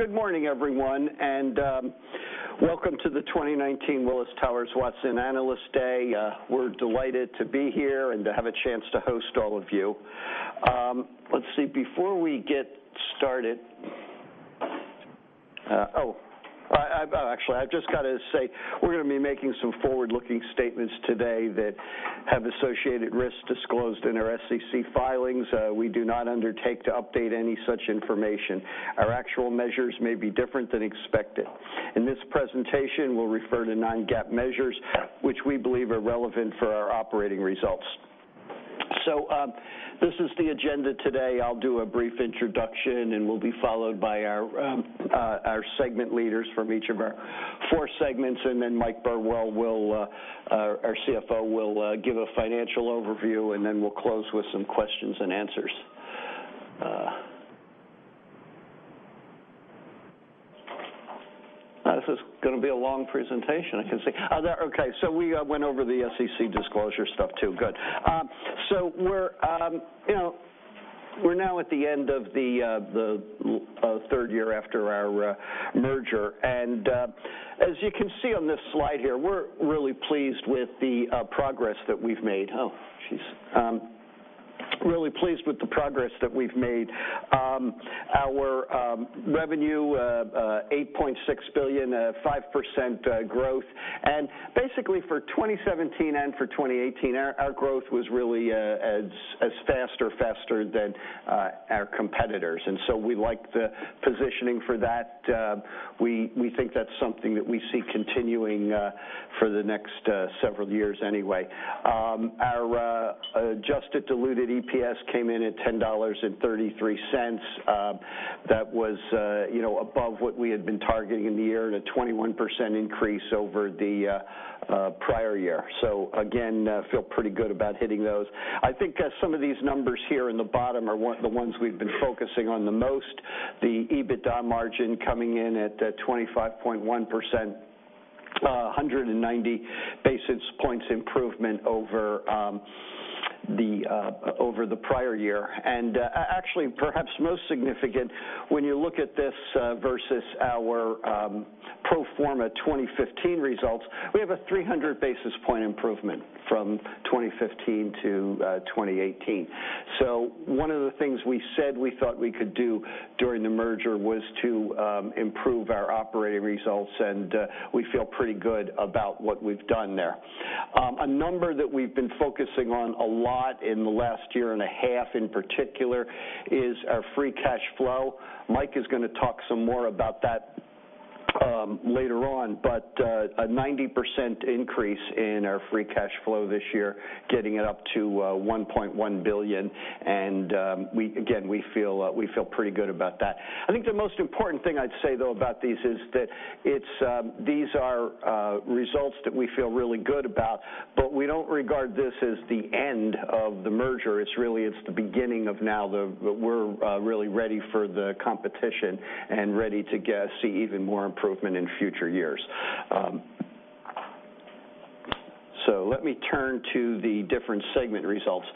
Good morning, everyone, and welcome to the 2019 Willis Towers Watson Analyst Day. We're delighted to be here and to have a chance to host all of you. Let's see, before we get started, I've just got to say, we're going to be making some forward-looking statements today that have associated risks disclosed in our SEC filings. We do not undertake to update any such information. Our actual measures may be different than expected. In this presentation, we'll refer to non-GAAP measures, which we believe are relevant for our operating results. This is the agenda today. I'll do a brief introduction, we'll be followed by our segment leaders from each of our four segments, then Mike Burwell, our CFO, will give a financial overview, then we'll close with some questions and answers. This is going to be a long presentation, I can see. We went over the SEC disclosure stuff, too. Good. We're now at the end of the third year after our merger, and as you can see on this slide here, we're really pleased with the progress that we've made. Oh, jeez. Really pleased with the progress that we've made. Our revenue, $8.6 billion, a 5% growth. For 2017 and for 2018, our growth was really as fast or faster than our competitors. We like the positioning for that. We think that's something that we see continuing for the next several years anyway. Our adjusted diluted EPS came in at $10.33. That was above what we had been targeting in the year and a 21% increase over the prior year. Feel pretty good about hitting those. I think some of these numbers here in the bottom are the ones we've been focusing on the most, the EBITDA margin coming in at 25.1%, 190 basis points improvement over the prior year. Perhaps most significant when you look at this versus our pro forma 2015 results, we have a 300 basis point improvement from 2015 to 2018. One of the things we said we thought we could do during the merger was to improve our operating results, and we feel pretty good about what we've done there. A number that we've been focusing on a lot in the last year and a half in particular is our free cash flow. Mike is going to talk some more about that later on, but a 90% increase in our free cash flow this year, getting it up to $1.1 billion, and again, we feel pretty good about that. I think the most important thing I'd say, though, about these is that these are results that we feel really good about, but we don't regard this as the end of the merger. It's the beginning of now that we're really ready for the competition and ready to see even more improvement in future years. Let me turn to the different segment results.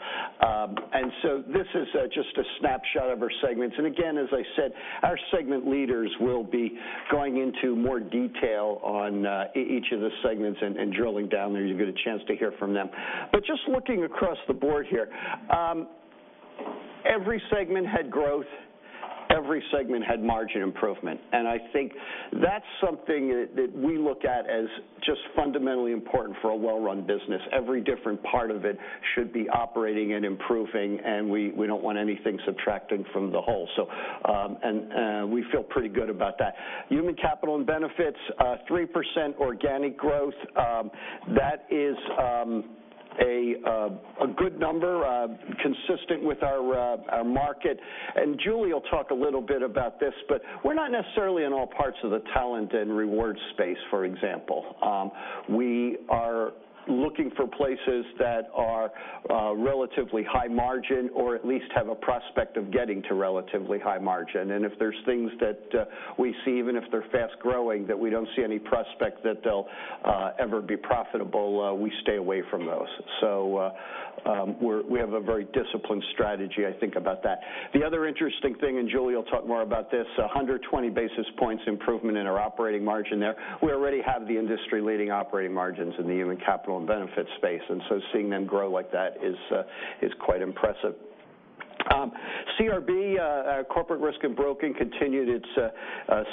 This is just a snapshot of our segments. As I said, our segment leaders will be going into more detail on each of the segments and drilling down there. You'll get a chance to hear from them. Just looking across the board here, every segment had growth, every segment had margin improvement. I think that's something that we look at as just fundamentally important for a well-run business. Every different part of it should be operating and improving, and we don't want anything subtracting from the whole. We feel pretty good about that. Human Capital and Benefits, 3% organic growth. That is a good number, consistent with our market. Julie will talk a little bit about this, but we're not necessarily in all parts of the Talent & Rewards space, for example. We are looking for places that are relatively high margin or at least have a prospect of getting to relatively high margin. If there's things that we see, even if they're fast-growing, that we don't see any prospect that they'll ever be profitable, we stay away from those. We have a very disciplined strategy, I think, about that. The other interesting thing, Julie will talk more about this, 120 basis points improvement in our operating margin there. We already have the industry-leading operating margins in the Human Capital and Benefits space, seeing them grow like that is quite impressive. CRB, our Corporate Risk and Broking, continued its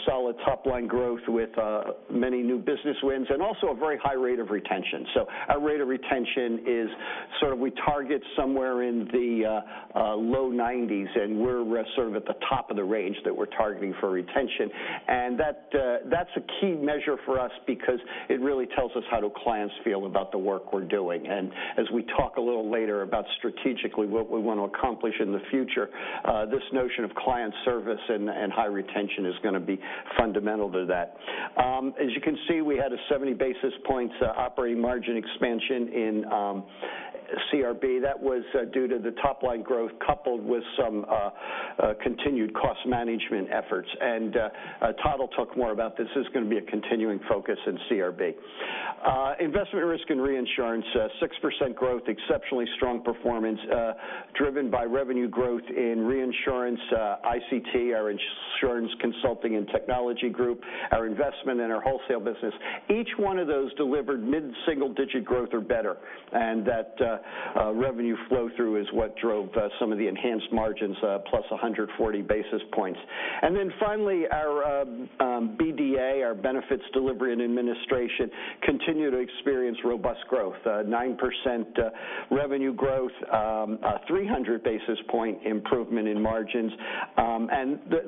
solid top-line growth with many new business wins and also a very high rate of retention. Our rate of retention is we target somewhere in the low 90s, and we're sort of at the top of the range that we're targeting for retention. That's a key measure for us because it really tells us how do clients feel about the work we're doing. As we talk a little later about strategically what we want to accomplish in the future, this notion of client service and high retention is going to be fundamental to that. As you can see, we had a 70 basis points operating margin expansion in CRB. That was due to the top-line growth coupled with some continued cost management efforts. Todd will talk more about this. This is going to be a continuing focus in CRB. Investment, Risk and Reinsurance, 6% growth, exceptionally strong performance driven by revenue growth in reinsurance, ICT, our Insurance Consulting and Technology group, our investment in our wholesale business. Each one of those delivered mid-single digit growth or better, and that revenue flow through is what drove some of the enhanced margins plus 140 basis points. Finally, our BDA, our Benefits Delivery and Administration, continue to experience robust growth, 9% revenue growth, 300 basis point improvement in margins.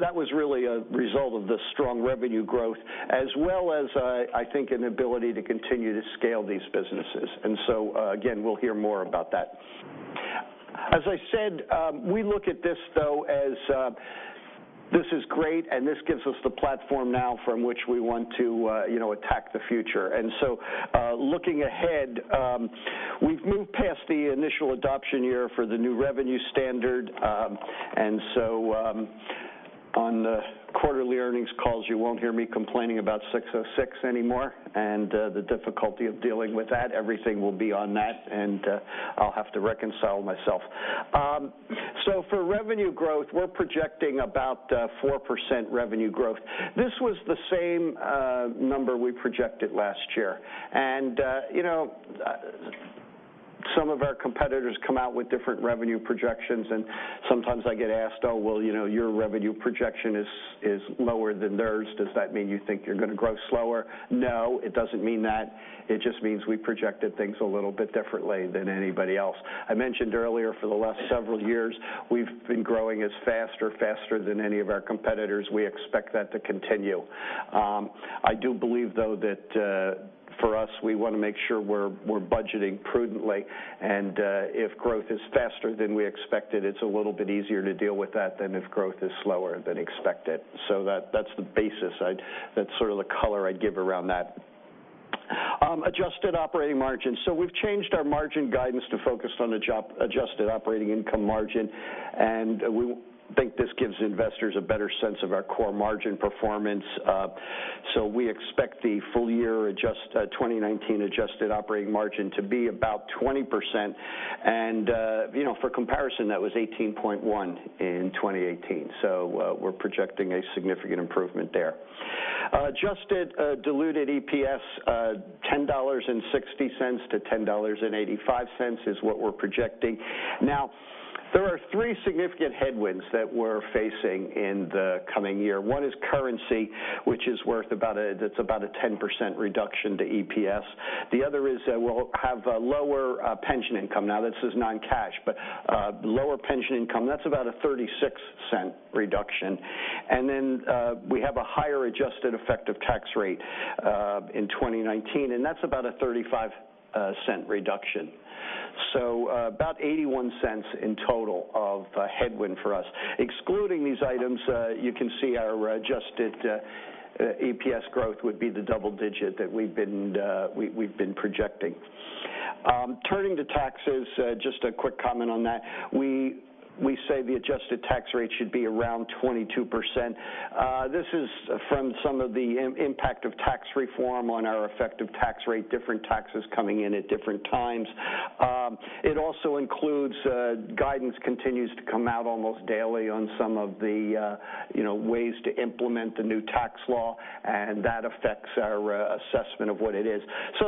That was really a result of the strong revenue growth as well as, I think, an ability to continue to scale these businesses. Again, we'll hear more about that. As I said, we look at this though as, this is great, and this gives us the platform now from which we want to attack the future. Looking ahead, we've moved past the initial adoption year for the new revenue standard. On the quarterly earnings calls, you won't hear me complaining about ASC 606 anymore and the difficulty of dealing with that. Everything will be on that, and I'll have to reconcile myself. For revenue growth, we're projecting about 4% revenue growth. This was the same number we projected last year. Some of our competitors come out with different revenue projections, and sometimes I get asked, "Oh, well, your revenue projection is lower than theirs. Does that mean you think you're going to grow slower?" No, it doesn't mean that. It just means we projected things a little bit differently than anybody else. I mentioned earlier, for the last several years, we've been growing as fast or faster than any of our competitors. We expect that to continue. I do believe, though, that for us, we want to make sure we're budgeting prudently, and if growth is faster than we expected, it's a little bit easier to deal with that than if growth is slower than expected. That's the basis. That's sort of the color I'd give around that. Adjusted operating margin. We've changed our margin guidance to focus on adjusted operating income margin, and we think this gives investors a better sense of our core margin performance. We expect the full year 2019 adjusted operating margin to be about 20%. For comparison, that was 18.1% in 2018. We're projecting a significant improvement there. Adjusted diluted EPS, $10.60-$10.85 is what we're projecting. There are three significant headwinds that we're facing in the coming year. One is currency, that's about a $0.10 reduction to EPS. The other is that we'll have a lower pension income. This is non-cash, but lower pension income, that's about a $0.36 reduction. Then we have a higher adjusted effective tax rate in 2019, and that's about a $0.35 reduction. About $0.81 in total of headwind for us. Excluding these items, you can see our adjusted EPS growth would be the double-digit that we've been projecting. Turning to taxes, just a quick comment on that. We say the adjusted tax rate should be around 22%. This is from some of the impact of tax reform on our effective tax rate, different taxes coming in at different times. It also includes guidance continues to come out almost daily on some of the ways to implement the new tax law, and that affects our assessment of what it is.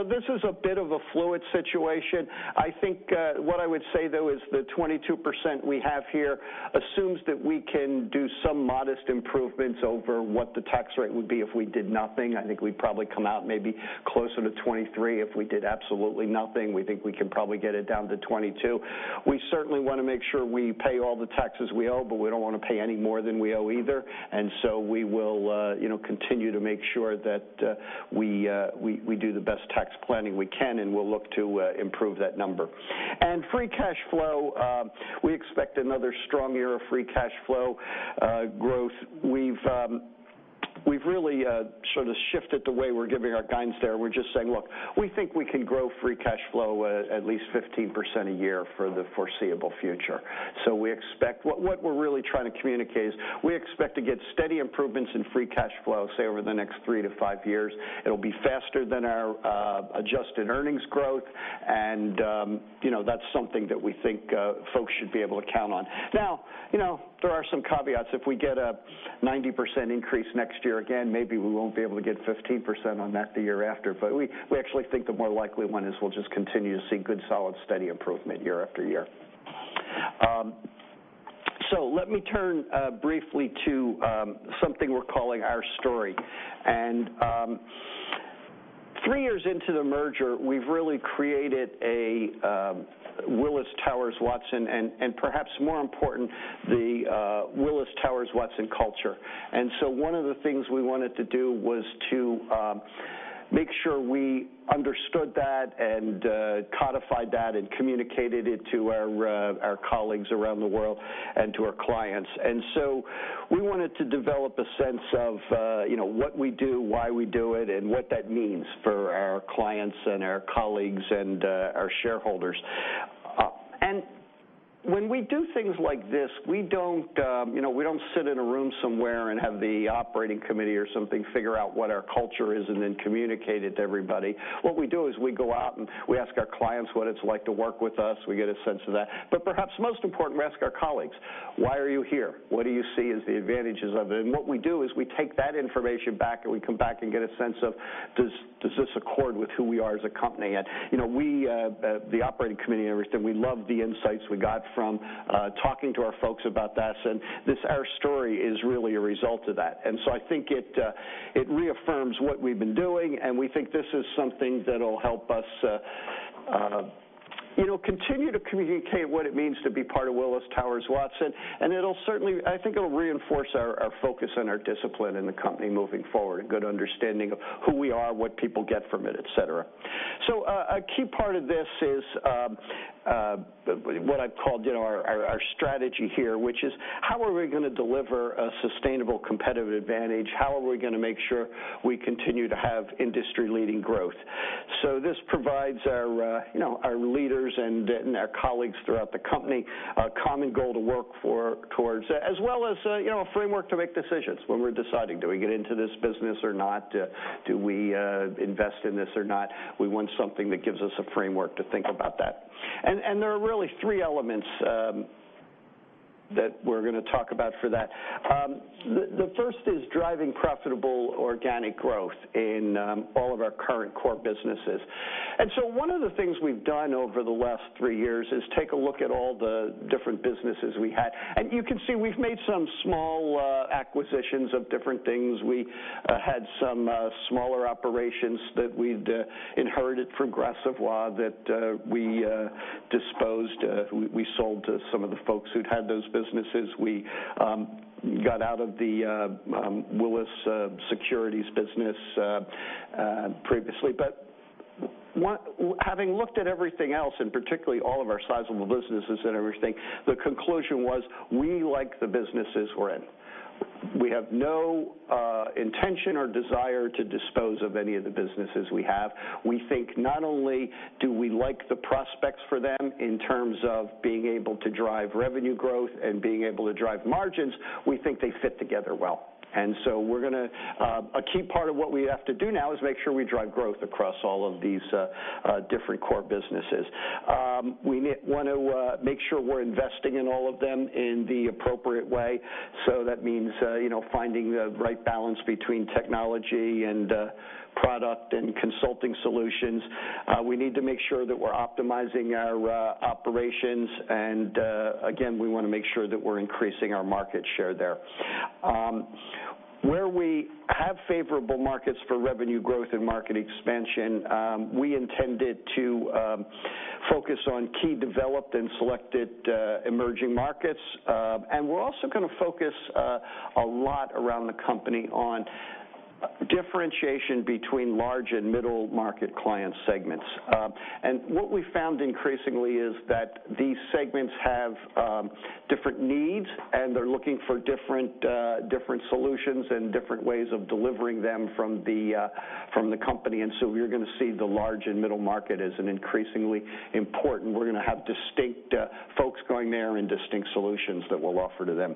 This is a bit of a fluid situation. I think what I would say, though, is the 22% we have here assumes that we can do some modest improvements over what the tax rate would be if we did nothing. I think we'd probably come out maybe closer to 23% if we did absolutely nothing. We think we can probably get it down to 22%. We certainly want to make sure we pay all the taxes we owe, but we don't want to pay any more than we owe either. We will continue to make sure that we do the best tax planning we can, and we'll look to improve that number. Free cash flow, we expect another strong year of free cash flow growth. We've really sort of shifted the way we're giving our guidance there. We're just saying, look, we think we can grow free cash flow at least 15% a year for the foreseeable future. What we're really trying to communicate is we expect to get steady improvements in free cash flow, say, over the next three to five years. It'll be faster than our adjusted earnings growth, that's something that we think folks should be able to count on. There are some caveats. If we get a 90% increase next year, again, maybe we won't be able to get 15% on that the year after. We actually think the more likely one is we'll just continue to see good, solid, steady improvement year after year. Let me turn briefly to something we're calling Our Story. Three years into the merger, we've really created a Willis Towers Watson, and perhaps more important, the Willis Towers Watson culture. One of the things we wanted to do was to make sure we understood that and codified that and communicated it to our colleagues around the world and to our clients. We wanted to develop a sense of what we do, why we do it, and what that means for our clients and our colleagues and our shareholders. When we do things like this, we don't sit in a room somewhere and have the operating committee or something figure out what our culture is and then communicate it to everybody. What we do is we go out and we ask our clients what it's like to work with us. We get a sense of that. Perhaps most important, we ask our colleagues, "Why are you here? What do you see as the advantages of it?" What we do is we take that information back, and we come back and get a sense of, does this accord with who we are as a company? We, the operating committee and everything, we love the insights we got from talking to our folks about this, and this, Our Story, is really a result of that. I think it reaffirms what we've been doing, and we think this is something that'll help us continue to communicate what it means to be part of Willis Towers Watson, and I think it'll reinforce our focus and our discipline in the company moving forward, a good understanding of who we are, what people get from it, et cetera. A key part of this is what I've called our strategy here, which is how are we going to deliver a sustainable competitive advantage? How are we going to make sure we continue to have industry-leading growth? This provides our leaders and our colleagues throughout the company a common goal to work towards, as well as a framework to make decisions when we're deciding. Do we get into this business or not? Do we invest in this or not? We want something that gives us a framework to think about that. There are really three elements that we're going to talk about for that. The first is driving profitable organic growth in all of our current core businesses. One of the things we've done over the last three years is take a look at all the different businesses we had. You can see we've made some small acquisitions of different things. We had some smaller operations that we'd inherited from Gras Savoye that we disposed of. We sold to some of the folks who'd had those businesses. We got out of the Willis Securities business previously. Having looked at everything else, and particularly all of our sizable businesses and everything, the conclusion was we like the businesses we're in. We have no intention or desire to dispose of any of the businesses we have. We think not only do we like the prospects for them in terms of being able to drive revenue growth and being able to drive margins, we think they fit together well. A key part of what we have to do now is make sure we drive growth across all of these different core businesses. We want to make sure we're investing in all of them in the appropriate way. That means finding the right balance between technology and product and consulting solutions. We need to make sure that we're optimizing our operations, and again, we want to make sure that we're increasing our market share there. Where we have favorable markets for revenue growth and market expansion, we intended to focus on key developed and selected emerging markets. We're also going to focus a lot around the company on differentiation between large and middle market client segments. What we've found increasingly is that these segments have different needs, and they're looking for different solutions and different ways of delivering them from the company. You're going to see the large and middle market as an increasingly important. We're going to have distinct folks going there and distinct solutions that we'll offer to them.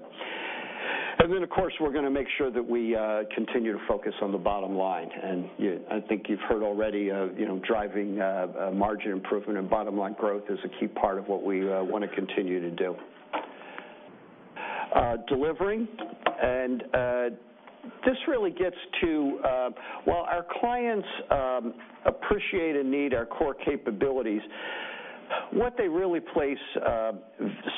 Of course, we're going to make sure that we continue to focus on the bottom line, and I think you've heard already of driving margin improvement and bottom-line growth is a key part of what we want to continue to do. Delivering, and this really gets to while our clients appreciate and need our core capabilities, what they really place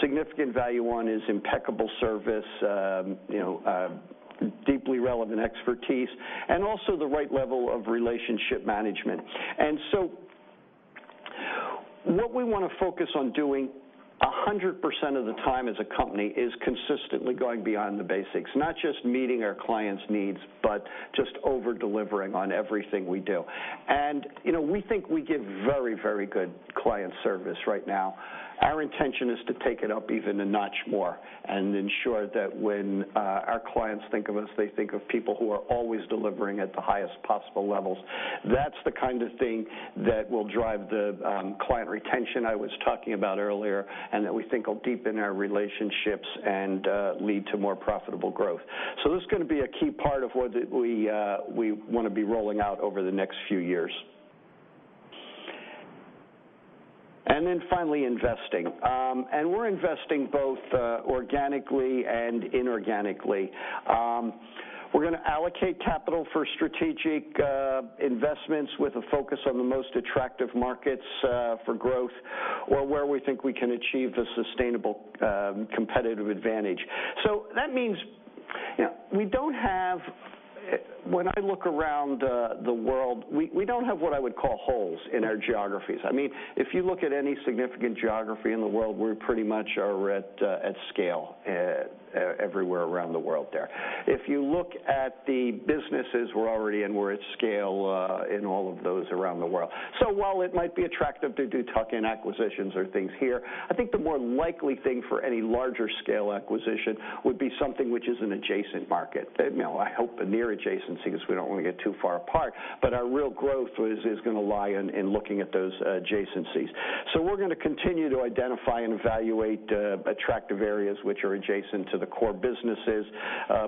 significant value on is impeccable service, deeply relevant expertise, and also the right level of relationship management. What we want to focus on doing 100% of the time as a company is consistently going beyond the basics, not just meeting our clients' needs, but just over-delivering on everything we do. We think we give very good client service right now. Our intention is to take it up even a notch more and ensure that when our clients think of us, they think of people who are always delivering at the highest possible levels. That's the kind of thing that will drive the client retention I was talking about earlier and that we think will deepen our relationships and lead to more profitable growth. This is going to be a key part of what we want to be rolling out over the next few years. Finally, investing. We're investing both organically and inorganically. We're going to allocate capital for strategic investments with a focus on the most attractive markets for growth, or where we think we can achieve the sustainable competitive advantage. That means when I look around the world, we don't have what I would call holes in our geographies. If you look at any significant geography in the world, we pretty much are at scale everywhere around the world there. If you look at the businesses we're already in, we're at scale in all of those around the world. While it might be attractive to do tuck-in acquisitions or things here, I think the more likely thing for any larger scale acquisition would be something which is an adjacent market. I hope a near adjacency, we don't want to get too far apart, but our real growth is going to lie in looking at those adjacencies. We're going to continue to identify and evaluate attractive areas which are adjacent to the core businesses,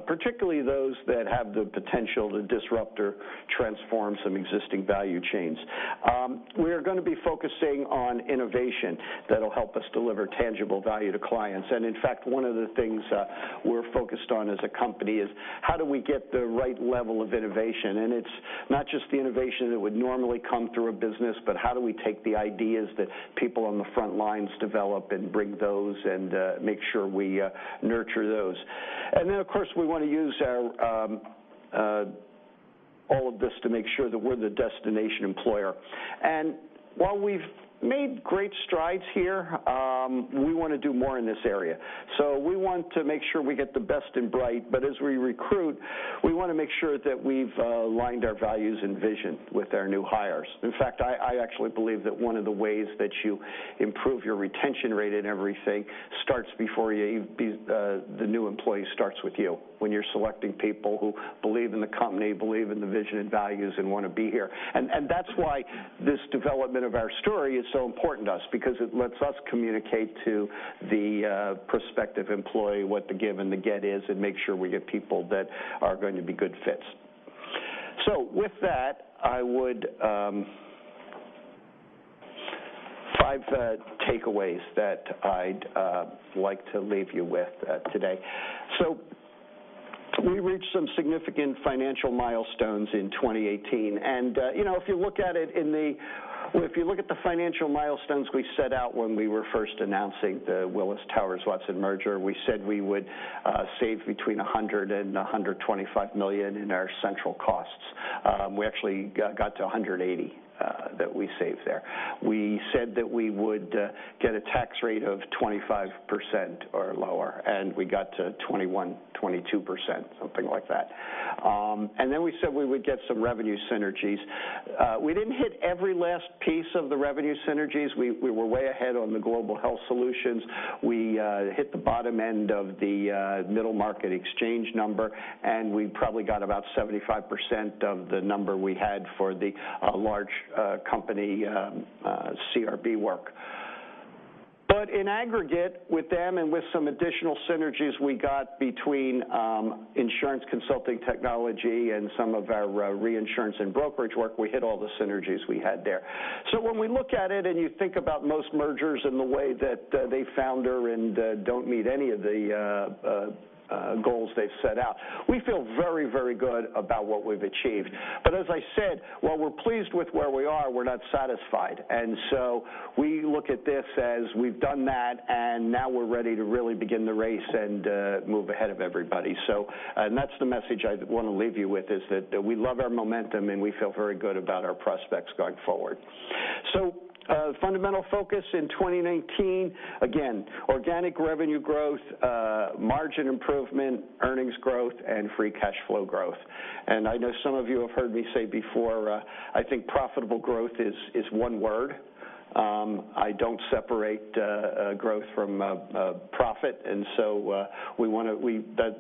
particularly those that have the potential to disrupt or transform some existing value chains. We are going to be focusing on innovation that'll help us deliver tangible value to clients, in fact, one of the things we're focused on as a company is how do we get the right level of innovation? It's not just the innovation that would normally come through a business, but how do we take the ideas that people on the front lines develop and bring those, and make sure we nurture those. Then, of course, we want to use all of this to make sure that we're the destination employer. While we've made great strides here, we want to do more in this area. We want to make sure we get the best and brightest, but as we recruit, we want to make sure that we've lined our values and vision with our new hires. In fact, I actually believe that one of the ways that you improve your retention rate and everything starts before the new employee starts with you, when you're selecting people who believe in the company, believe in the vision and values, and want to be here. That's why this development of our story is so important to us because it lets us communicate to the prospective employee what the give and the get is, and make sure we get people that are going to be good fits. With that, five takeaways that I'd like to leave you with today. We reached some significant financial milestones in 2018, and if you look at the financial milestones we set out when we were first announcing the Willis Towers Watson merger, we said we would save between $100 million and $125 million in our central costs. We actually got to $180 million that we saved there. We said that we would get a tax rate of 25% or lower, and we got to 21%, 22%, something like that. Then we said we would get some revenue synergies. We didn't hit every last piece of the revenue synergies. We were way ahead on the global health solutions. We hit the bottom end of the middle market exchange number, and we probably got about 75% of the number we had for the large company CRB work. In aggregate with them and with some additional synergies we got between Insurance Consulting and Technology and some of our reinsurance and brokerage work, we hit all the synergies we had there. When we look at it and you think about most mergers and the way that they founder and don't meet any of the goals they've set out, we feel very good about what we've achieved. As I said, while we're pleased with where we are, we're not satisfied. We look at this as we've done that, and now we're ready to really begin the race and move ahead of everybody. That's the message I want to leave you with, is that we love our momentum and we feel very good about our prospects going forward. Fundamental focus in 2019, again, organic revenue growth, margin improvement, earnings growth, and free cash flow growth. I know some of you have heard me say before, I think profitable growth is one word. I don't separate growth from profit,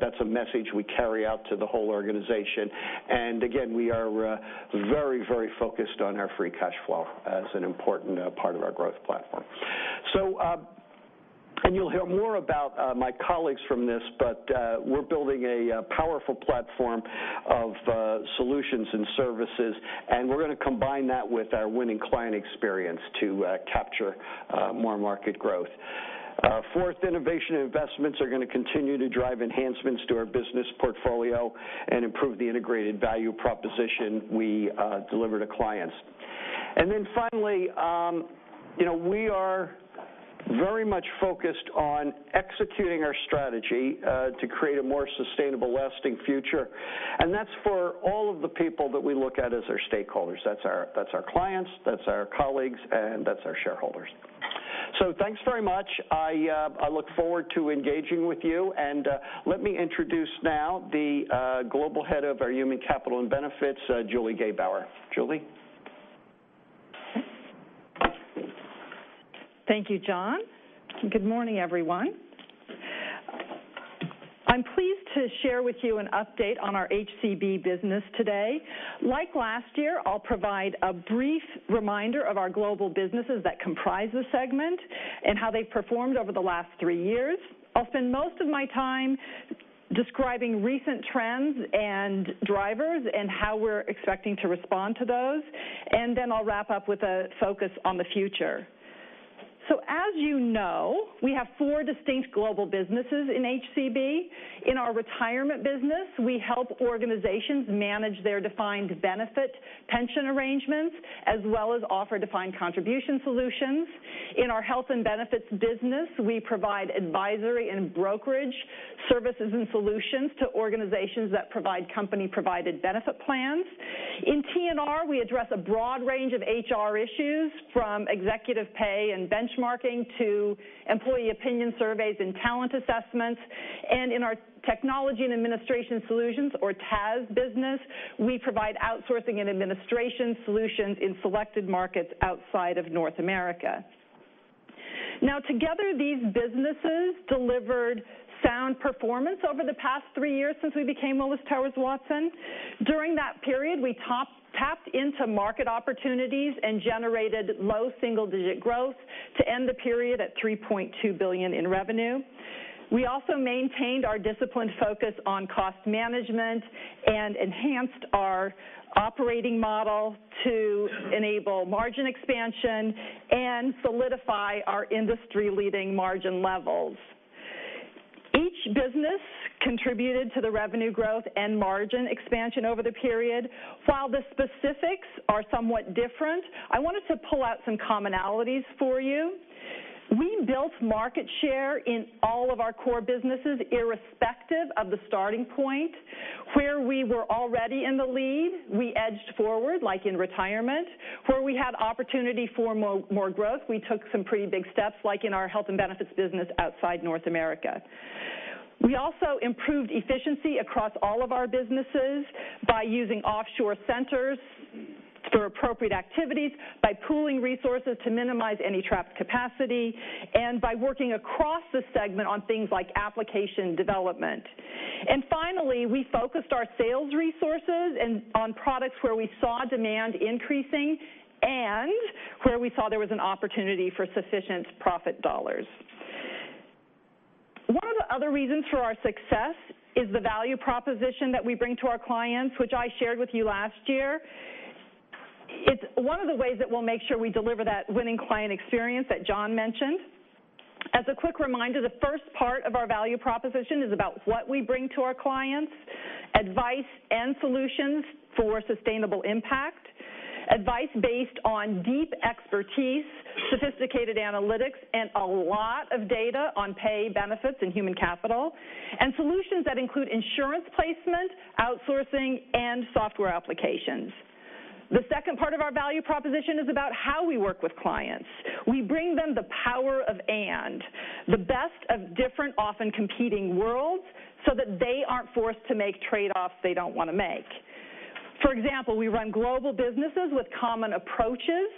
that's a message we carry out to the whole organization. Again, we are very focused on our free cash flow as an important part of our growth platform. You'll hear more about my colleagues from this, but we're building a powerful platform of solutions and services, and we're going to combine that with our winning client experience to capture more market growth. Fourth, innovation investments are going to continue to drive enhancements to our business portfolio and improve the integrated value proposition we deliver to clients. Finally, we are very much focused on executing our strategy to create a more sustainable, lasting future. That's for all of the people that we look at as our stakeholders. That's our clients, that's our colleagues, and that's our shareholders. Thanks very much. I look forward to engaging with you, let me introduce now the Global Head of our Human Capital and Benefits, Julie Gebauer. Julie? Thank you, John. Good morning, everyone. I'm pleased to share with you an update on our HCB business today. Like last year, I'll provide a brief reminder of our global businesses that comprise this segment and how they've performed over the last three years. I'll spend most of my time describing recent trends and drivers and how we're expecting to respond to those, I'll wrap up with a focus on the future. As you know, we have four distinct global businesses in HCB. In our retirement business, we help organizations manage their defined benefit pension arrangements, as well as offer defined contribution solutions. In our Health and Benefits business, we provide advisory and brokerage services and solutions to organizations that provide company-provided benefit plans. In T&R, we address a broad range of HR issues, from executive pay and benchmarking to employee opinion surveys and talent assessments. In our technology and administration solutions, or TAS business, we provide outsourcing and administration solutions in selected markets outside of North America. Together, these businesses delivered sound performance over the past 3 years since we became Willis Towers Watson. During that period, we tapped into market opportunities and generated low single-digit growth to end the period at $3.2 billion in revenue. We also maintained our disciplined focus on cost management and enhanced our operating model to enable margin expansion and solidify our industry-leading margin levels. Each business contributed to the revenue growth and margin expansion over the period. While the specifics are somewhat different, I wanted to pull out some commonalities for you. We built market share in all of our core businesses, irrespective of the starting point. Where we were already in the lead, we edged forward, like in retirement. Where we had opportunity for more growth, we took some pretty big steps, like in our Health and Benefits business outside North America. We also improved efficiency across all of our businesses by using offshore centers for appropriate activities, by pooling resources to minimize any trapped capacity, and by working across the segment on things like application development. Finally, we focused our sales resources on products where we saw demand increasing and where we saw there was an opportunity for sufficient profit dollars. One of the other reasons for our success is the value proposition that we bring to our clients, which I shared with you last year. It's one of the ways that we'll make sure we deliver that winning client experience that John mentioned. As a quick reminder, the first part of our value proposition is about what we bring to our clients, advice and solutions for sustainable impact, advice based on deep expertise, sophisticated analytics, and a lot of data on pay benefits and human capital, and solutions that include insurance placement, outsourcing, and software applications. The second part of our value proposition is about how we work with clients. We bring them the power of and, the best of different, often competing worlds, so that they aren't forced to make trade-offs they don't want to make. For example, we run global businesses with common approaches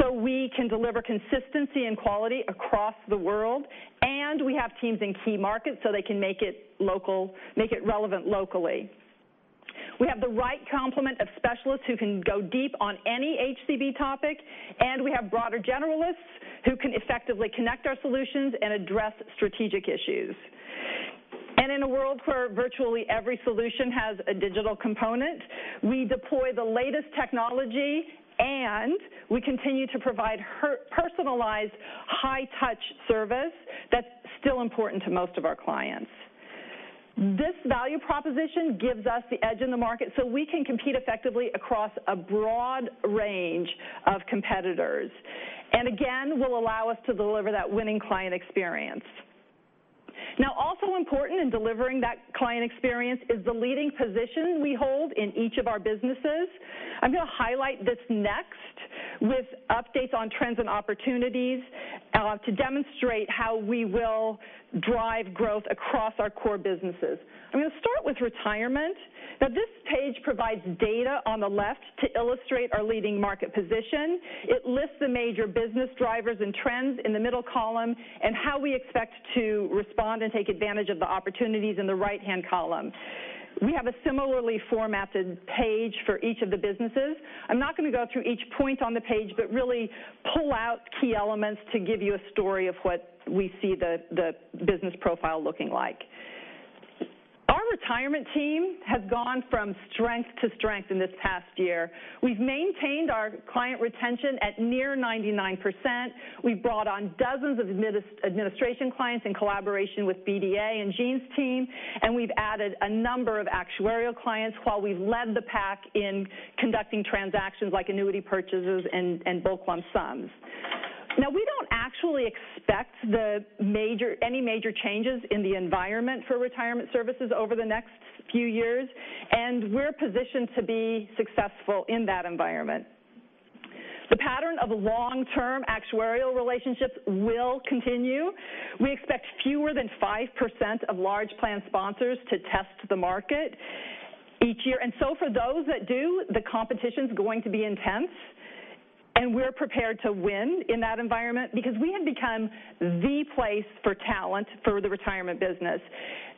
so we can deliver consistency and quality across the world, and we have teams in key markets so they can make it relevant locally. We have the right complement of specialists who can go deep on any HCB topic, and we have broader generalists who can effectively connect our solutions and address strategic issues. In a world where virtually every solution has a digital component, we deploy the latest technology and we continue to provide personalized high-touch service that's still important to most of our clients. This value proposition gives us the edge in the market so we can compete effectively across a broad range of competitors, and again, will allow us to deliver that winning client experience. Also important in delivering that client experience is the leading position we hold in each of our businesses. I'm going to highlight this next with updates on trends and opportunities to demonstrate how we will drive growth across our core businesses. I'm going to start with retirement. This page provides data on the left to illustrate our leading market position. It lists the major business drivers and trends in the middle column and how we expect to respond and take advantage of the opportunities in the right-hand column. We have a similarly formatted page for each of the businesses. I'm not going to go through each point on the page, but really pull out key elements to give you a story of what we see the business profile looking like. Our retirement team has gone from strength to strength in this past year. We've maintained our client retention at near 99%. We've brought on dozens of administration clients in collaboration with BDA and Gene's team, and we've added a number of actuarial clients while we've led the pack in conducting transactions like annuity purchases and bulk lump sums. We don't actually expect any major changes in the environment for retirement services over the next few years, we're positioned to be successful in that environment. The pattern of long-term actuarial relationships will continue. We expect fewer than 5% of large plan sponsors to test the market each year. For those that do, the competition's going to be intense, and we're prepared to win in that environment because we have become the place for talent for the retirement business.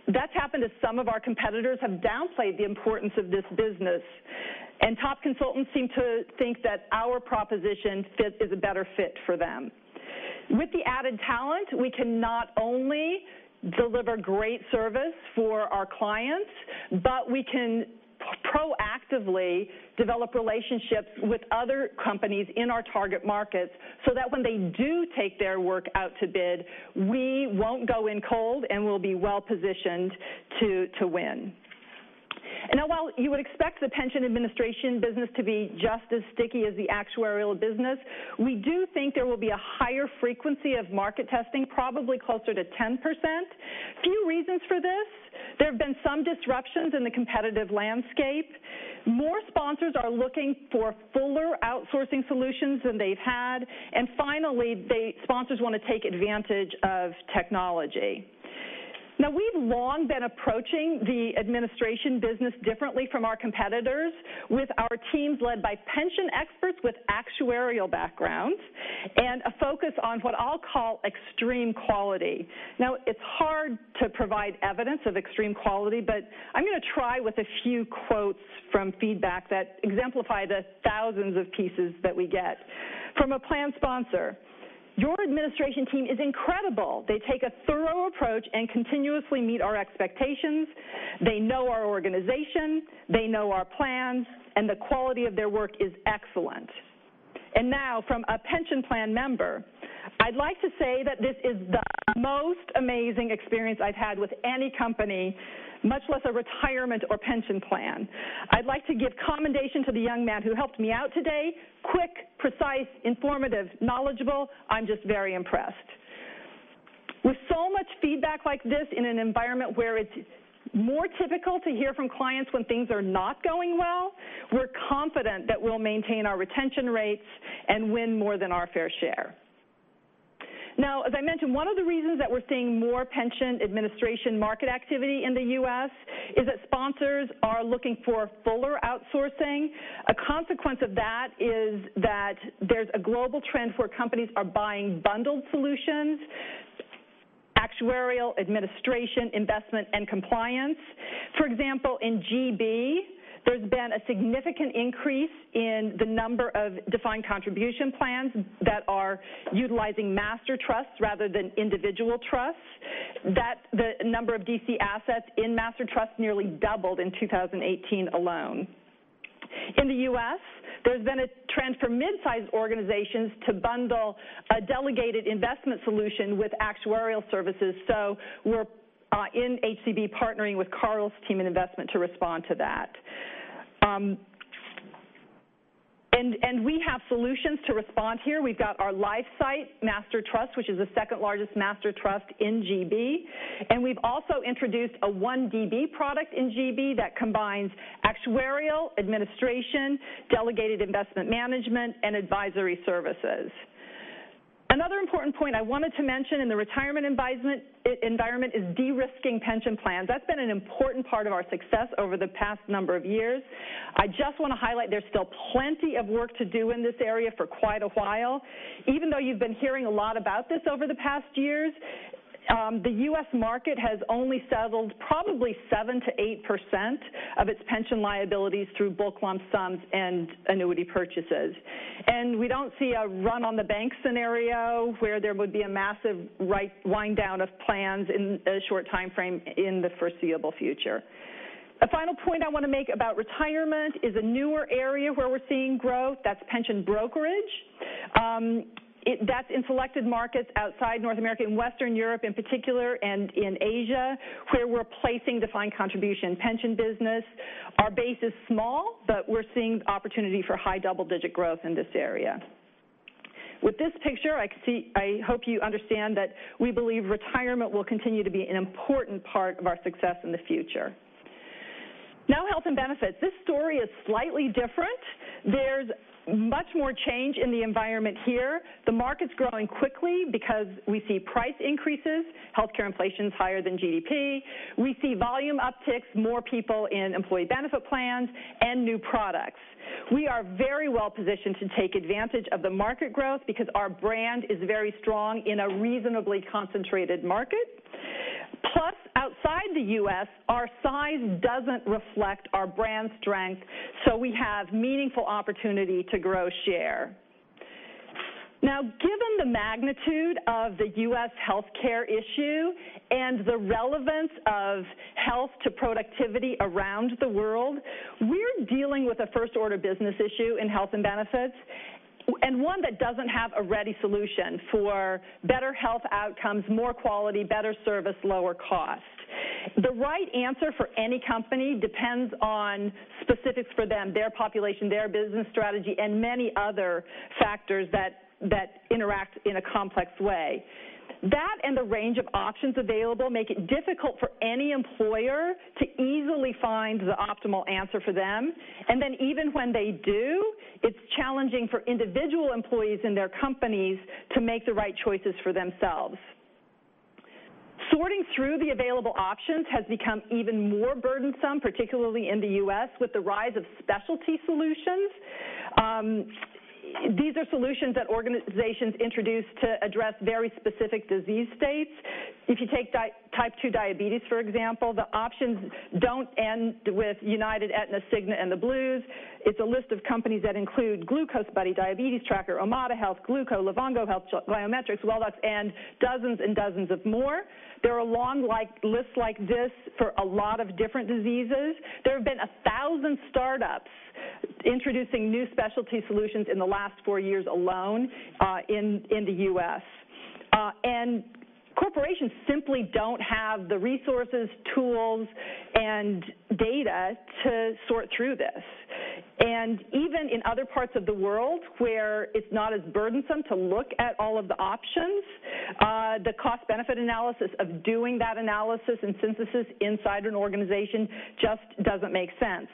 That's happened as some of our competitors have downplayed the importance of this business, top consultants seem to think that our proposition is a better fit for them. With the added talent, we can not only deliver great service for our clients, but we can proactively develop relationships with other companies in our target markets so that when they do take their work out to bid, we won't go in cold and we'll be well-positioned to win. While you would expect the pension administration business to be just as sticky as the actuarial business, we do think there will be a higher frequency of market testing, probably closer to 10%. Few reasons for this. There have been some disruptions in the competitive landscape. More sponsors are looking for fuller outsourcing solutions than they've had, finally, sponsors want to take advantage of technology. We've long been approaching the administration business differently from our competitors with our teams led by pension experts with actuarial backgrounds and a focus on what I'll call extreme quality. It's hard to provide evidence of extreme quality, but I'm going to try with a few quotes from feedback that exemplify the thousands of pieces that we get. From a plan sponsor, "Your administration team is incredible. They take a thorough approach and continuously meet our expectations. They know our organization, they know our plans, and the quality of their work is excellent." From a pension plan member, "I'd like to say that this is the most amazing experience I've had with any company, much less a retirement or pension plan. I'd like to give commendation to the young man who helped me out today. Quick, precise, informative, knowledgeable. I'm just very impressed." With so much feedback like this in an environment where it's more typical to hear from clients when things are not going well, we're confident that we'll maintain our retention rates and win more than our fair share. Now, as I mentioned, one of the reasons that we're seeing more pension administration market activity in the U.S. is that sponsors are looking for fuller outsourcing. A consequence of that is that there's a global trend where companies are buying bundled solutions, actuarial, administration, investment, and compliance. For example, in G.B., there's been a significant increase in the number of defined contribution plans that are utilizing master trusts rather than individual trusts. The number of DC assets in master trusts nearly doubled in 2018 alone. In the U.S., there's been a trend for mid-size organizations to bundle a delegated investment solution with actuarial services, so we're in HCB partnering with Carl's team in investment to respond to that. We have solutions to respond here. We've got our LifeSight Master Trust, which is the second-largest master trust in G.B., and we've also introduced a one DB product in G.B. that combines actuarial, administration, delegated investment management, and advisory services. Another important point I wanted to mention in the retirement environment is de-risking pension plans. That's been an important part of our success over the past number of years. I just want to highlight there's still plenty of work to do in this area for quite a while. Even though you've been hearing a lot about this over the past years, the U.S. market has only settled probably 7%-8% of its pension liabilities through bulk lump sums and annuity purchases. We don't see a run-on-the-bank scenario where there would be a massive wind-down of plans in a short timeframe in the foreseeable future. A final point I want to make about retirement is a newer area where we're seeing growth, that's pension brokerage. That's in selected markets outside North America and Western Europe in particular, and in Asia, where we're placing defined contribution pension business. Our base is small, but we're seeing opportunity for high double-digit growth in this area. With this picture, I hope you understand that we believe retirement will continue to be an important part of our success in the future. Now, health and benefits. This story is slightly different. There's much more change in the environment here. The market's growing quickly because we see price increases, healthcare inflation is higher than GDP. We see volume upticks, more people in employee benefit plans, and new products. We are very well positioned to take advantage of the market growth because our brand is very strong in a reasonably concentrated market. Plus, outside the U.S., our size doesn't reflect our brand strength, so we have meaningful opportunity to grow share. Now, given the magnitude of the U.S. healthcare issue and the relevance of health to productivity around the world, we're dealing with a first-order business issue in health and benefits, and one that doesn't have a ready solution for better health outcomes, more quality, better service, lower cost. The right answer for any company depends on specifics for them, their population, their business strategy, and many other factors that interact in a complex way. That and the range of options available make it difficult for any employer to easily find the optimal answer for them. Even when they do, it's challenging for individual employees and their companies to make the right choices for themselves. Sorting through the available options has become even more burdensome, particularly in the U.S., with the rise of specialty solutions. These are solutions that organizations introduce to address very specific disease states. If you take type 2 diabetes, for example, the options don't end with United, Aetna, Cigna, and the Blues. It's a list of companies that include Glucose Buddy, Diabetes Tracker, Omada Health, Glooko, Livongo Health, Biometrics, Welltok, and dozens and dozens of more. There are long lists like this for a lot of different diseases. There have been 1,000 startups Introducing new specialty solutions in the last four years alone, in the U.S. Corporations simply don't have the resources, tools, and data to sort through this. Even in other parts of the world where it's not as burdensome to look at all of the options, the cost-benefit analysis of doing that analysis and synthesis inside an organization just doesn't make sense.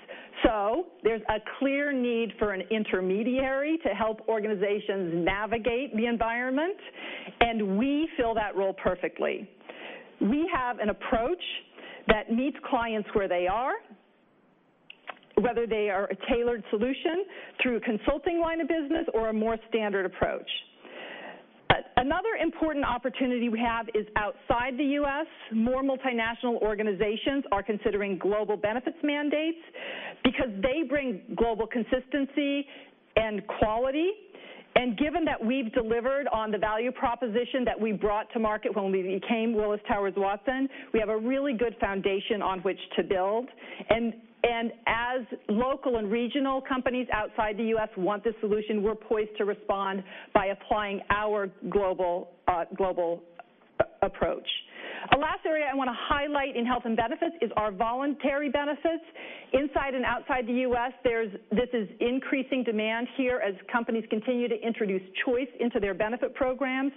There's a clear need for an intermediary to help organizations navigate the environment, and we fill that role perfectly. We have an approach that meets clients where they are, whether they are a tailored solution through a consulting line of business or a more standard approach. Another important opportunity we have is outside the U.S. More multinational organizations are considering global benefits mandates because they bring global consistency and quality. Given that we've delivered on the value proposition that we brought to market when we became Willis Towers Watson, we have a really good foundation on which to build. As local and regional companies outside the U.S. want this solution, we're poised to respond by applying our global approach. A last area I want to highlight in health and benefits is our voluntary benefits inside and outside the U.S. This is increasing demand here as companies continue to introduce choice into their benefit programs.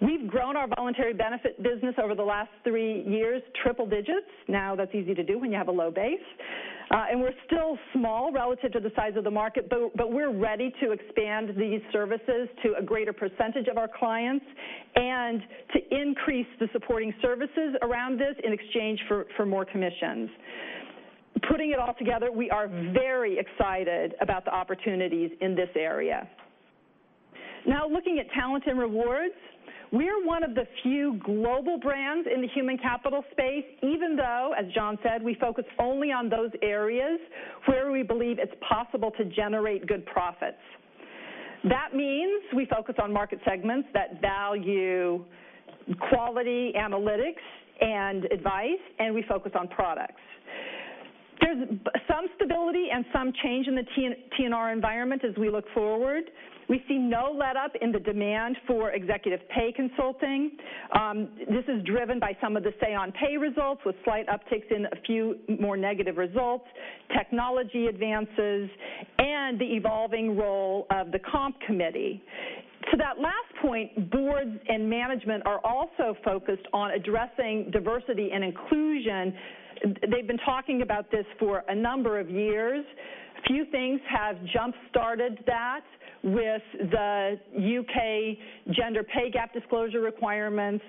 We've grown our voluntary benefit business over the last three years, triple digits. That's easy to do when you have a low base. We're still small relative to the size of the market, but we're ready to expand these services to a greater percentage of our clients and to increase the supporting services around this in exchange for more commissions. Putting it all together, we are very excited about the opportunities in this area. Looking at talent and rewards, we are one of the few global brands in the human capital space, even though, as John said, we focus only on those areas where we believe it's possible to generate good profits. That means we focus on market segments that value quality analytics and advice, and we focus on products. There's some stability and some change in the T&R environment as we look forward. We see no letup in the demand for executive pay consulting. This is driven by some of the say on pay results with slight upticks in a few more negative results, technology advances, and the evolving role of the comp committee. To that last point, boards and management are also focused on addressing diversity and inclusion. They've been talking about this for a number of years. A few things have jump-started that with the U.K. gender pay gap disclosure requirements,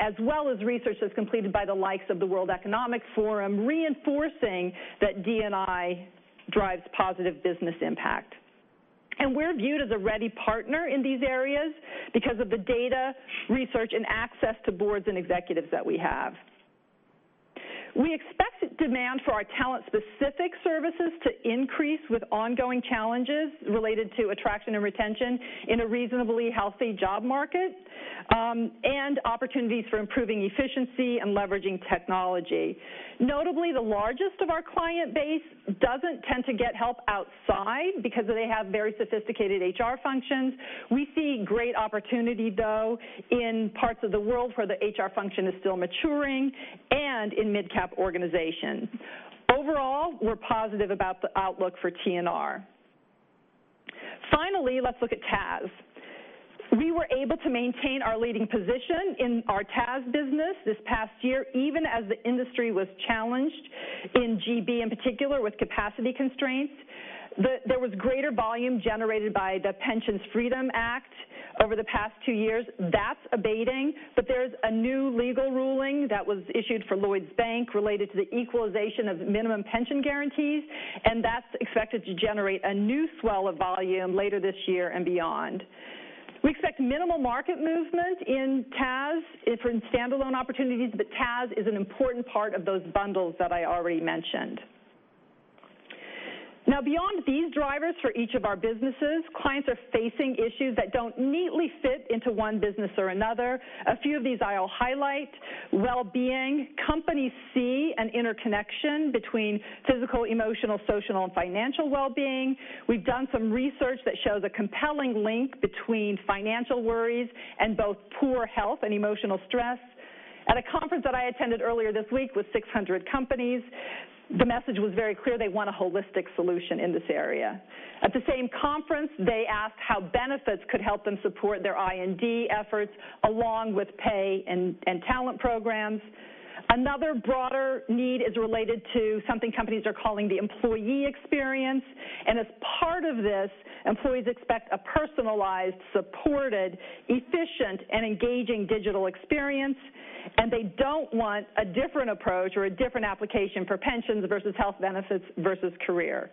as well as research that's completed by the likes of the World Economic Forum, reinforcing that D&I drives positive business impact. We're viewed as a ready partner in these areas because of the data, research, and access to boards and executives that we have. We expect demand for our talent-specific services to increase with ongoing challenges related to attraction and retention in a reasonably healthy job market, and opportunities for improving efficiency and leveraging technology. Notably, the largest of our client base doesn't tend to get help outside because they have very sophisticated HR functions. We see great opportunity, though, in parts of the world where the HR function is still maturing and in mid-cap organizations. Overall, we're positive about the outlook for T&R. Finally, let's look at TAS. We were able to maintain our leading position in our TAS business this past year, even as the industry was challenged in GB, in particular, with capacity constraints. There was greater volume generated by the Pension Freedoms over the past two years. That's abating, but there's a new legal ruling that was issued for Lloyds Bank related to the equalization of minimum pension guarantees, and that's expected to generate a new swell of volume later this year and beyond. We expect minimal market movement in TAS for standalone opportunities, but TAS is an important part of those bundles that I already mentioned. Beyond these drivers for each of our businesses, clients are facing issues that don't neatly fit into one business or another. A few of these I'll highlight. Wellbeing. Companies see an interconnection between physical, emotional, social, and financial wellbeing. We've done some research that shows a compelling link between financial worries and both poor health and emotional stress. At a conference that I attended earlier this week with 600 companies, the message was very clear. They want a holistic solution in this area. At the same conference, they asked how benefits could help them support their I&D efforts along with pay and talent programs. Another broader need is related to something companies are calling the employee experience, and as part of this, employees expect a personalized, supported, efficient, and engaging digital experience, and they don't want a different approach or a different application for pensions versus health benefits versus career.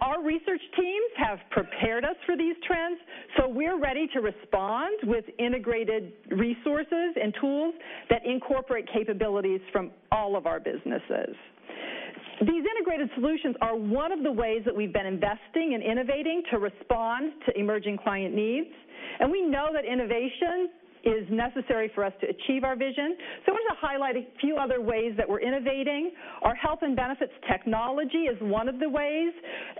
Our research teams have prepared us for these trends, so we're ready to respond with integrated resources and tools that incorporate capabilities from all of our businesses. These integrated solutions are one of the ways that we've been investing and innovating to respond to emerging client needs. We know that innovation is necessary for us to achieve our vision. I want to highlight a few other ways that we're innovating. Our health and benefits technology is one of the ways.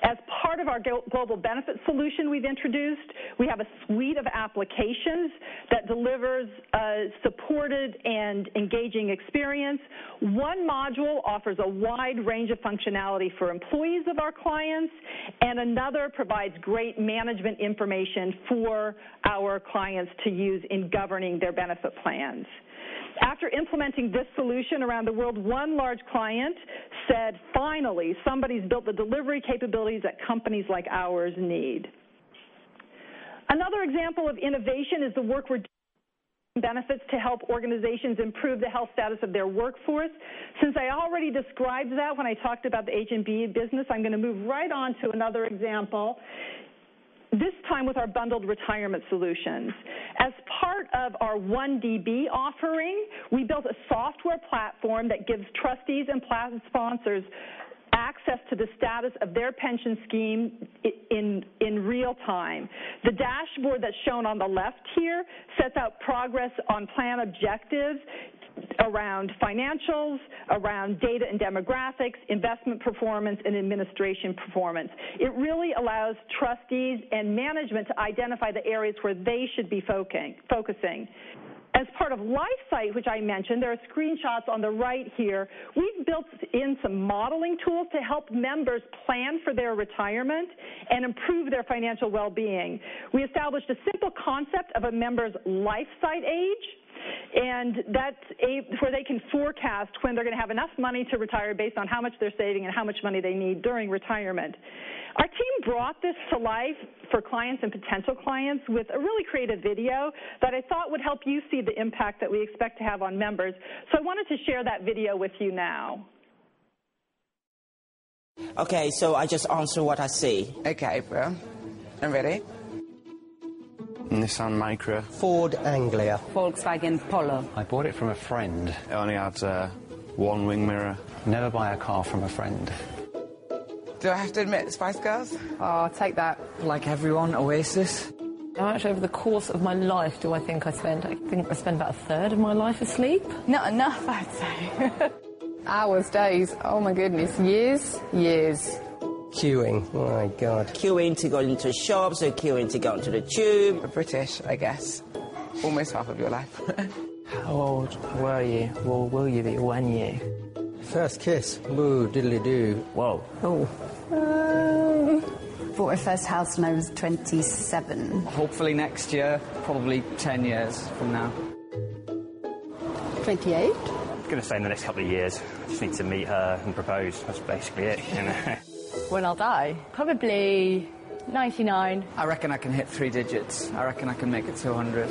As part of our global benefit solution we've introduced, we have a suite of applications that delivers a supported and engaging experience. One module offers a wide range of functionality for employees of our clients, and another provides great management information for our clients to use in governing their benefit plans. After implementing this solution around the world, one large client said, "Finally, somebody's built the delivery capabilities that companies like ours need." Another example of innovation is the work we're doing with benefits to help organizations improve the health status of their workforce. Since I already described that when I talked about the H&B business, I'm going to move right on to another example, this time with our bundled retirement solutions. As part of our OneDB offering, we built a software platform that gives trustees and plan sponsors access to the status of their pension scheme in real time. The dashboard that's shown on the left here sets out progress on plan objectives around financials, around data and demographics, investment performance, and administration performance. It really allows trustees and management to identify the areas where they should be focusing. As part of LifeSight, which I mentioned, there are screenshots on the right here, we've built in some modeling tools to help members plan for their retirement and improve their financial well-being. We established a simple concept of a member's LifeSight age, and that's where they can forecast when they're going to have enough money to retire based on how much they're saving and how much money they need during retirement. Our team brought this to life for clients and potential clients with a really creative video that I thought would help you see the impact that we expect to have on members. I wanted to share that video with you now. Okay, I just answer what I see. Okay. I'm ready. Nissan Micra. Ford Anglia. Volkswagen Polo. I bought it from a friend. It only had one wing mirror. Never buy a car from a friend. Do I have to admit the Spice Girls? Oh, I'll take that. Like everyone, Oasis. How much over the course of my life do I think I spend? I think I spend about a third of my life asleep. Not enough, I'd say. Hours, days. Oh, my goodness. Years? Years. Queuing. My God. Queuing to go into shops or queuing to go into the tube. We're British, I guess. Almost half of your life. How old were you or will you be when you? First kiss. Diddly-doo. Whoa. Oh. Bought our first house when I was 27. Hopefully next year. Probably 10 years from now. 28. I'm going to say in the next couple of years. I just need to meet her and propose. That's basically it. When I'll die? Probably 99. I reckon I can hit three digits. I reckon I can make it to 100.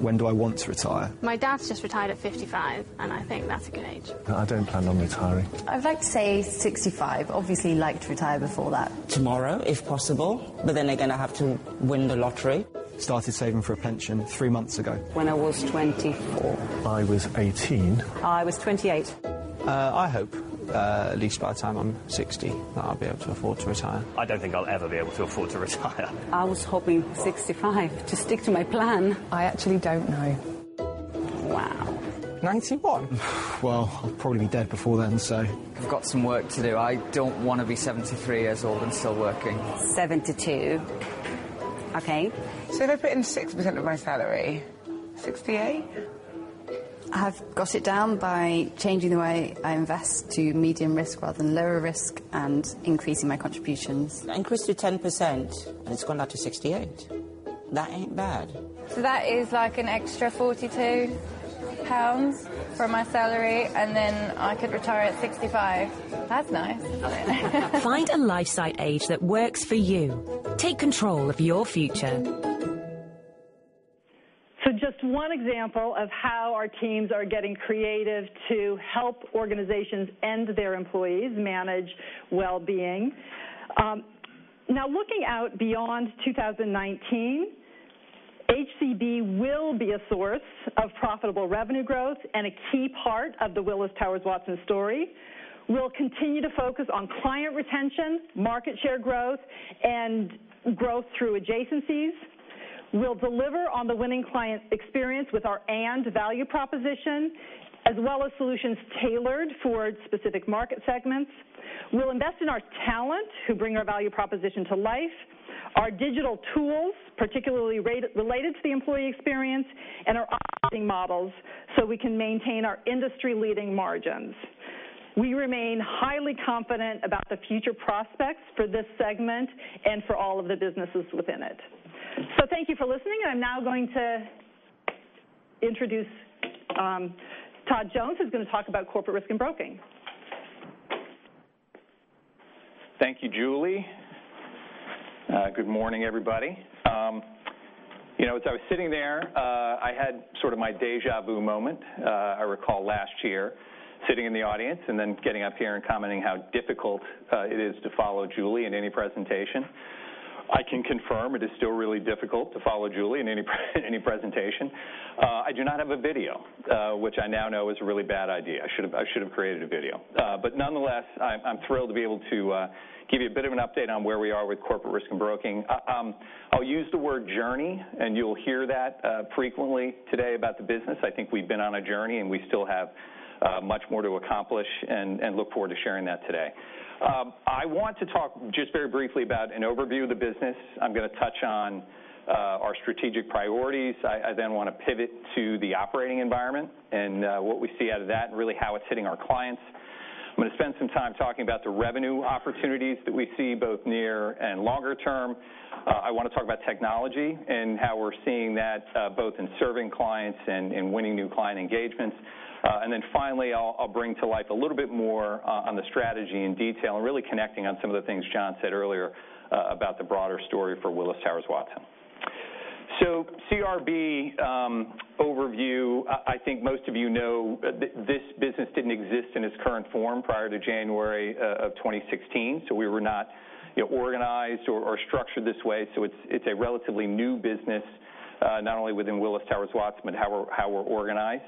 When do I want to retire? My dad's just retired at 55, and I think that's a good age. I don't plan on retiring. I'd like to say 65. Obviously like to retire before that. Tomorrow, if possible, I'm going to have to win the lottery. Started saving for a pension three months ago. When I was 24. I was 18. I was 28. I hope, at least by the time I'm 60, that I'll be able to afford to retire. I don't think I'll ever be able to afford to retire. I was hoping 65 to stick to my plan. I actually don't know. Wow. 91. Well, I'll probably be dead before then. I've got some work to do. I don't want to be 73 years old and still working. 72. Okay. If I put in 6% of my salary, 68? I've got it down by changing the way I invest to medium risk rather than lower risk and increasing my contributions. I increased to 10%. It's gone down to 68. That ain't bad. That is like an extra 42 pounds from my salary. I could retire at 65. That's nice. Find a LifeSight age that works for you. Take control of your future. Just one example of how our teams are getting creative to help organizations and their employees manage well-being. Now looking out beyond 2019, HCB will be a source of profitable revenue growth and a key part of the Willis Towers Watson story. We'll continue to focus on client retention, market share growth, and growth through adjacencies. We'll deliver on the winning client experience with our & value proposition, as well as solutions tailored for specific market segments. We'll invest in our talent who bring our value proposition to life, our digital tools, particularly related to the employee experience, and our operating models so we can maintain our industry-leading margins. We remain highly confident about the future prospects for this segment and for all of the businesses within it. Thank you for listening, and I am now going to introduce Todd Jones, who is going to talk about Corporate Risk and Broking. Thank you, Julie. Good morning, everybody. As I was sitting there, I had sort of my deja vu moment. I recall last year sitting in the audience and then getting up here and commenting how difficult it is to follow Julie in any presentation. I can confirm it is still really difficult to follow Julie in any presentation. I do not have a video, which I now know is a really bad idea. I should have created a video. Nonetheless, I am thrilled to be able to give you a bit of an update on where we are with Corporate Risk and Broking. I will use the word journey, and you will hear that frequently today about the business. I think we have been on a journey, and we still have much more to accomplish and look forward to sharing that today. I want to talk just very briefly about an overview of the business. I am going to touch on our strategic priorities. I then want to pivot to the operating environment and what we see out of that and really how it is hitting our clients. I am going to spend some time talking about the revenue opportunities that we see both near and longer term. I want to talk about technology and how we are seeing that both in serving clients and in winning new client engagements. Then finally, I will bring to life a little bit more on the strategy in detail and really connecting on some of the things John said earlier about the broader story for Willis Towers Watson. CRB overview, I think most of you know this business did not exist in its current form prior to January of 2016, so we were not organized or structured this way. It is a relatively new business, not only within Willis Towers Watson, but how we are organized.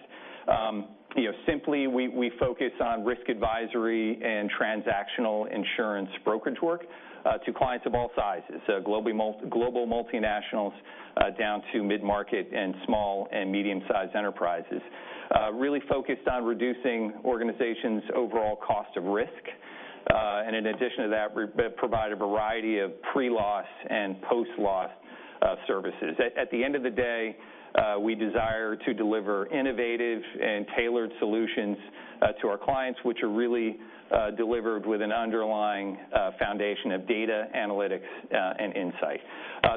Simply, we focus on risk advisory and transactional insurance brokerage work to clients of all sizes, global multinationals down to mid-market and small and medium-sized enterprises. Really focused on reducing organizations' overall cost of risk. In addition to that, we provide a variety of pre-loss and post-loss services. At the end of the day, we desire to deliver innovative and tailored solutions to our clients, which are really delivered with an underlying foundation of data analytics and insight.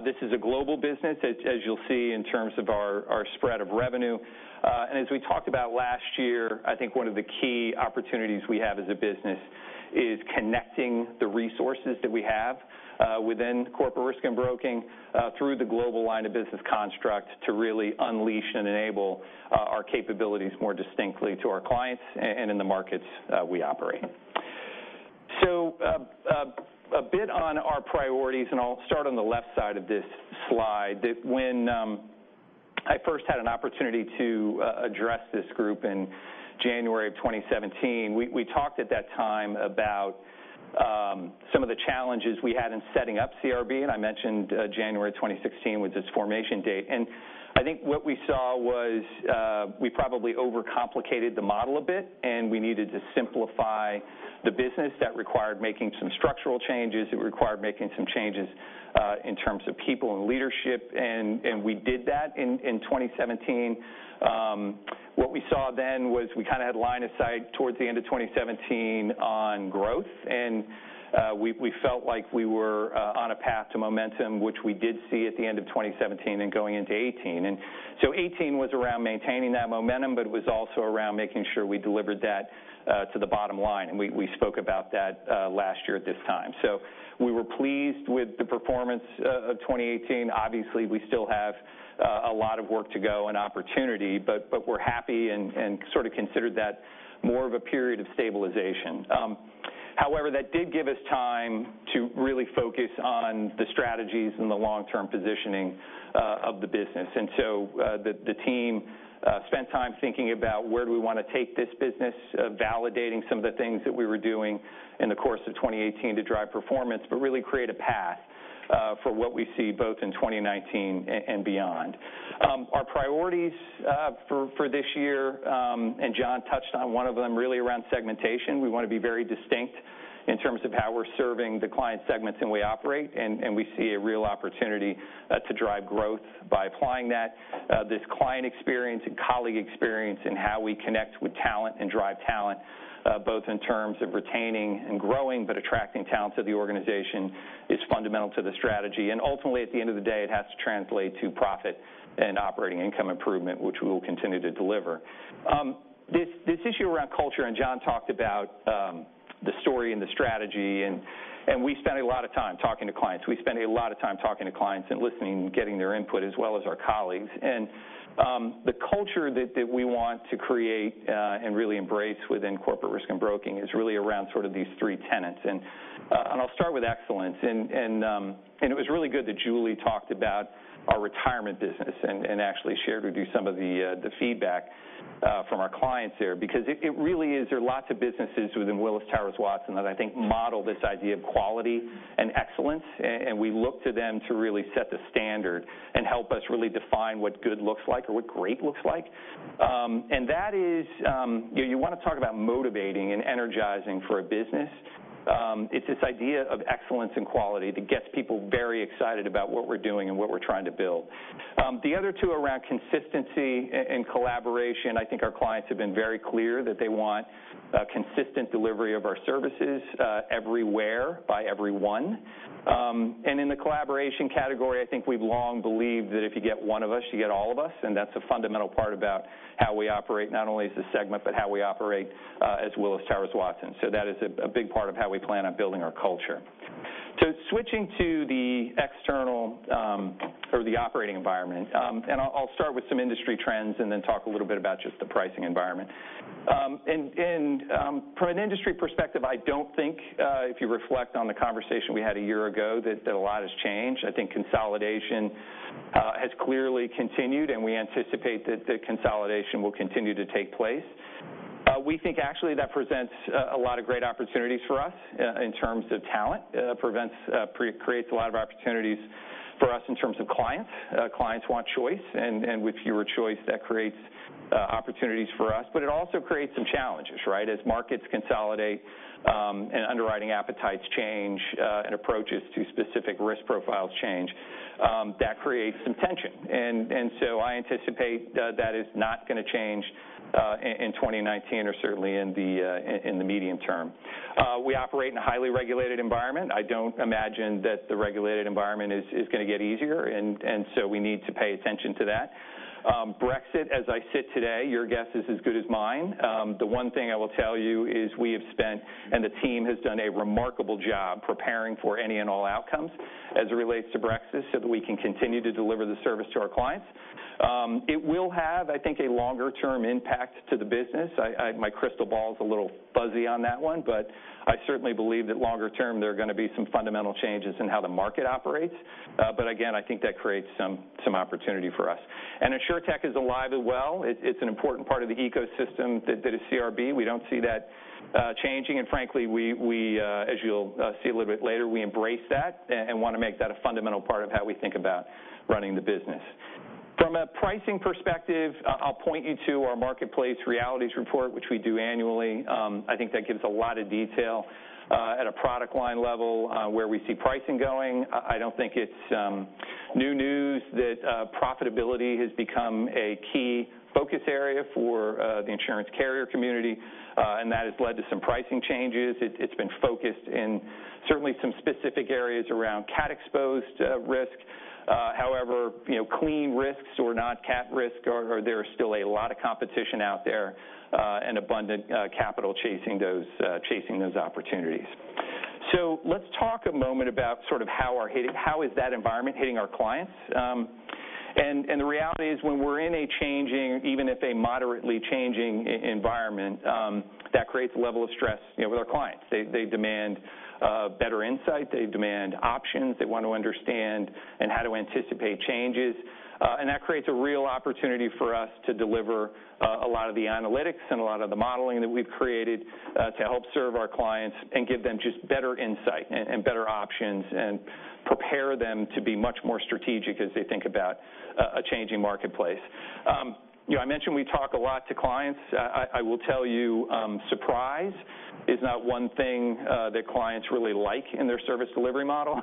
This is a global business, as you will see in terms of our spread of revenue. As we talked about last year, I think one of the key opportunities we have as a business is connecting the resources that we have within Corporate Risk and Broking through the global line of business construct to really unleash and enable our capabilities more distinctly to our clients and in the markets we operate. A bit on our priorities, I'll start on the left side of this slide. When I first had an opportunity to address this group in January 2017, we talked at that time about some of the challenges we had in setting up CRB, and I mentioned January 2016 was its formation date. I think what we saw was we probably overcomplicated the model a bit and we needed to simplify the business that required making some structural changes. It required making some changes in terms of people and leadership. We did that in 2017. What we saw then was we kind of had line of sight towards the end of 2017 on growth, and we felt like we were on a path to momentum, which we did see at the end of 2017 and going into 2018. 2018 was around maintaining that momentum, but it was also around making sure we delivered that to the bottom line, and we spoke about that last year at this time. We were pleased with the performance of 2018. Obviously, we still have a lot of work to go and opportunity, but we're happy and sort of considered that more of a period of stabilization. However, that did give us time to really focus on the strategies and the long-term positioning of the business. The team spent time thinking about where do we want to take this business, validating some of the things that we were doing in the course of 2018 to drive performance, but really create a path for what we see both in 2019 and beyond. Our priorities for this year, John touched on one of them really around segmentation. We want to be very distinct in terms of how we're serving the client segments, and we operate, and we see a real opportunity to drive growth by applying that. This client experience and colleague experience and how we connect with talent and drive talent both in terms of retaining and growing, but attracting talent to the organization is fundamental to the strategy. Ultimately, at the end of the day, it has to translate to profit and operating income improvement, which we will continue to deliver. This issue around culture, John talked about the story and the strategy, we spend a lot of time talking to clients. We spend a lot of time talking to clients and listening and getting their input as well as our colleagues. The culture that we want to create and really embrace within Corporate Risk and Broking is really around these three tenets. I'll start with excellence, it was really good that Julie talked about our retirement business and actually shared with you some of the feedback from our clients there because it really is. There are lots of businesses within Willis Towers Watson that I think model this idea of quality and excellence, and we look to them to really set the standard and help us really define what good looks like or what great looks like. You want to talk about motivating and energizing for a business, it's this idea of excellence and quality that gets people very excited about what we're doing and what we're trying to build. The other two around consistency and collaboration, I think our clients have been very clear that they want consistent delivery of our services everywhere by everyone. In the collaboration category, I think we've long believed that if you get one of us, you get all of us, and that's a fundamental part about how we operate not only as a segment, but how we operate as Willis Towers Watson. That is a big part of how we plan on building our culture. Switching to the external or the operating environment, and I'll start with some industry trends and then talk a little bit about just the pricing environment. From an industry perspective, I don't think if you reflect on the conversation we had a year ago that a lot has changed. I think consolidation has clearly continued, and we anticipate that the consolidation will continue to take place. We think actually that presents a lot of great opportunities for us in terms of talent. It creates a lot of opportunities for us in terms of clients want choice, and with fewer choice, that creates opportunities for us, but it also creates some challenges. As markets consolidate and underwriting appetites change and approaches to specific risk profiles change, that creates some tension. I anticipate that is not going to change in 2019 or certainly in the medium term. We operate in a highly regulated environment. I don't imagine that the regulated environment is going to get easier, and so we need to pay attention to that. Brexit, as I sit today, your guess is as good as mine. The one thing I will tell you is we have spent, and the team has done a remarkable job preparing for any and all outcomes as it relates to Brexit so that we can continue to deliver the service to our clients. It will have, I think, a longer-term impact to the business. My crystal ball's a little fuzzy on that one, but I certainly believe that longer-term, there are going to be some fundamental changes in how the market operates. Again, I think that creates some opportunity for us. Insurtech is alive as well. It's an important part of the ecosystem that is CRB. We don't see that changing, and frankly, as you'll see a little bit later, we embrace that and want to make that a fundamental part of how we think about running the business. From a pricing perspective, I'll point you to our Insurance Marketplace Realities report, which we do annually. I think that gives a lot of detail at a product line level where we see pricing going. I don't think it's new news that profitability has become a key focus area for the insurance carrier community, and that has led to some pricing changes. It's been focused in certainly some specific areas around cat-exposed risk. However, clean risks or not cat risk, there is still a lot of competition out there, and abundant capital chasing those opportunities. Let's talk a moment about how is that environment hitting our clients. The reality is when we're in a changing, even if a moderately changing environment, that creates a level of stress with our clients. They demand better insight. They demand options. They want to understand and how to anticipate changes. That creates a real opportunity for us to deliver a lot of the analytics and a lot of the modeling that we've created to help serve our clients and give them just better insight and better options and prepare them to be much more strategic as they think about a changing marketplace. I mentioned we talk a lot to clients. I will tell you, surprise is not one thing that clients really like in their service delivery model.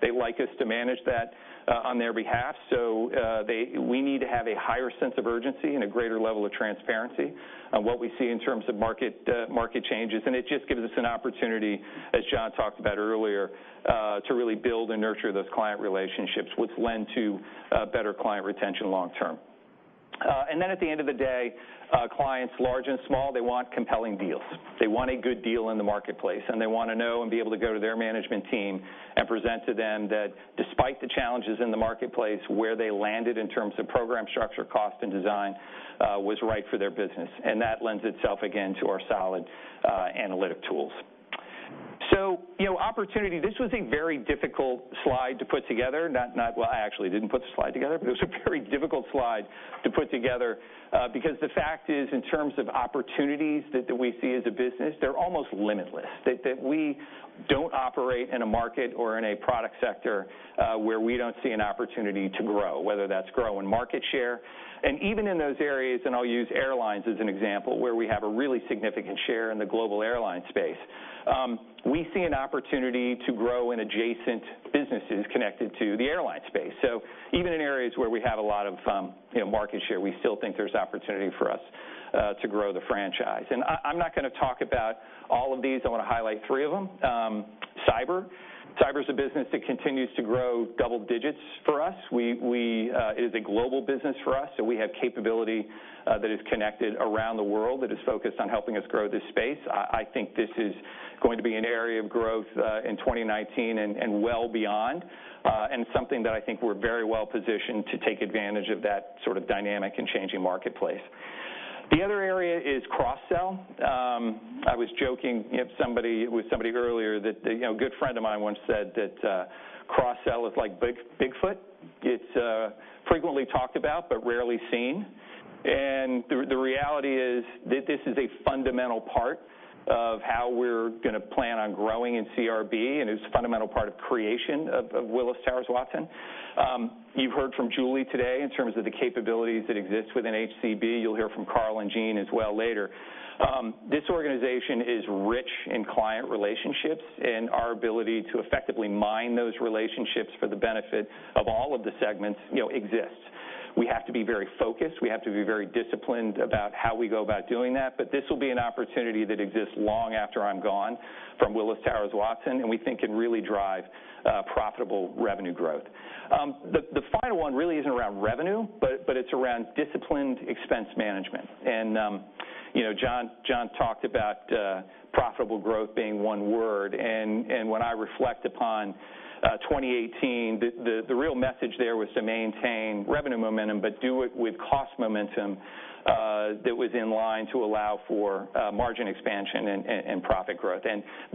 They like us to manage that on their behalf. We need to have a higher sense of urgency and a greater level of transparency on what we see in terms of market changes. It just gives us an opportunity, as John talked about earlier, to really build and nurture those client relationships, which lend to better client retention long term. At the end of the day, clients large and small, they want compelling deals. They want a good deal in the marketplace, and they want to know and be able to go to their management team and present to them that despite the challenges in the marketplace, where they landed in terms of program structure, cost, and design was right for their business. That lends itself, again, to our solid analytic tools. Opportunity, this was a very difficult slide to put together. Well, I actually didn't put the slide together, it was a very difficult slide to put together because the fact is in terms of opportunities that we see as a business, they're almost limitless. That we don't operate in a market or in a product sector where we don't see an opportunity to grow, whether that's growing market share. Even in those areas, and I'll use airlines as an example, where we have a really significant share in the global airline space. We see an opportunity to grow in adjacent businesses connected to the airline space. Even in areas where we have a lot of market share, we still think there's opportunity for us to grow the franchise. I'm not going to talk about all of these. I want to highlight three of them. Cyber. Cyber is a business that continues to grow double digits for us. It is a global business for us, so we have capability that is connected around the world that is focused on helping us grow this space. I think this is going to be an area of growth in 2019 and well beyond and something that I think we're very well positioned to take advantage of that sort of dynamic and changing marketplace. The other area is cross-sell. I was joking with somebody earlier that a good friend of mine once said that cross-sell is like Bigfoot. It's frequently talked about but rarely seen. The reality is that this is a fundamental part of how we're going to plan on growing in CRB, and it's a fundamental part of creation of Willis Towers Watson. You've heard from Julie today in terms of the capabilities that exist within HCB. You'll hear from Carl and Gene as well later. This organization is rich in client relationships, and our ability to effectively mine those relationships for the benefit of all of the segments exists. We have to be very focused. We have to be very disciplined about how we go about doing that, but this will be an opportunity that exists long after I'm gone from Willis Towers Watson and we think can really drive profitable revenue growth. The final one really isn't around revenue, but it's around disciplined expense management. John talked about profitable growth being one word. When I reflect upon 2018, the real message there was to maintain revenue momentum but do it with cost momentum that was in line to allow for margin expansion and profit growth.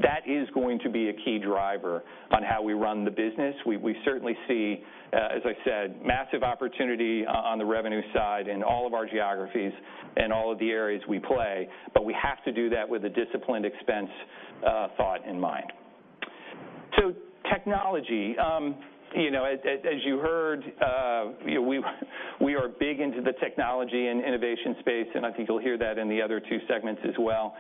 That is going to be a key driver on how we run the business. We certainly see, as I said, massive opportunity on the revenue side in all of our geographies and all of the areas we play, but we have to do that with a disciplined expense thought in mind. Technology. As you heard we are big into the technology and innovation space, I think you'll hear that in the other two segments as well.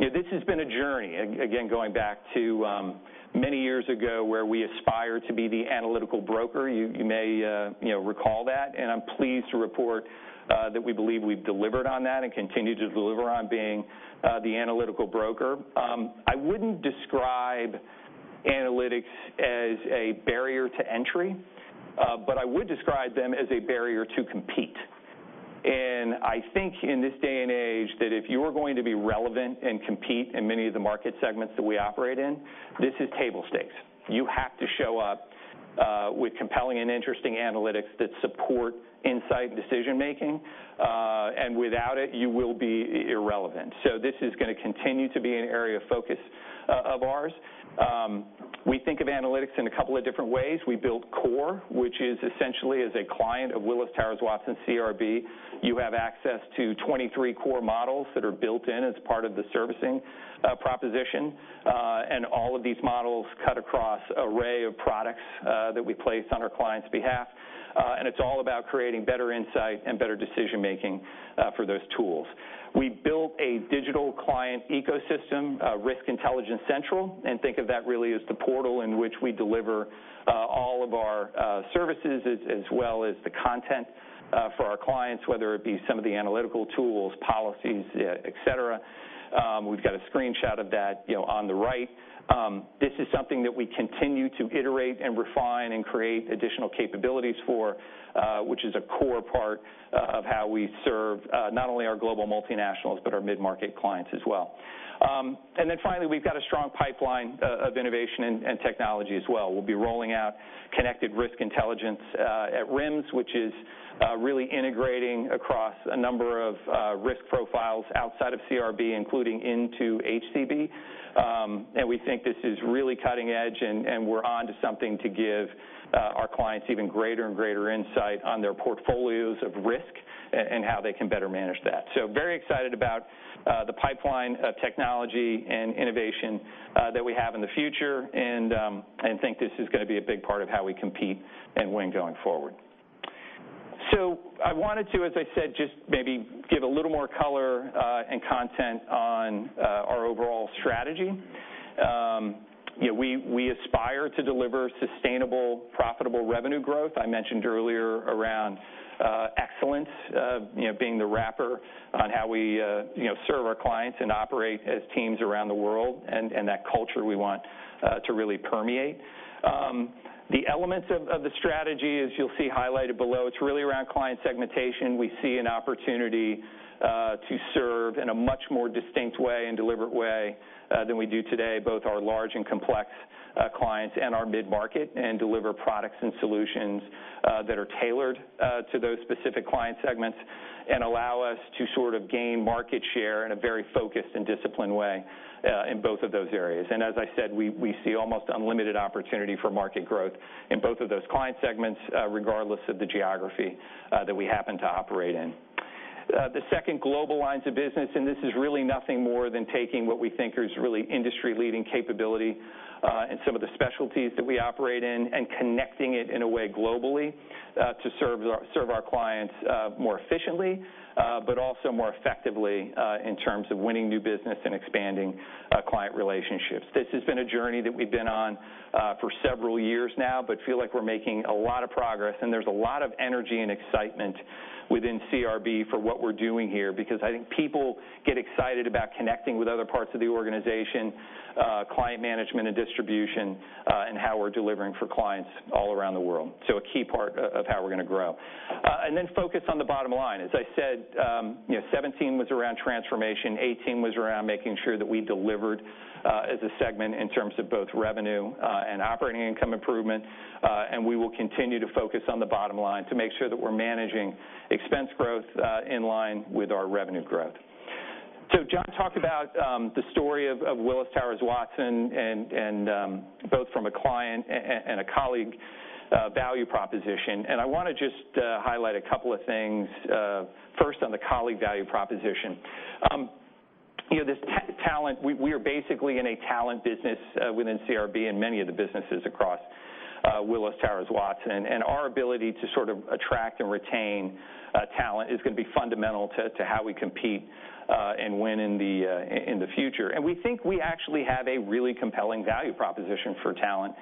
This has been a journey, again, going back to many years ago, where we aspired to be the analytical broker. You may recall that, and I'm pleased to report that we believe we've delivered on that and continue to deliver on being the analytical broker. I wouldn't describe analytics as a barrier to entry, but I would describe them as a barrier to compete. I think in this day and age that if you are going to be relevant and compete in many of the market segments that we operate in, this is table stakes. You have to show up with compelling and interesting analytics that support insight and decision-making, and without it, you will be irrelevant. This is going to continue to be an area of focus of ours. We think of analytics in a couple of different ways. We build Core, which is essentially as a client of Willis Towers Watson CRB, you have access to 23 Core models that are built in as part of the servicing proposition. All of these models cut across array of products that we place on our client's behalf, and it's all about creating better insight and better decision-making for those tools. We built a digital client ecosystem, Risk Intelligence Central, and think of that really as the portal in which we deliver all of our services as well as the content for our clients, whether it be some of the analytical tools, policies, et cetera. We've got a screenshot of that on the right. This is something that we continue to iterate and refine and create additional capabilities for, which is a core part of how we serve not only our global multinationals, but our mid-market clients as well. Then finally, we've got a strong pipeline of innovation and technology as well. We'll be rolling out Connected Risk Intelligence at RIMS, which is really integrating across a number of risk profiles outside of CRB, including into HCB. We think this is really cutting-edge, and we're onto something to give our clients even greater and greater insight on their portfolios of risk and how they can better manage that. Very excited about the pipeline of technology and innovation that we have in the future and think this is going to be a big part of how we compete and win going forward. I wanted to, as I said, just maybe give a little more color and content on our overall strategy. We aspire to deliver sustainable, profitable revenue growth. I mentioned earlier around excellence being the wrapper on how we serve our clients and operate as teams around the world, and that culture we want to really permeate. The elements of the strategy, as you'll see highlighted below, it's really around client segmentation. We see an opportunity to serve in a much more distinct way and deliberate way than we do today, both our large and complex clients and our mid-market, and deliver products and solutions that are tailored to those specific client segments and allow us to sort of gain market share in a very focused and disciplined way in both of those areas. As I said, we see almost unlimited opportunity for market growth in both of those client segments, regardless of the geography that we happen to operate in. The second global lines of business, this is really nothing more than taking what we think is really industry-leading capability in some of the specialties that we operate in and connecting it in a way globally to serve our clients more efficiently, but also more effectively in terms of winning new business and expanding client relationships. This has been a journey that we've been on for several years now, but feel like we're making a lot of progress, and there's a lot of energy and excitement within CRB for what we're doing here, because I think people get excited about connecting with other parts of the organization, client management and distribution, and how we're delivering for clients all around the world. A key part of how we're going to grow. Then focus on the bottom line. As I said, 2017 was around transformation, 2018 was around making sure that we delivered as a segment in terms of both revenue and operating income improvement. We will continue to focus on the bottom line to make sure that we're managing expense growth in line with our revenue growth. John talked about the story of Willis Towers Watson and both from a client and a colleague value proposition. I want to just highlight a couple of things. First on the colleague value proposition. This talent, we are basically in a talent business within CRB and many of the businesses across Willis Towers Watson, and our ability to sort of attract and retain talent is going to be fundamental to how we compete and win in the future. We think we actually have a really compelling value proposition for talent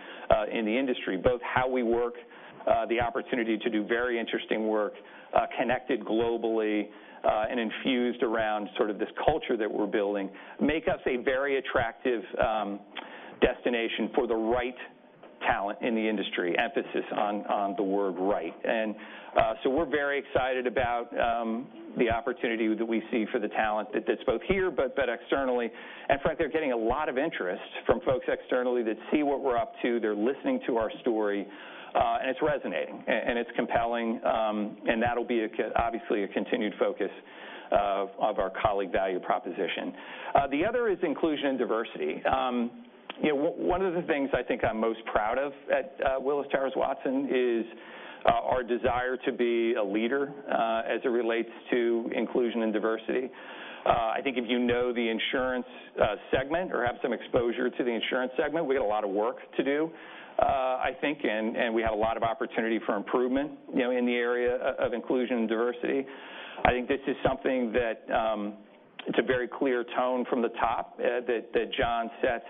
in the industry. Both how we work, the opportunity to do very interesting work connected globally and infused around sort of this culture that we're building make us a very attractive destination for the right talent in the industry, emphasis on the word right. We're very excited about the opportunity that we see for the talent that's both here, but externally. In fact, they're getting a lot of interest from folks externally that see what we're up to. They're listening to our story, and it's resonating, and it's compelling, and that'll be obviously a continued focus of our colleague value proposition. The other is inclusion and diversity. One of the things I think I'm most proud of at Willis Towers Watson is our desire to be a leader as it relates to inclusion and diversity. I think if you know the insurance segment or have some exposure to the insurance segment, we got a lot of work to do, I think, and we have a lot of opportunity for improvement in the area of inclusion and diversity. I think this is something that it's a very clear tone from the top that John sets,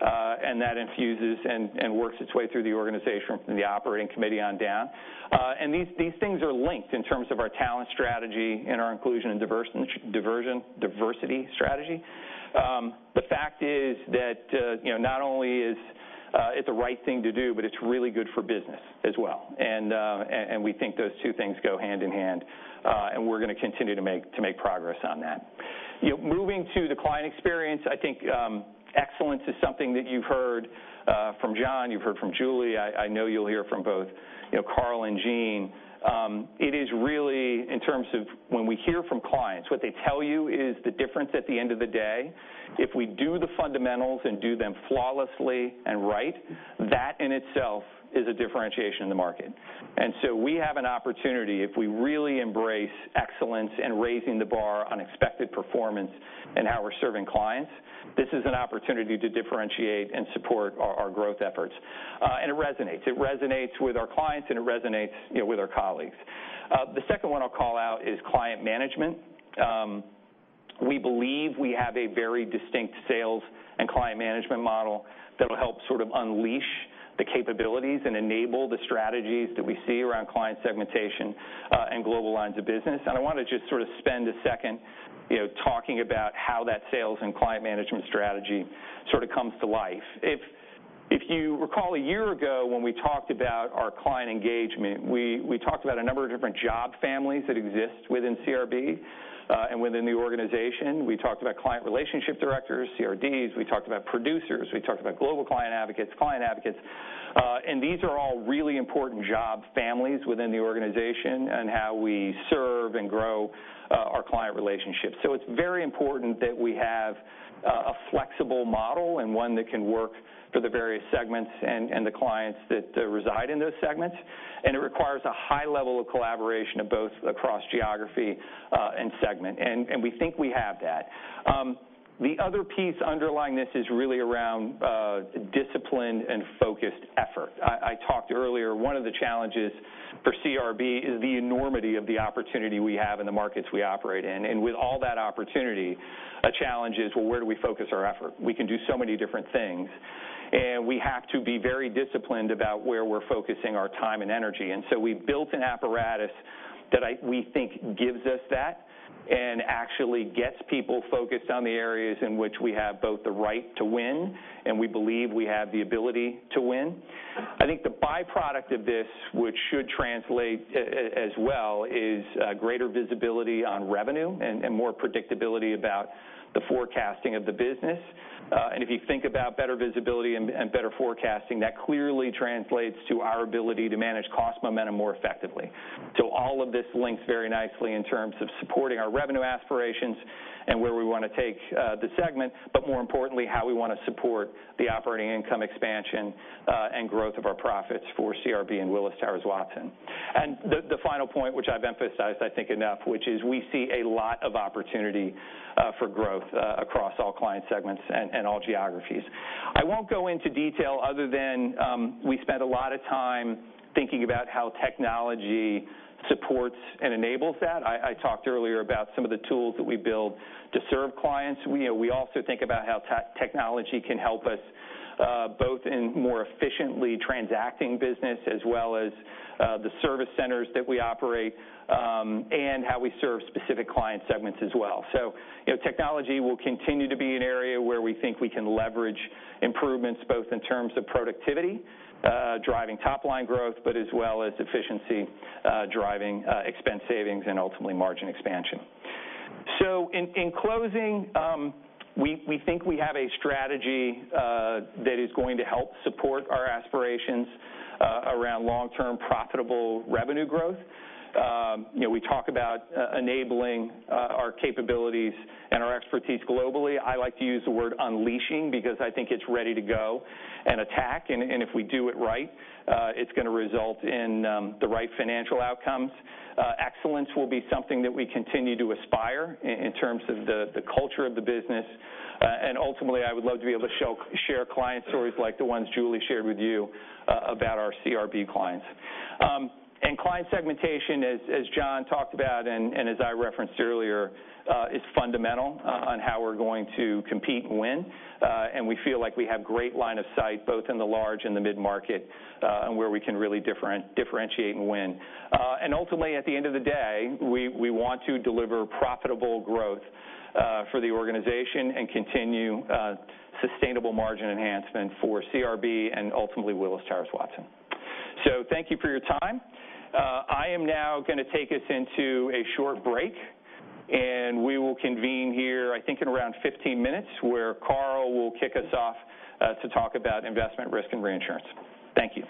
and that infuses and works its way through the organization from the operating committee on down. These things are linked in terms of our talent strategy and our inclusion and diversity strategy. The fact is that, not only is it the right thing to do, but it's really good for business as well. We think those two things go hand in hand, and we're going to continue to make progress on that. Moving to the client experience, I think excellence is something that you've heard from John, you've heard from Julie, I know you'll hear from both Carl and Julie. It is really in terms of when we hear from clients, what they tell you is the difference at the end of the day. If we do the fundamentals and do them flawlessly and right, that in itself is a differentiation in the market. We have an opportunity if we really embrace excellence and raising the bar on expected performance in how we're serving clients. This is an opportunity to differentiate and support our growth efforts. It resonates. It resonates with our clients, and it resonates with our colleagues. The second one I'll call out is client management. We believe we have a very distinct sales and client management model that'll help sort of unleash the capabilities and enable the strategies that we see around client segmentation, and global lines of business. I want to just sort of spend a second talking about how that sales and client management strategy sort of comes to life. If you recall a year ago when we talked about our client engagement, we talked about a number of different job families that exist within CRB, and within the organization. We talked about client relationship directors, CRDs, we talked about producers, we talked about global client advocates, client advocates. These are all really important job families within the organization in how we serve and grow our client relationships. It's very important that we have a flexible model and one that can work for the various segments and the clients that reside in those segments. It requires a high level of collaboration both across geography, and segment, and we think we have that. The other piece underlying this is really around discipline and focused effort. I talked earlier, one of the challenges for CRB is the enormity of the opportunity we have in the markets we operate in. With all that opportunity, a challenge is, well, where do we focus our effort? We can do so many different things, and we have to be very disciplined about where we're focusing our time and energy. We've built an apparatus that we think gives us that and actually gets people focused on the areas in which we have both the right to win and we believe we have the ability to win. I think the byproduct of this, which should translate as well, is greater visibility on revenue and more predictability about the forecasting of the business. If you think about better visibility and better forecasting, that clearly translates to our ability to manage cost momentum more effectively. All of this links very nicely in terms of supporting our revenue aspirations and where we want to take the segment, but more importantly, how we want to support the operating income expansion, and growth of our profits for CRB and Willis Towers Watson. The final point, which I've emphasized, I think enough, which is we see a lot of opportunity for growth across all client segments and all geographies. I won't go into detail other than, we spent a lot of time thinking about how technology supports and enables that. I talked earlier about some of the tools that we build to serve clients. We also think about how technology can help us, both in more efficiently transacting business as well as the service centers that we operate, and how we serve specific client segments as well. Technology will continue to be an area where we think we can leverage improvements both in terms of productivity, driving top-line growth, but as well as efficiency driving expense savings and ultimately margin expansion. In closing, we think we have a strategy that is going to help support our aspirations around long-term profitable revenue growth. We talk about enabling our capabilities and our expertise globally. I like to use the word unleashing because I think it's ready to go and attack, and if we do it right, it's going to result in the right financial outcomes. Excellence will be something that we continue to aspire to in terms of the culture of the business. Ultimately, I would love to be able to share client stories like the ones Julie shared with you about our CRB clients. Client segmentation, as John talked about and as I referenced earlier, is fundamental on how we're going to compete and win. We feel like we have great line of sight both in the large and the mid-market, and where we can really differentiate and win. Ultimately at the end of the day, we want to deliver profitable growth for the organization and continue sustainable margin enhancement for CRB and ultimately Willis Towers Watson. Thank you for your time. I am now going to take us into a short break, and we will convene here, I think in around 15 minutes, where Carl will kick us off to talk about investment risk and reinsurance. Thank you.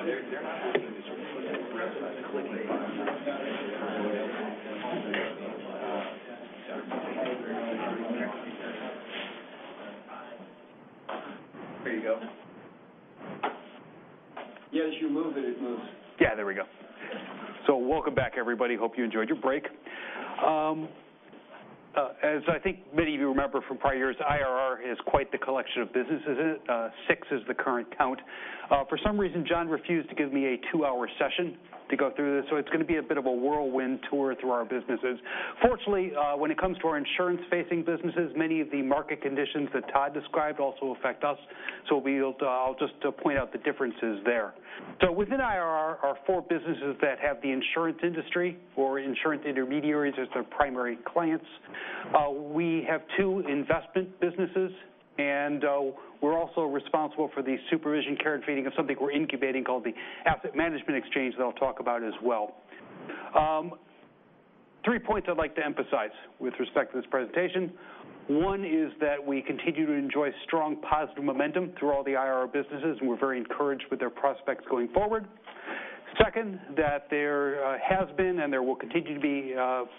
There you go. As you move it moves. There we go. Welcome back, everybody. Hope you enjoyed your break. As I think many of you remember from prior years, IRR is quite the collection of businesses. Six is the current count. For some reason, John refused to give me a two-hour session to go through this, it's going to be a bit of a whirlwind tour through our businesses. Fortunately, when it comes to our insurance-facing businesses, many of the market conditions that Todd described also affect us, I'll just point out the differences there. Within IRR are four businesses that have the insurance industry or insurance intermediaries as their primary clients. We have two investment businesses, and we're also responsible for the supervision care and feeding of something we're incubating called the Asset Management Exchange that I'll talk about as well. Three points I'd like to emphasize with respect to this presentation. One is that we continue to enjoy strong positive momentum through all the IR businesses, we're very encouraged with their prospects going forward. Second, that there has been and there will continue to be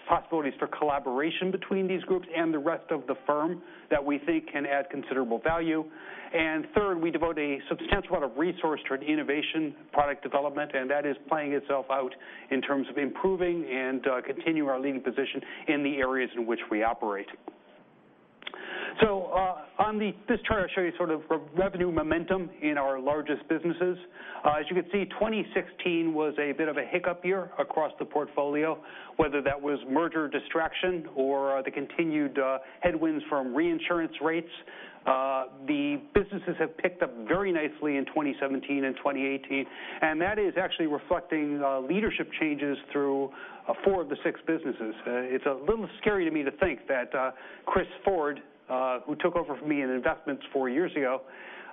possibilities for collaboration between these groups and the rest of the firm that we think can add considerable value. Third, we devote a substantial amount of resource toward innovation product development, and that is playing itself out in terms of improving and continue our leading position in the areas in which we operate. On this chart, I show you sort of revenue momentum in our largest businesses. As you can see, 2016 was a bit of a hiccup year across the portfolio, whether that was merger distraction or the continued headwinds from reinsurance rates. The businesses have picked up very nicely in 2017 and 2018, that is actually reflecting leadership changes through four of the six businesses. It's a little scary to me to think that Chris Ford, who took over from me in investments four years ago,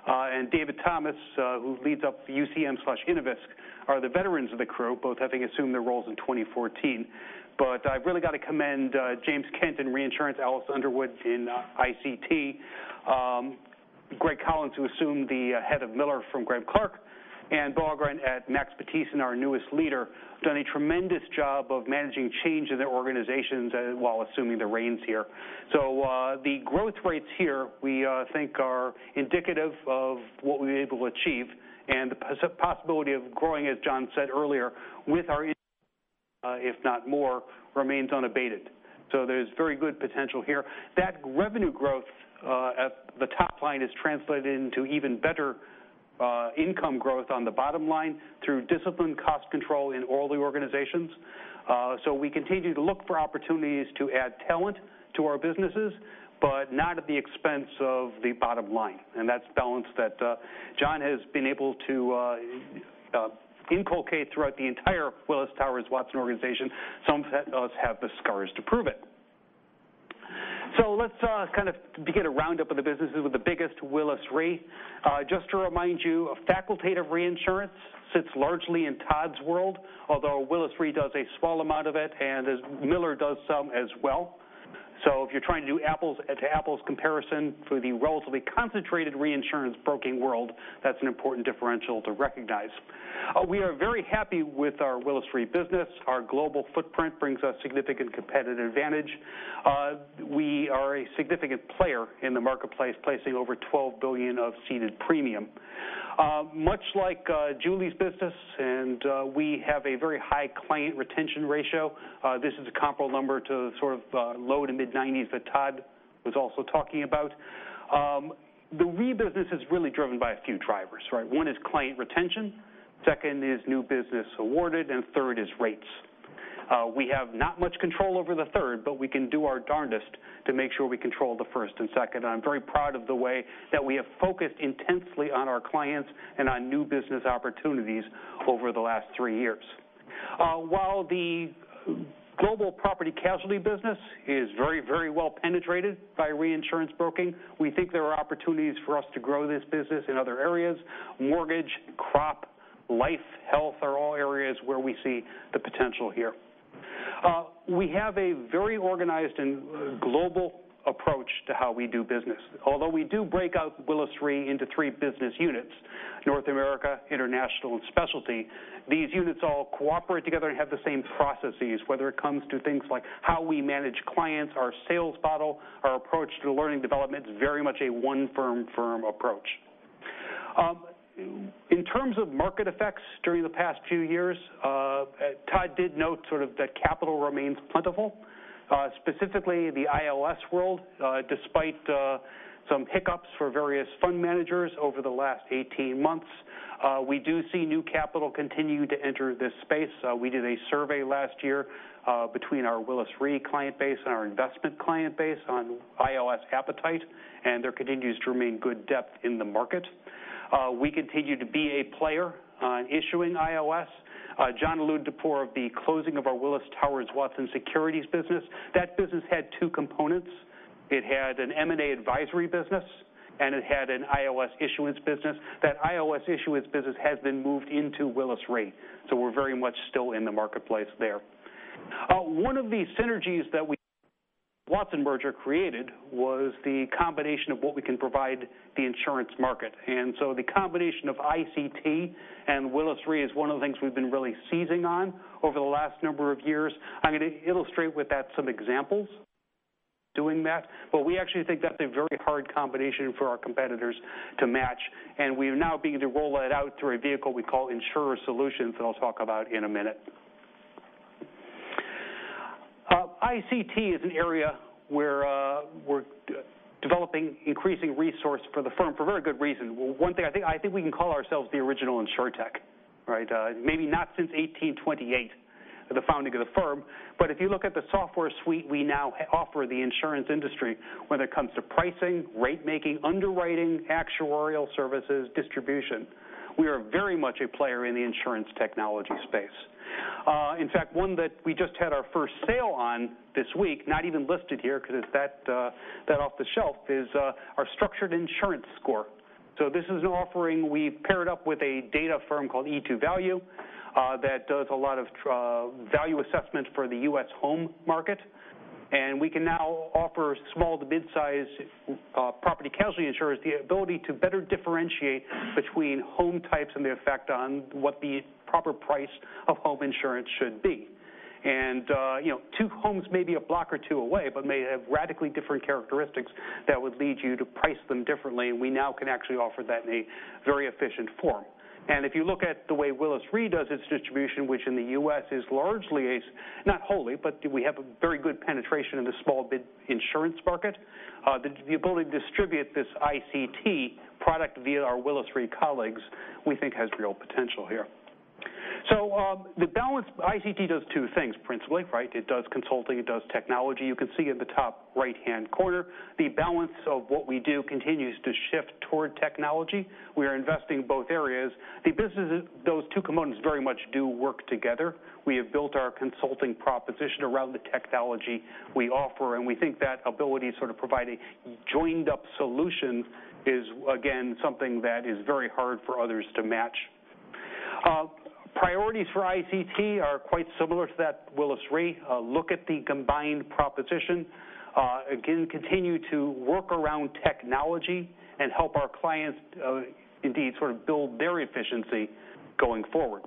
and David Thomas, who leads up UCM/Innovisk, are the veterans of the crew, both having assumed their roles in 2014. I've really got to commend James Kent in reinsurance, Alice Underwood in ICT, Greg Collins, who assumed the head of Miller from Graham Clarke, and Bo Ågren at Max Matthiessen, our newest leader, done a tremendous job of managing change in their organizations while assuming the reins here. The growth rates here, we think are indicative of what we were able to achieve and the possibility of growing, as John said earlier, with our, if not more, remains unabated. There's very good potential here. That revenue growth at the top line is translated into even better income growth on the bottom line through disciplined cost control in all the organizations. We continue to look for opportunities to add talent to our businesses, but not at the expense of the bottom line. That's the balance that John has been able to inculcate throughout the entire Willis Towers Watson organization. Some of us have the scars to prove it. Let's kind of begin a roundup of the businesses with the biggest Willis Re. Just to remind you, a facultative reinsurance sits largely in Todd's world, although Willis Re does a small amount of it, and Miller does some as well. If you're trying to do apples to apples comparison for the relatively concentrated reinsurance broking world, that's an important differential to recognize. We are very happy with our Willis Re business. Our global footprint brings us significant competitive advantage. We are a significant player in the marketplace, placing over $12 billion of ceded premium. Much like Julie's business, we have a very high client retention ratio. This is a comparable number to sort of low to mid-'90s that Todd was also talking about. The re-business is really driven by a few drivers, right? One is client retention, second is new business awarded, and third is rates. We have not much control over the third, but we can do our darndest to make sure we control the first and second, and I'm very proud of the way that we have focused intensely on our clients and on new business opportunities over the last three years. While the global property casualty business is very well penetrated by reinsurance broking, we think there are opportunities for us to grow this business in other areas. Mortgage, crop, life, health are all areas where we see the potential here. We have a very organized and global approach to how we do business. Although we do break out Willis Re into three business units, North America, International, and Specialty, these units all cooperate together and have the same processes, whether it comes to things like how we manage clients, our sales model, our approach to learning development is very much a one firm approach. In terms of market effects during the past few years, Todd did note sort of that capital remains plentiful, specifically the ILS world despite some hiccups for various fund managers over the last 18 months. We do see new capital continue to enter this space. We did a survey last year, between our Willis Re client base and our investment client base on ILS appetite, and there continues to remain good depth in the market. We continue to be a player on issuing ILS. John alluded to prior to the closing of our Willis Towers Watson Securities business. That business had two components. It had an M&A advisory business, and it had an ILS issuance business. That ILS issuance business has been moved into Willis Re. We're very much still in the marketplace there. One of the synergies that we Watson merger created was the combination of what we can provide the insurance market. The combination of ICT and Willis Re is one of the things we've been really seizing on over the last number of years. I'm going to illustrate with that some examples doing that, we actually think that's a very hard combination for our competitors to match, and we've now begun to roll that out through a vehicle we call Insurer Solutions, that I'll talk about in a minute. ICT is an area where we're developing increasing resource for the firm for very good reason. One thing I think we can call ourselves the original Insurtech, right? Maybe not since 1828, the founding of the firm, but if you look at the software suite we now offer the insurance industry, whether it comes to pricing, rate making, underwriting, actuarial services, distribution. We are very much a player in the insurance technology space. In fact, one that we just had our first sale on this week, not even listed here because it's that off the shelf, is our Structure Insurance Score. So this is an offering we've paired up with a data firm called e2Value that does a lot of value assessment for the U.S. home market. We can now offer small to mid-size property casualty insurers the ability to better differentiate between home types and the effect on what the proper price of home insurance should be. Two homes may be a block or two away, but may have radically different characteristics that would lead you to price them differently, and we now can actually offer that in a very efficient form. If you look at the way Willis Re does its distribution, which in the U.S. is largely, not wholly, but we have a very good penetration in the small bid insurance market. The ability to distribute this ICT product via our Willis Re colleagues, we think has real potential here. ICT does two things, principally. It does consulting, it does technology. You can see in the top right-hand corner, the balance of what we do continues to shift toward technology. We are investing both areas. Those two components very much do work together. We have built our consulting proposition around the technology we offer, and we think that ability to provide a joined-up solution is, again, something that is very hard for others to match. Priorities for ICT are quite similar to that Willis Re look at the combined proposition. continue to work around technology and help our clients indeed build their efficiency going forward.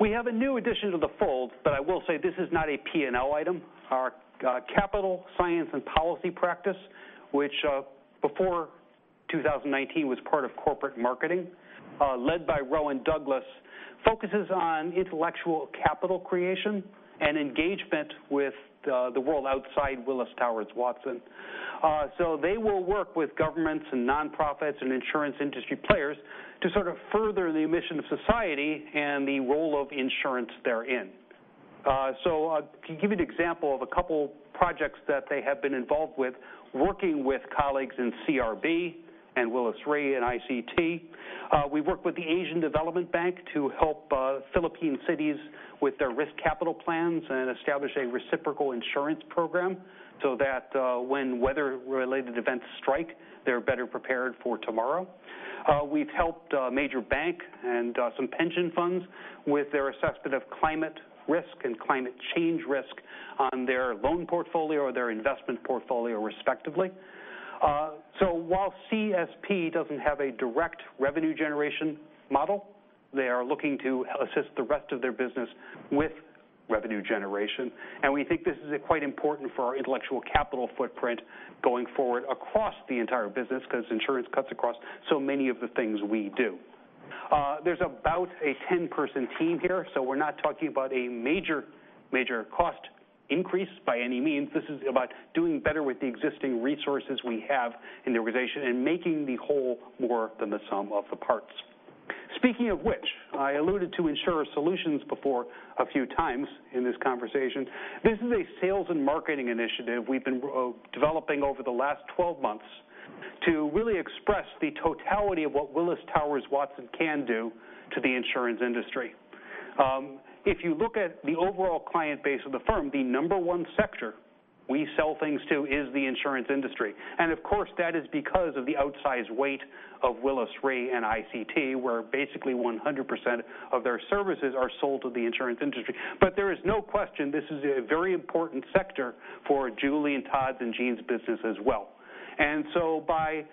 We have a new addition to the fold, but I will say this is not a P&L item. Our capital science and policy practice, which, before 2019, was part of corporate marketing led by Rowan Douglas, focuses on intellectual capital creation and engagement with the world outside Willis Towers Watson. They will work with governments and nonprofits and insurance industry players to further the mission of society and the role of insurance therein. To give you an example of a couple of projects that they have been involved with, working with colleagues in CRB and Willis Re and ICT. We work with the Asian Development Bank to help Philippine cities with their risk capital plans and establish a reciprocal insurance program so that when weather-related events strike, they are better prepared for tomorrow. We have helped a major bank and some pension funds with their assessment of climate risk and climate change risk on their loan portfolio or their investment portfolio, respectively. While CSP doesn't have a direct revenue generation model, they are looking to assist the rest of their business with revenue generation, and we think this is quite important for our intellectual capital footprint going forward across the entire business because insurance cuts across so many of the things we do. There is about a 10-person team here, so we are not talking about a major cost increase by any means. This is about doing better with the existing resources we have in the organization and making the whole more than the sum of the parts. Speaking of which, I alluded to Insurer Solutions before a few times in this conversation. This is a sales and marketing initiative we have been developing over the last 12 months to really express the totality of what Willis Towers Watson can do to the insurance industry. If you look at the overall client base of the firm, the number one sector we sell things to is the insurance industry. Of course, that is because of the outsized weight of Willis Re and ICT, where basically 100% of their services are sold to the insurance industry. There is no question this is a very important sector for Julie and Todd's and Gene's business as well. by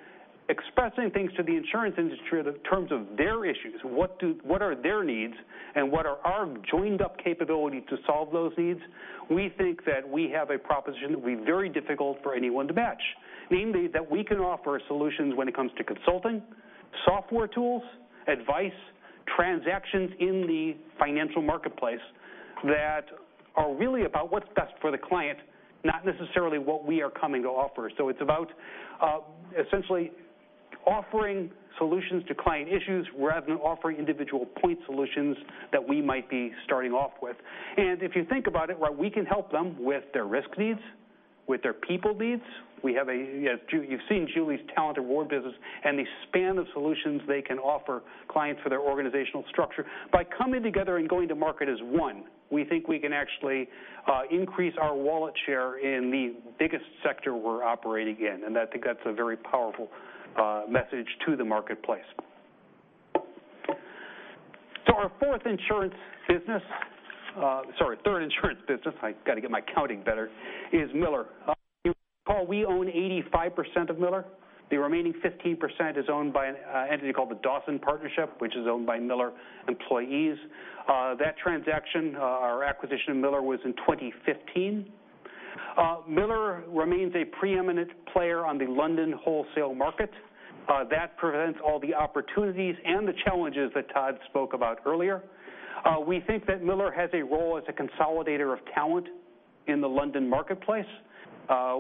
expressing things to the insurance industry in terms of their issues, what are their needs and what are our joined-up capability to solve those needs, we think that we have a proposition that will be very difficult for anyone to match, namely, that we can offer solutions when it comes to consulting, software tools, advice, transactions in the financial marketplace that are really about what is best for the client, not necessarily what we are coming to offer. It is about essentially offering solutions to client issues rather than offering individual point solutions that we might be starting off with. If you think about it, we can help them with their risk needs, with their people needs. You have seen Julie's Talent & Rewards business and the span of solutions they can offer clients for their organizational structure. By coming together and going to market as one, we think we can actually increase our wallet share in the biggest sector we're operating in, and I think that's a very powerful message to the marketplace. Our third insurance business, I got to get my counting better, is Miller. Paul, we own 85% of Miller. The remaining 15% is owned by an entity called The Dawson Partnership, which is owned by Miller employees. That transaction, our acquisition of Miller was in 2015. Miller remains a preeminent player on the London wholesale market. That presents all the opportunities and the challenges that Todd spoke about earlier. We think that Miller has a role as a consolidator of talent in the London marketplace.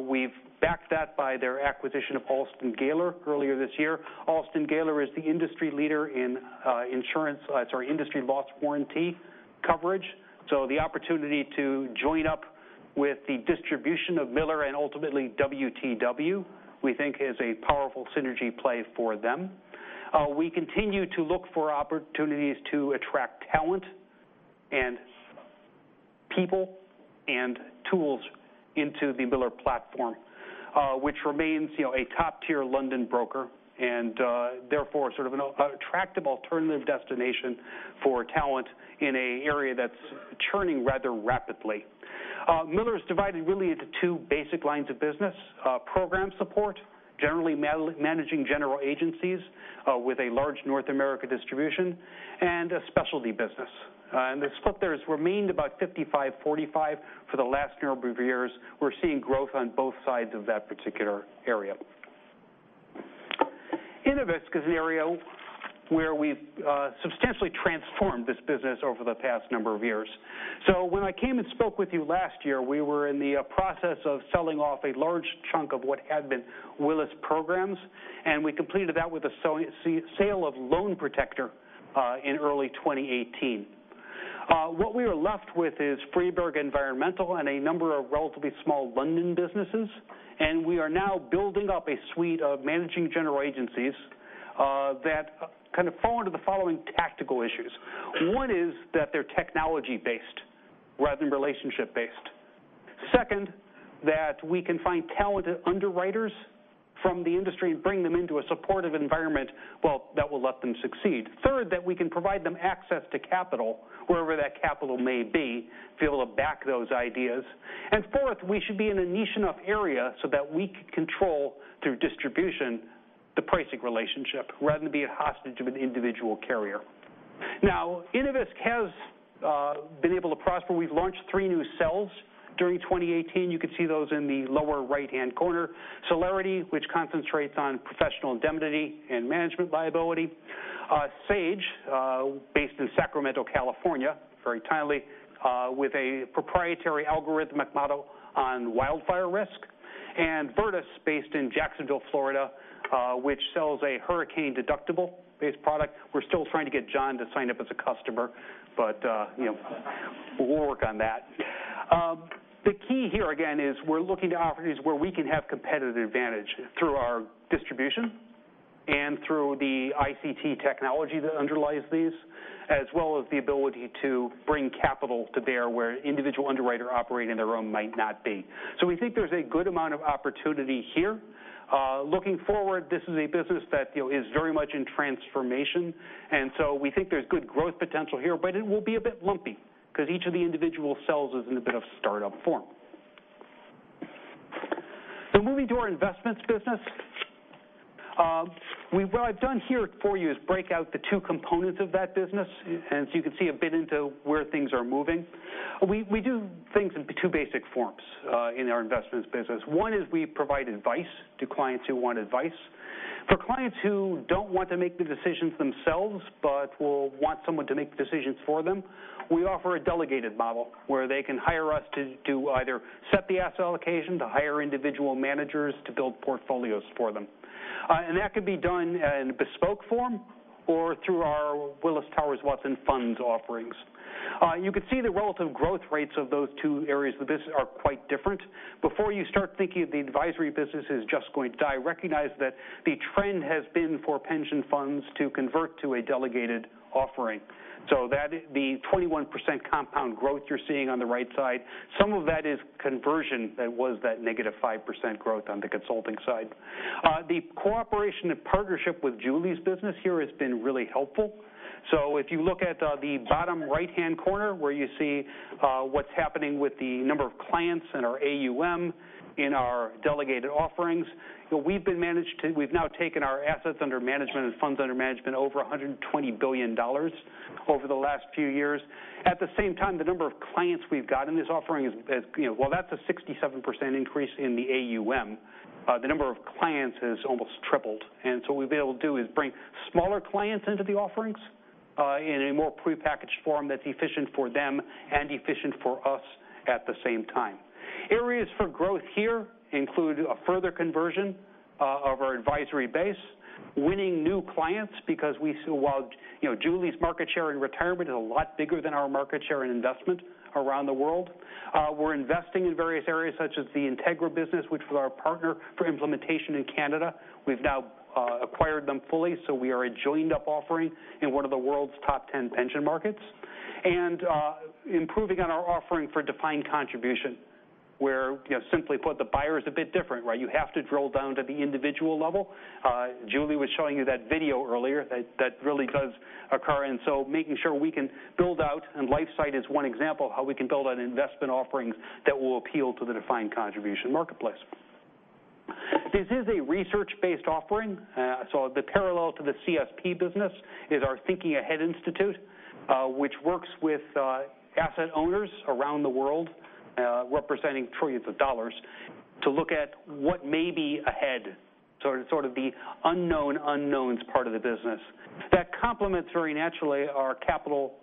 We've backed that by their acquisition of Alston Gayler earlier this year. Alston Gayler is the industry leader in industry loss warranty coverage. The opportunity to join up with the distribution of Miller and ultimately WTW, we think is a powerful synergy play for them. We continue to look for opportunities to attract talent and people and tools into the Miller platform, which remains a top-tier London broker, and therefore an attractive alternative destination for talent in an area that's churning rather rapidly. Miller is divided really into two basic lines of business. Program support, generally managing general agencies with a large North America distribution, and a specialty business. The split there has remained about 55/45 for the last number of years. We're seeing growth on both sides of that particular area. Innovisk is an area where we've substantially transformed this business over the past number of years. When I came and spoke with you last year, we were in the process of selling off a large chunk of what had been Willis Programs, and we completed that with the sale of Loan Protector in early 2018. What we are left with is Freberg Environmental and a number of relatively small London businesses, and we are now building up a suite of managing general agencies that kind of fall into the following tactical issues. One is that they're technology based rather than relationship based. Second, that we can find talented underwriters from the industry and bring them into a supportive environment that will let them succeed. Third, that we can provide them access to capital, wherever that capital may be, to be able to back those ideas. Fourth, we should be in a niche enough area so that we can control, through distribution, the pricing relationship rather than be a hostage of an individual carrier. Innovisk has been able to prosper. We've launched three new cells during 2018. You could see those in the lower right-hand corner. Celerity, which concentrates on professional indemnity and management liability, Sage, based in Sacramento, California, very timely, with a proprietary algorithmic model on wildfire risk, and Vertus, based in Jacksonville, Florida, which sells a hurricane deductible-based product. We're still trying to get John to sign up as a customer, but we'll work on that. The key here again is we're looking to opportunities where we can have competitive advantage through our distribution and through the ICT technology that underlies these, as well as the ability to bring capital to bear where individual underwriter operating their own might not be. We think there's a good amount of opportunity here. Looking forward, this is a business that is very much in transformation. We think there's good growth potential here, but it will be a bit lumpy because each of the individual cells is in a bit of startup form. Moving to our investments business. What I've done here for you is break out the two components of that business. You can see a bit into where things are moving. We do things in two basic forms in our investments business. One is we provide advice to clients who want advice. For clients who don't want to make the decisions themselves, but will want someone to make the decisions for them, we offer a delegated model where they can hire us to do either set the asset allocation, to hire individual managers to build portfolios for them. That could be done in a bespoke form or through our Willis Towers Watson funds offerings. You could see the relative growth rates of those two areas of the business are quite different. Before you start thinking the advisory business is just going to die, recognize that the trend has been for pension funds to convert to a delegated offering. The 21% compound growth you're seeing on the right side, some of that is conversion that was that negative 5% growth on the consulting side. The cooperation and partnership with Julie's business here has been really helpful. If you look at the bottom right-hand corner where you see what's happening with the number of clients in our AUM, in our delegated offerings, we've now taken our assets under management and funds under management over $120 billion over the last few years. At the same time, the number of clients we've got in this offering is, while that's a 67% increase in the AUM, the number of clients has almost tripled. What we've been able to do is bring smaller clients into the offerings in a more prepackaged form that's efficient for them and efficient for us at the same time. Areas for growth here include a further conversion of our advisory base, winning new clients because while Julie's market share in retirement is a lot bigger than our market share in investment around the world, we're investing in various areas such as the Integra business, which was our partner for implementation in Canada. We've now acquired them fully. We are a joined up offering in one of the world's top 10 pension markets. Improving on our offering for defined contribution, where simply put, the buyer is a bit different, right? You have to drill down to the individual level. Julie was showing you that video earlier that really does occur, making sure we can build out, and LifeSight is one example, how we can build out investment offerings that will appeal to the defined contribution marketplace. This is a research-based offering. The parallel to the CSP business is our Thinking Ahead Institute, which works with asset owners around the world representing trillions of dollars to look at what may be ahead. Sort of the unknown unknowns part of the business. That complements very naturally our capital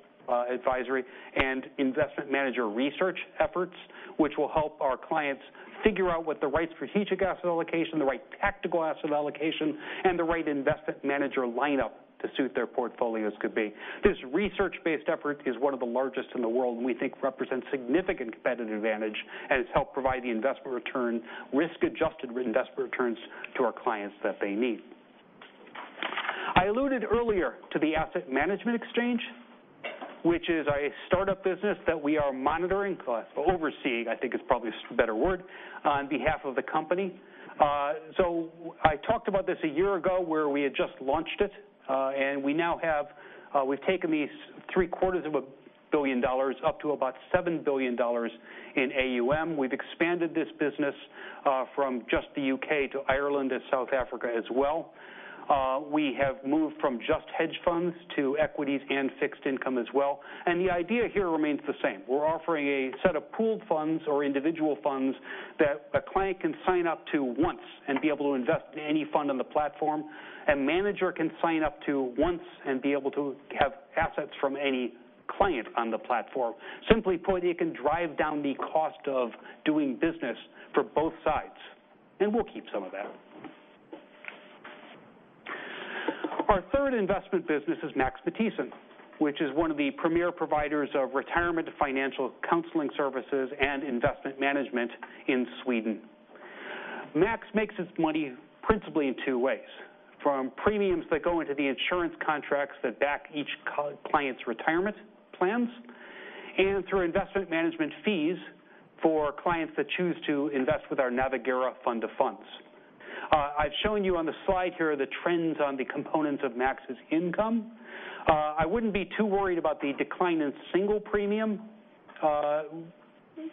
advisory and investment manager research efforts, which will help our clients figure out what the right strategic asset allocation, the right tactical asset allocation, and the right investment manager lineup to suit their portfolios could be. This research-based effort is one of the largest in the world and we think represents significant competitive advantage and has helped provide the risk-adjusted investment returns to our clients that they need. I alluded earlier to the Asset Management Exchange, which is a startup business that we are monitoring, or overseeing, I think is probably a better word, on behalf of the company. I talked about this a year ago, where we had just launched it, and we've taken these three quarters of a billion dollars up to about $7 billion in AUM. We've expanded this business from just the U.K. to Ireland and South Africa as well. We have moved from just hedge funds to equities and fixed income as well. The idea here remains the same. We're offering a set of pooled funds or individual funds that a client can sign up to once and be able to invest in any fund on the platform. A manager can sign up to once and be able to have assets from any client on the platform. Simply put, it can drive down the cost of doing business for both sides, and we'll keep some of that. Our third investment business is Max Matthiessen, which is one of the premier providers of retirement financial counseling services and investment management in Sweden. Max makes its money principally in two ways, from premiums that go into the insurance contracts that back each client's retirement plans, and through investment management fees for clients that choose to invest with our Navigera fund of funds. I've shown you on the slide here the trends on the components of Max's income. I wouldn't be too worried about the decline in single premium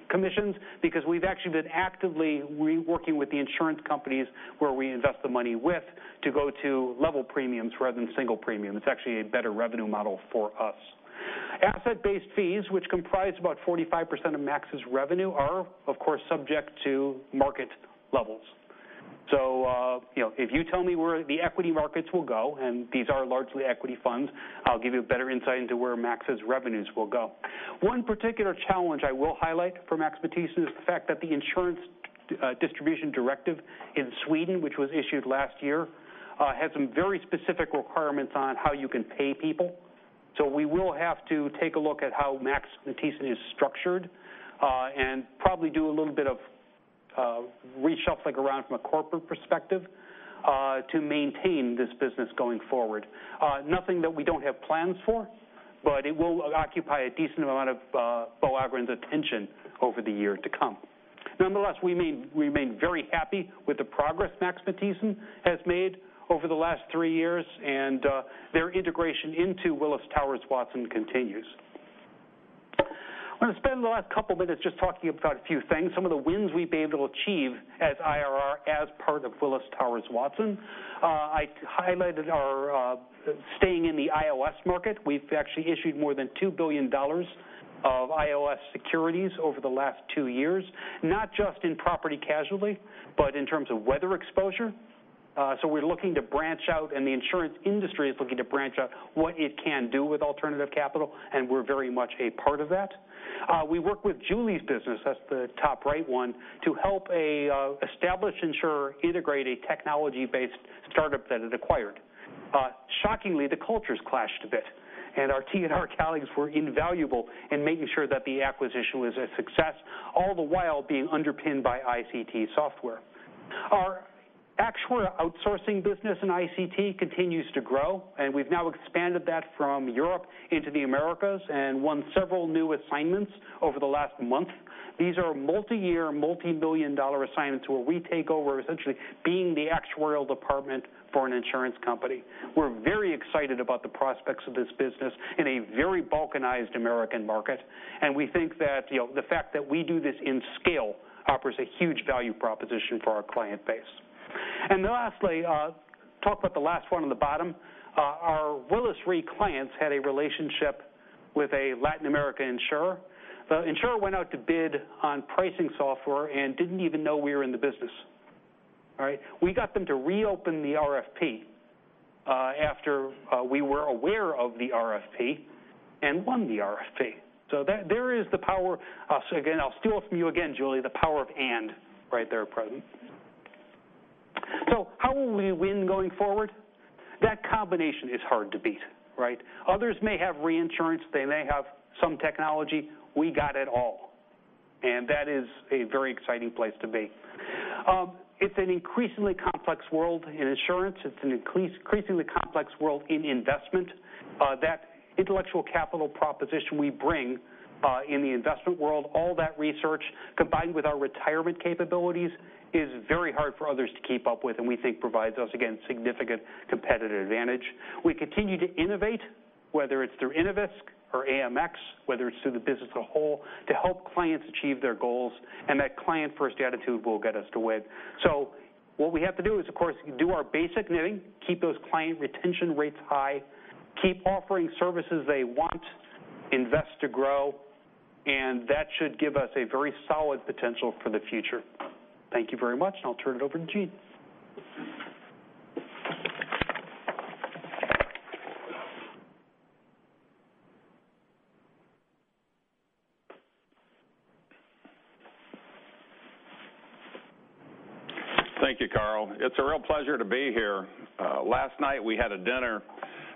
commissions, because we've actually been actively working with the insurance companies where we invest the money with to go to level premiums rather than single premium. It's actually a better revenue model for us. Asset-based fees, which comprise about 45% of Max's revenue, are, of course, subject to market levels. If you tell me where the equity markets will go, and these are largely equity funds, I'll give you a better insight into where Max's revenues will go. One particular challenge I will highlight for Max Matthiessen is the fact that the Insurance Distribution Directive in Sweden, which was issued last year, had some very specific requirements on how you can pay people. We will have to take a look at how Max Matthiessen is structured, and probably do a little bit of reshuffling around from a corporate perspective, to maintain this business going forward. Nothing that we don't have plans for, but it will occupy a decent amount of Bo Ågren's attention over the year to come. Nonetheless, we remain very happy with the progress Max Matthiessen has made over the last three years, and their integration into Willis Towers Watson continues. I'm going to spend the last couple minutes just talking about a few things, some of the wins we've been able to achieve as IRR as part of Willis Towers Watson. I highlighted our staying in the ILS market. We've actually issued more than $2 billion of ILS securities over the last two years, not just in property casualty, but in terms of weather exposure. We're looking to branch out, and the insurance industry is looking to branch out what it can do with alternative capital, and we're very much a part of that. We work with Julie's business, that's the top right one, to help establish insurer integrate a technology-based startup that it acquired. Shockingly, the cultures clashed a bit, and our T&R colleagues were invaluable in making sure that the acquisition was a success, all the while being underpinned by ICT software. Our actual outsourcing business in ICT continues to grow, and we've now expanded that from Europe into the Americas and won several new assignments over the last month. These are multi-year, multi-million dollar assignments where we take over essentially being the actuarial department for an insurance company. We're very excited about the prospects of this business in a very balkanized American market, and we think that the fact that we do this in scale offers a huge value proposition for our client base. Lastly, talk about the last one on the bottom. Our Willis Re clients had a relationship with a Latin American insurer. The insurer went out to bid on pricing software and didn't even know we were in the business. All right? We got them to reopen the RFP, after we were aware of the RFP, and won the RFP. There is the power, again, I'll steal from you again, Julie, the power of and right there present. How will we win going forward? That combination is hard to beat, right? Others may have reinsurance, they may have some technology, we got it all, and that is a very exciting place to be. It's an increasingly complex world in insurance. It's an increasingly complex world in investment. That intellectual capital proposition we bring in the investment world, all that research combined with our retirement capabilities, is very hard for others to keep up with and we think provides us, again, significant competitive advantage. We continue to innovate, whether it's through Innovisk or AMX, whether it's through the business as a whole, to help clients achieve their goals, and that client-first attitude will get us to win. What we have to do is, of course, do our basic knitting, keep those client retention rates high, keep offering services they want, invest to grow, and that should give us a very solid potential for the future. Thank you very much, and I'll turn it over to Gene. Thank you, Carl. It's a real pleasure to be here. Last night we had a dinner.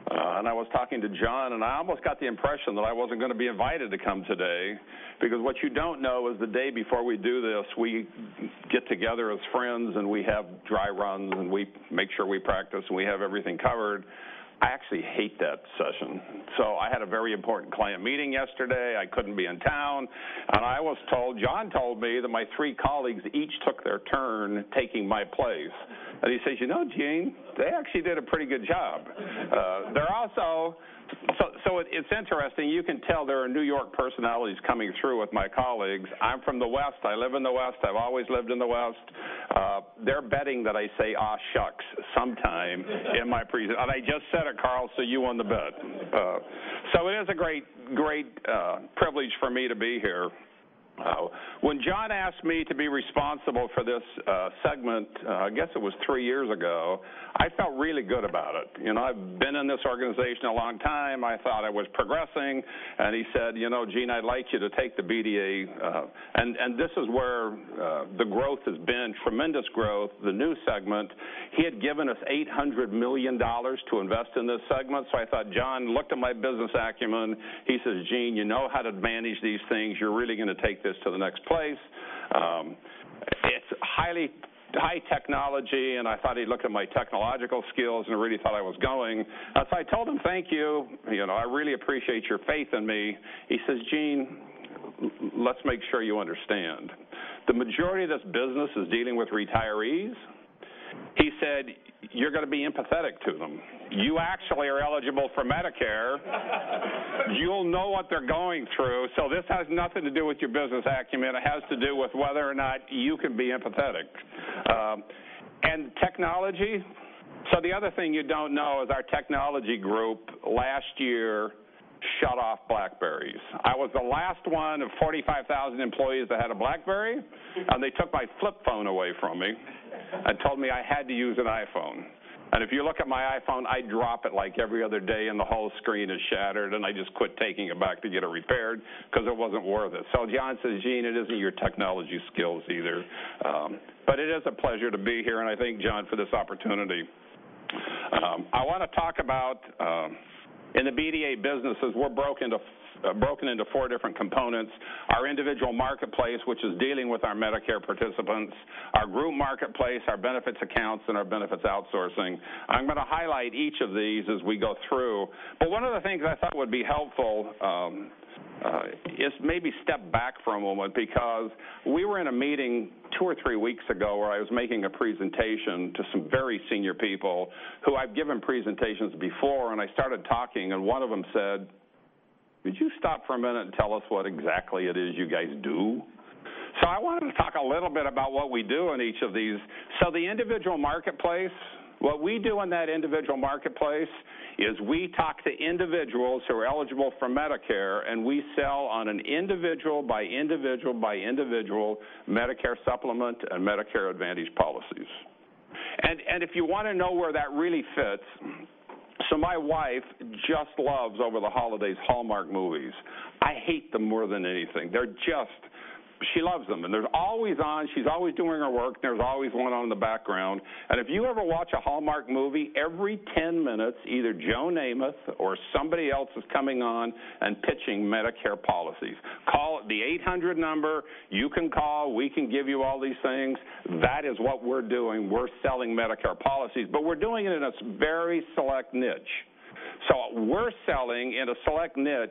I was talking to John, and I almost got the impression that I wasn't going to be invited to come today because what you don't know is the day before we do this, we get together as friends and we have dry runs, and we make sure we practice and we have everything covered. I actually hate that session. I had a very important client meeting yesterday. I couldn't be in town, and John told me that my three colleagues each took their turn taking my place. He says, "You know, Gene, they actually did a pretty good job." It's interesting. You can tell there are New York personalities coming through with my colleagues. I'm from the West. I live in the West. I've always lived in the West. They're betting that I say, "Aw, shucks" sometime in my presentation. I just said it, Carl, you won the bet. It is a great privilege for me to be here. When John asked me to be responsible for this segment, I guess it was three years ago, I felt really good about it. I've been in this organization a long time, I thought I was progressing. He said, "Gene, I'd like you to take the BDA." This is where the growth has been, tremendous growth, the new segment. He had given us $800 million to invest in this segment. I thought John looked at my business acumen. He says, "Gene, you know how to manage these things. You're really going to take this to the next place." It's high technology. I thought he looked at my technological skills and really thought I was going. I told him, "Thank you. I really appreciate your faith in me." He says, "Gene, let's make sure you understand. The majority of this business is dealing with retirees." He said, "You're going to be empathetic to them. You actually are eligible for Medicare." "You'll know what they're going through. This has nothing to do with your business acumen. It has to do with whether or not you can be empathetic." Technology. The other thing you don't know is our technology group last year shut off BlackBerrys. I was the last one of 45,000 employees that had a BlackBerry, and they took my flip phone away from me and told me I had to use an iPhone. If you look at my iPhone, I drop it like every other day, and the whole screen is shattered. I just quit taking it back to get it repaired because it wasn't worth it. John says, "Gene, it isn't your technology skills either." It is a pleasure to be here, and I thank John for this opportunity. I want to talk about in the BDA businesses, we're broken into four different components. Our individual marketplace, which is dealing with our Medicare participants, our group marketplace, our benefits accounts, and our benefits outsourcing. I'm going to highlight each of these as we go through. One of the things I thought would be helpful is maybe step back for a moment because we were in a meeting two or three weeks ago where I was making a presentation to some very senior people who I have given presentations before, and I started talking, and one of them said, "Would you stop for a minute and tell us what exactly it is you guys do?" So I wanted to talk a little bit about what we do in each of these. So the individual marketplace, what we do in that individual marketplace is we talk to individuals who are eligible for Medicare, and we sell on an individual by individual by individual Medicare Supplement and Medicare Advantage policies. If you want to know where that really fits, my wife just loves over the holidays Hallmark movies. I hate them more than anything. She loves them. They're always on. She's always doing her work. There's always one on in the background. If you ever watch a Hallmark movie, every 10 minutes, either Joe Namath or somebody else is coming on and pitching Medicare policies. Call the 800 number. You can call. We can give you all these things. That is what we're doing. We're selling Medicare policies, but we're doing it in a very select niche. So we're selling in a select niche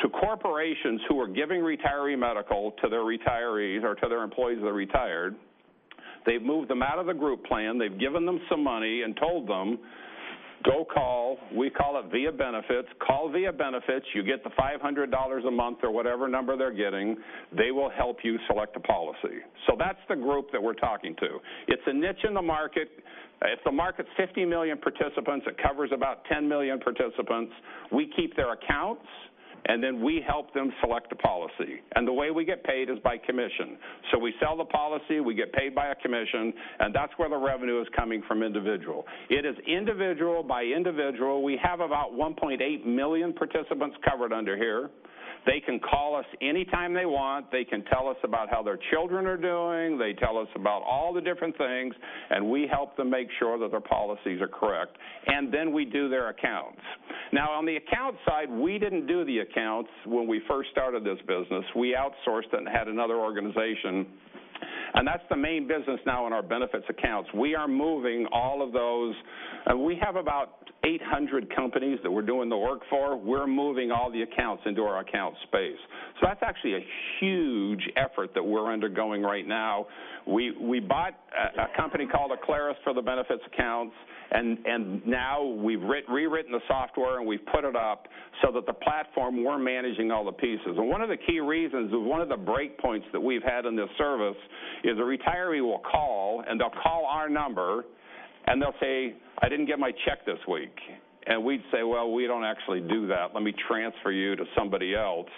to corporations who are giving retiree medical to their retirees or to their employees that are retired. They've moved them out of the group plan. They've given them some money and told them, "Go call." We call it Via Benefits. "Call Via Benefits. You get the $500 a month or whatever number they're getting. They will help you select a policy." So that's the group that we're talking to. It's a niche in the market. If the market's 50 million participants, it covers about 10 million participants. We keep their accounts, and then we help them select a policy. The way we get paid is by commission. So we sell the policy, we get paid by a commission, and that's where the revenue is coming from individual. It is individual by individual. We have about 1.8 million participants covered under here. They can call us anytime they want. They can tell us about how their children are doing. They tell us about all the different things, and we help them make sure that their policies are correct. Then we do their accounts. Now, on the account side, we did not do the accounts when we first started this business. We outsourced it and had another organization. That's the main business now in our benefits accounts. We are moving all of those. We have about 800 companies that we're doing the work for. We're moving all the accounts into our account space. So that's actually a huge effort that we're undergoing right now. We bought a company called Acclaris for the benefits accounts, and now we've rewritten the software, and we've put it up so that the platform, we're managing all the pieces. One of the key reasons is one of the breakpoints that we've had in this service is a retiree will call, and they'll call our number, and they'll say, "I did not get my check this week." And we'd say, "Well, we don't actually do that. Let me transfer you to somebody else."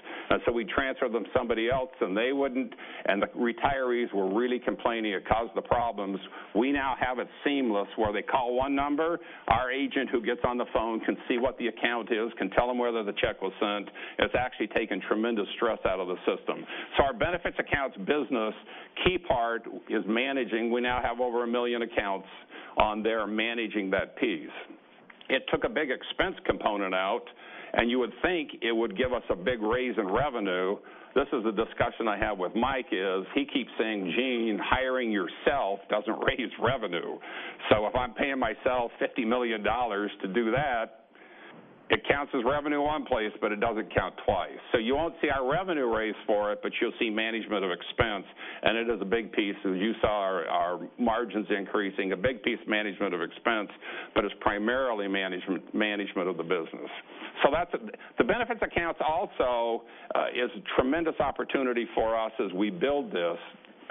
We transfer them to somebody else, and the retirees were really complaining. It caused the problems. We now have it seamless where they call one number. Our agent who gets on the phone can see what the account is, can tell them whether the check was sent. It's actually taken tremendous stress out of the system. Our benefits accounts business key part is managing. We now have over 1 million accounts on there managing that piece. It took a big expense component out, and you would think it would give us a big raise in revenue. This is a discussion I had with Mike is he keeps saying, "Gene, hiring yourself doesn't raise revenue." If I'm paying myself $50 million to do that, it counts as revenue in one place, but it doesn't count twice. You won't see our revenue raise for it, but you'll see management of expense, and it is a big piece. You saw our margins increasing, a big piece of management of expense, but it's primarily management of the business. The benefits accounts also is a tremendous opportunity for us as we build this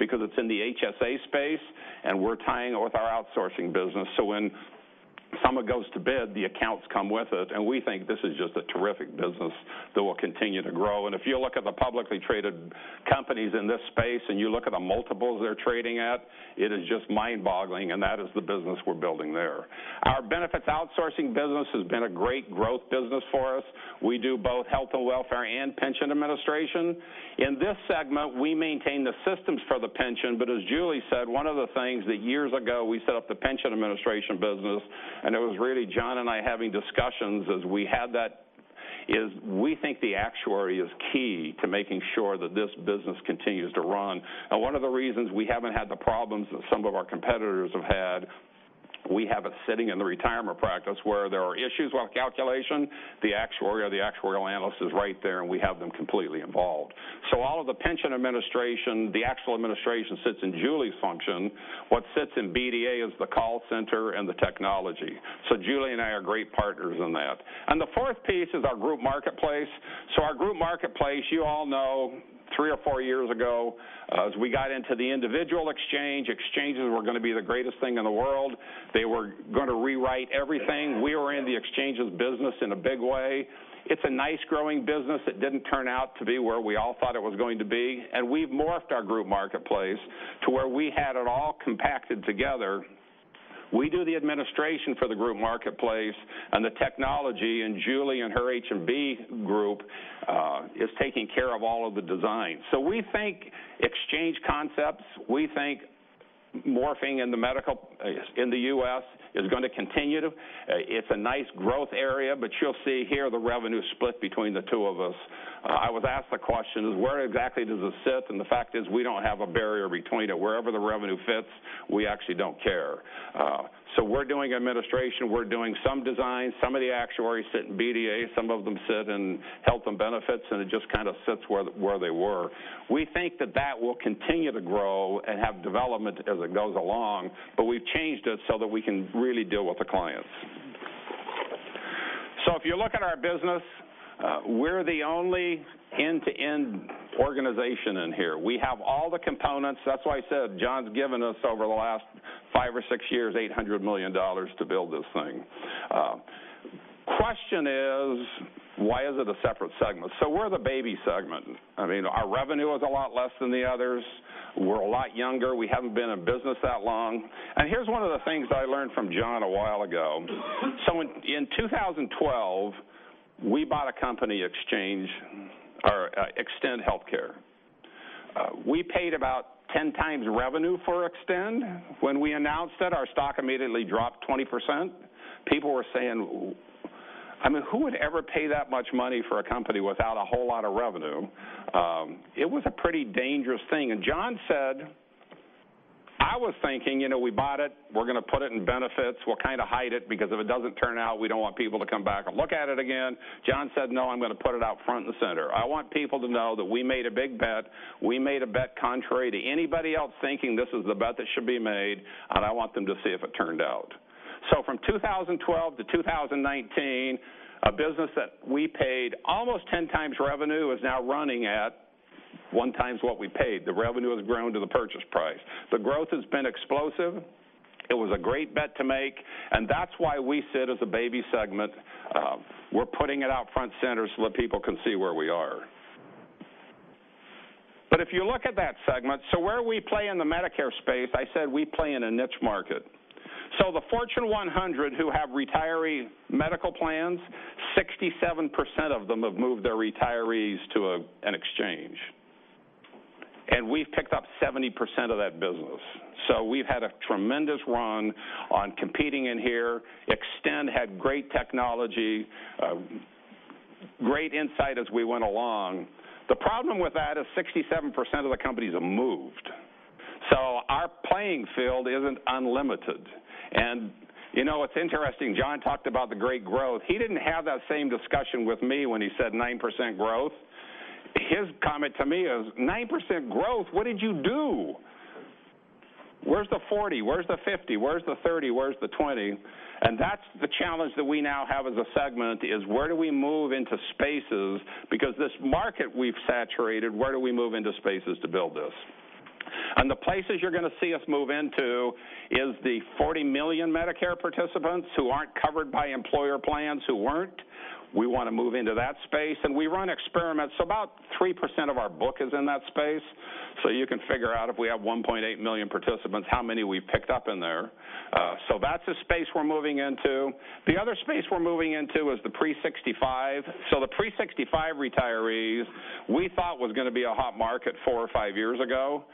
because it's in the HSA space, and we're tying with our outsourcing business. When someone goes to bid, the accounts come with it, and we think this is just a terrific business that will continue to grow. If you look at the publicly traded companies in this space, and you look at the multiples they're trading at, it is just mind-boggling, and that is the business we're building there. Our benefits outsourcing business has been a great growth business for us. We do both health and welfare and pension administration. In this segment, we maintain the systems for the pension, but as Julie said, one of the things that years ago we set up the pension administration business, and it was really John and I having discussions as we had that, is we think the actuary is key to making sure that this business continues to run. One of the reasons we haven't had the problems that some of our competitors have had, we have it sitting in the retirement practice where there are issues around calculation, the actuary or the actuarial analyst is right there, and we have them completely involved. All of the pension administration, the actual administration sits in Julie's function. What sits in BDA is the call center and the technology. Julie and I are great partners in that. The fourth piece is our group marketplace. Our group marketplace, you all know, three or four years ago, as we got into the individual exchange, exchanges were going to be the greatest thing in the world. They were going to rewrite everything. We were in the exchanges business in a big way. It's a nice growing business that didn't turn out to be where we all thought it was going to be, and we've morphed our group marketplace to where we had it all compacted together. We do the administration for the group marketplace, and the technology, and Julie and her H&B group is taking care of all of the design. We think exchange concepts, we think morphing in the medical in the U.S. is going to continue. It's a nice growth area, but you'll see here the revenue split between the two of us. I was asked the question, where exactly does this sit? The fact is, we don't have a barrier between it. Wherever the revenue fits, we actually don't care. We're doing administration, we're doing some design, some of the actuaries sit in BDA, some of them sit in Health and Benefits, and it just sits where they were. We think that that will continue to grow and have development as it goes along, but we've changed it so that we can really deal with the clients. If you look at our business, we're the only end-to-end organization in here. We have all the components. That's why I said John's given us over the last five or six years, $800 million to build this thing. Question is, why is it a separate segment? We're the baby segment. Our revenue is a lot less than the others. We're a lot younger. We haven't been in business that long. Here's one of the things I learned from John a while ago. In 2012, we bought a company Extend Health. We paid about 10 times revenue for Extend Health. When we announced it, our stock immediately dropped 20%. People were saying, who would ever pay that much money for a company without a whole lot of revenue? It was a pretty dangerous thing. John said, "No, I'm going to put it out front and center. I want people to know that we made a big bet. We made a bet contrary to anybody else thinking this is the bet that should be made, and I want them to see if it turned out." So from 2012 to 2019, a business that we paid almost 10 times revenue is now running at one times what we paid. The revenue has grown to the purchase price. The growth has been explosive. It was a great bet to make, and that's why we sit as a baby segment. We're putting it out front and center so that people can see where we are. But if you look at that segment, so where we play in the Medicare space, I said we play in a niche market. The Fortune 100 who have retiree medical plans, 67% of them have moved their retirees to an exchange. And we've picked up 70% of that business. We've had a tremendous run on competing in here. Extend had great technology, great insight as we went along. The problem with that is 67% of the companies have moved. Our playing field isn't unlimited. It's interesting, John talked about the great growth. He didn't have that same discussion with me when he said 9% growth. His comment to me is, "9% growth? What did you do? Where's the 40%? Where's the 50%? Where's the 30%? Where's the 20%?" That's the challenge that we now have as a segment is where do we move into spaces because this market we've saturated, where do we move into spaces to build this? The places you're going to see us move into is the 40 million Medicare participants who aren't covered by employer plans who weren't. We want to move into that space, and we run experiments. About 3% of our book is in that space. You can figure out if we have 1.8 million participants, how many we picked up in there. That's a space we're moving into. The other space we're moving into is the pre-65. The pre-65 retirees we thought was going to be a hot market four or five years ago.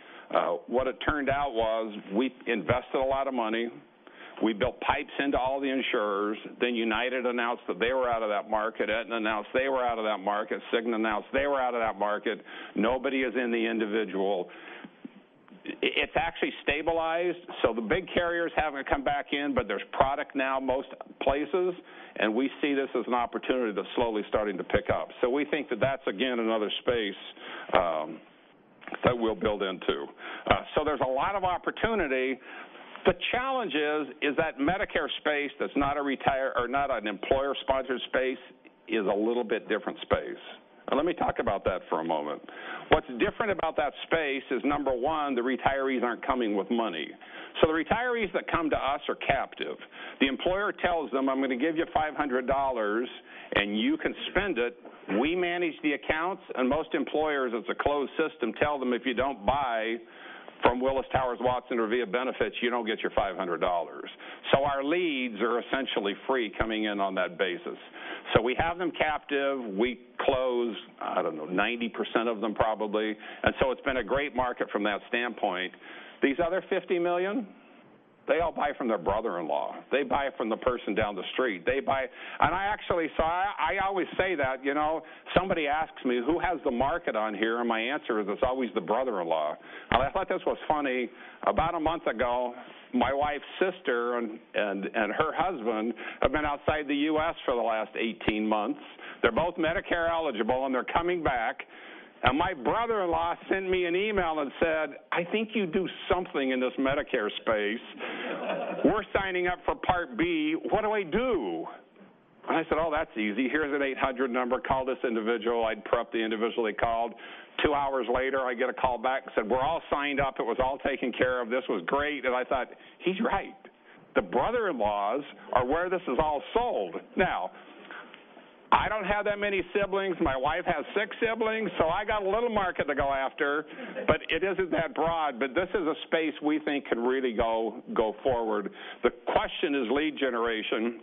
What it turned out was we invested a lot of money. We built pipes into all the insurers. United announced that they were out of that market. Aetna announced they were out of that market. Cigna announced they were out of that market. Nobody is in the individual. It's actually stabilized, the big carriers haven't come back in, but there's product now most places, and we see this as an opportunity that's slowly starting to pick up. We think that that's, again, another space that we'll build into. There's a lot of opportunity. The challenge is that Medicare space that's not an employer-sponsored space is a little bit different space. Let me talk about that for a moment. What's different about that space is, number one, the retirees aren't coming with money. The retirees that come to us are captive. The employer tells them, "I'm going to give you $500, and you can spend it." We manage the accounts, and most employers, as a closed system, tell them, "If you don't buy from Willis Towers Watson or Via Benefits, you don't get your $500." Our leads are essentially free coming in on that basis. We have them captive. We close, I don't know, 90% of them probably. It's been a great market from that standpoint. These other 50 million, they all buy from their brother-in-law. They buy it from the person down the street. I actually always say that. Somebody asks me, "Who has the market on here?" My answer is, it's always the brother-in-law. I thought this was funny. About a month ago, my wife's sister and her husband have been outside the U.S. for the last 18 months. They're both Medicare eligible, and they're coming back. My brother-in-law sent me an email and said, "I think you do something in this Medicare space." "We're signing up for Part B. What do I do?" I said, "Oh, that's easy. Here's an 800 number. Call this individual." I'd prep the individual they called. Two hours later, I get a call back that said, "We're all signed up. It was all taken care of. This was great." I thought, he's right. The brother-in-laws are where this is all sold. Now, I don't have that many siblings. My wife has six siblings, I got a little market to go after, but it isn't that broad. This is a space we think could really go forward. The question is lead generation.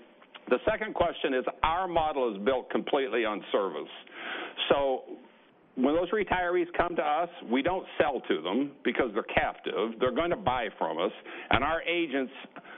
The second question is, our model is built completely on service. When those retirees come to us, we don't sell to them because they're captive. They're going to buy from us, and our agents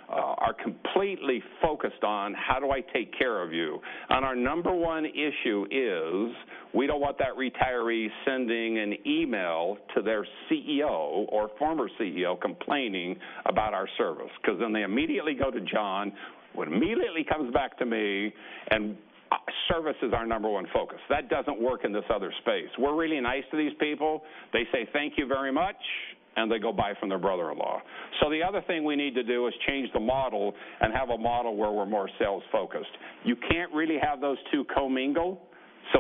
are completely focused on how do I take care of you? Our number one issue is we don't want that retiree sending an email to their CEO or former CEO complaining about our service, because then they immediately go to John, who immediately comes back to me, and service is our number one focus. That doesn't work in this other space. We're really nice to these people. They say, "Thank you very much," and they go buy from their brother-in-law. The other thing we need to do is change the model and have a model where we're more sales-focused. You can't really have those two commingle,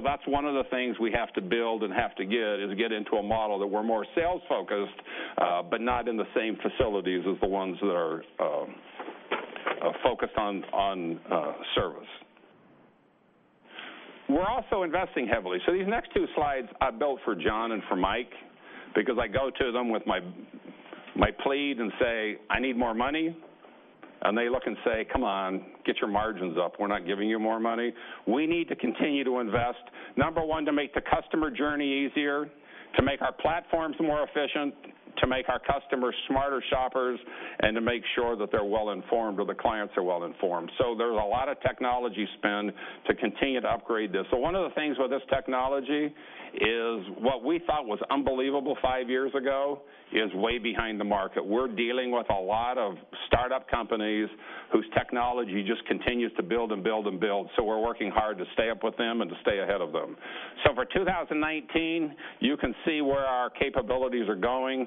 that's one of the things we have to build and have to get is get into a model that we're more sales-focused, but not in the same facilities as the ones that are focused on service. We're also investing heavily. These next two slides I built for John and for Mike because I go to them with my plea and say, "I need more money." They look and say, "Come on, get your margins up. We're not giving you more money." We need to continue to invest, number 1, to make the customer journey easier, to make our platforms more efficient, to make our customers smarter shoppers, and to make sure that they're well-informed, or the clients are well-informed. There's a lot of technology spend to continue to upgrade this. One of the things with this technology is what we thought was unbelievable five years ago is way behind the market. We're dealing with a lot of startup companies whose technology just continues to build and build and build. We're working hard to stay up with them and to stay ahead of them. For 2019, you can see where our capabilities are going.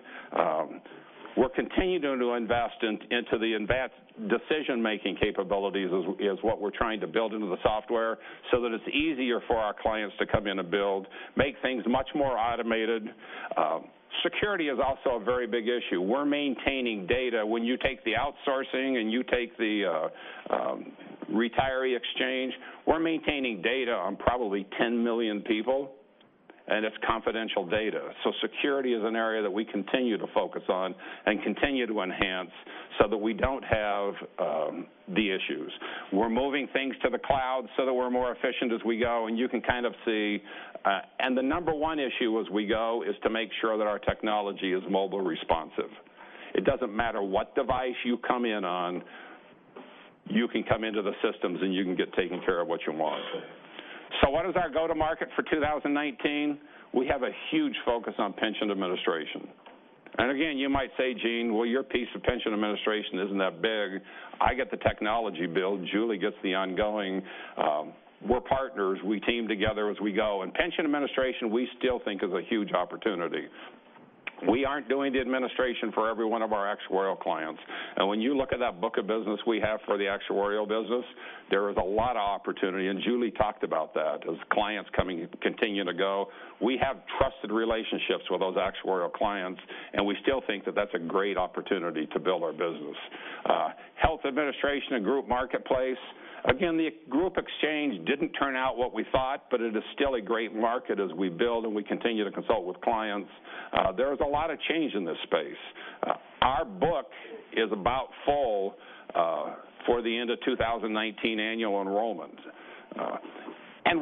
We're continuing to invest into the advanced decision-making capabilities, is what we're trying to build into the software so that it's easier for our clients to come in and build, make things much more automated. Security is also a very big issue. We're maintaining data. When you take the outsourcing and you take the retiree exchange, we're maintaining data on probably 10 million people, and it's confidential data. Security is an area that we continue to focus on and continue to enhance so that we don't have the issues. We're moving things to the cloud so that we're more efficient as we go, and you can kind of see. The number 1 issue as we go is to make sure that our technology is mobile responsive. It doesn't matter what device you come in on, you can come into the systems, and you can get taken care of what you want. What is our go to market for 2019? We have a huge focus on pension administration. Again, you might say, "Gene, well, your piece of pension administration isn't that big." I get the technology build. Julie gets the ongoing. We're partners. We team together as we go. Pension administration, we still think, is a huge opportunity. We aren't doing the administration for every one of our actuarial clients. When you look at that book of business we have for the actuarial business, there is a lot of opportunity, and Julie talked about that. As clients continue to go, we have trusted relationships with those actuarial clients, and we still think that that's a great opportunity to build our business. Health administration and group marketplace. It is still a great market as we build and we continue to consult with clients. There is a lot of change in this space. Our book is about full for the end of 2019 annual enrollment.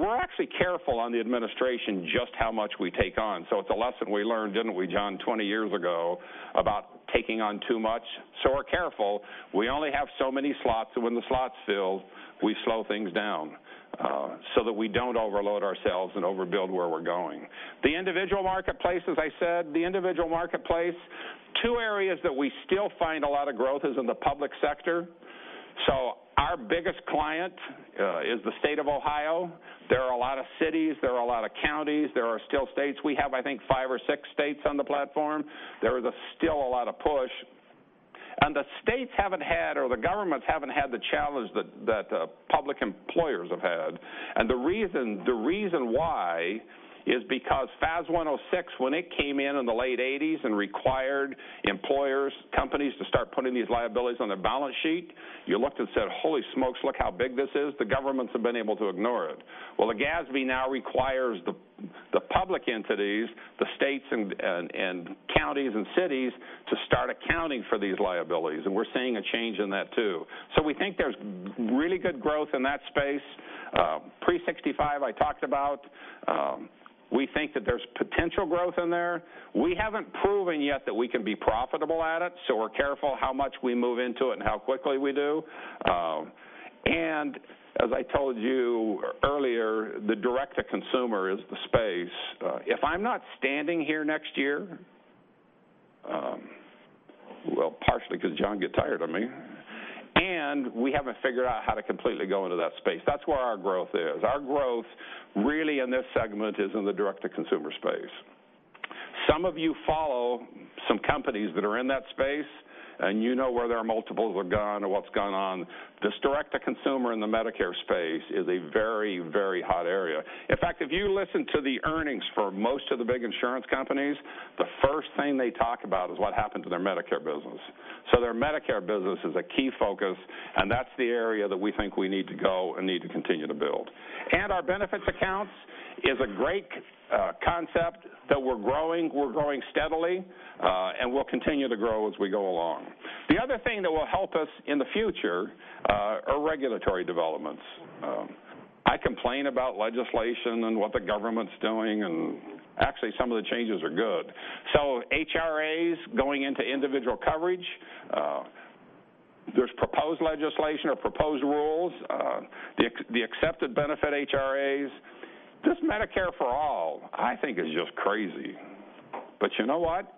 We're actually careful on the administration just how much we take on. It's a lesson we learned, didn't we, John, 20 years ago, about taking on too much. We're careful. We only have so many slots, and when the slots fill, we slow things down so that we don't overload ourselves and overbuild where we're going. The individual marketplace, as I said, the individual marketplace, two areas that we still find a lot of growth is in the public sector. Our biggest client is the State of Ohio. There are a lot of cities, there are a lot of counties, there are still states. We have, I think, five or six states on the platform. There is still a lot of push. The states haven't had, or the governments haven't had the challenge that public employers have had. The reason why is because FAS 106, when it came in in the late '80s and required employers, companies to start putting these liabilities on their balance sheet, you looked and said, "Holy smokes, look how big this is." The governments have been able to ignore it. The GASB now requires the public entities, the states and counties and cities to start accounting for these liabilities, and we're seeing a change in that too. We think there's really good growth in that space. Pre-65, I talked about. We think that there's potential growth in there. We haven't proven yet that we can be profitable at it. We're careful how much we move into it and how quickly we do. As I told you earlier, the direct-to-consumer is the space. If I'm not standing here next year, well, partially because John get tired of me, and we haven't figured out how to completely go into that space. That's where our growth is. Our growth really in this segment is in the direct-to-consumer space. Some of you follow some companies that are in that space, and you know where their multiples have gone or what's gone on. This direct-to-consumer in the Medicare space is a very, very hot area. In fact, if you listen to the earnings for most of the big insurance companies, the first thing they talk about is what happened to their Medicare business. Their Medicare business is a key focus, and that's the area that we think we need to go and need to continue to build. Our benefits accounts is a great concept that we're growing. We're growing steadily, and we'll continue to grow as we go along. The other thing that will help us in the future are regulatory developments. I complain about legislation and what the government's doing, and actually some of the changes are good. HRAs going into individual coverage, there's proposed legislation or proposed rules, the accepted benefit HRAs. This Medicare for All, I think is just crazy. You know what?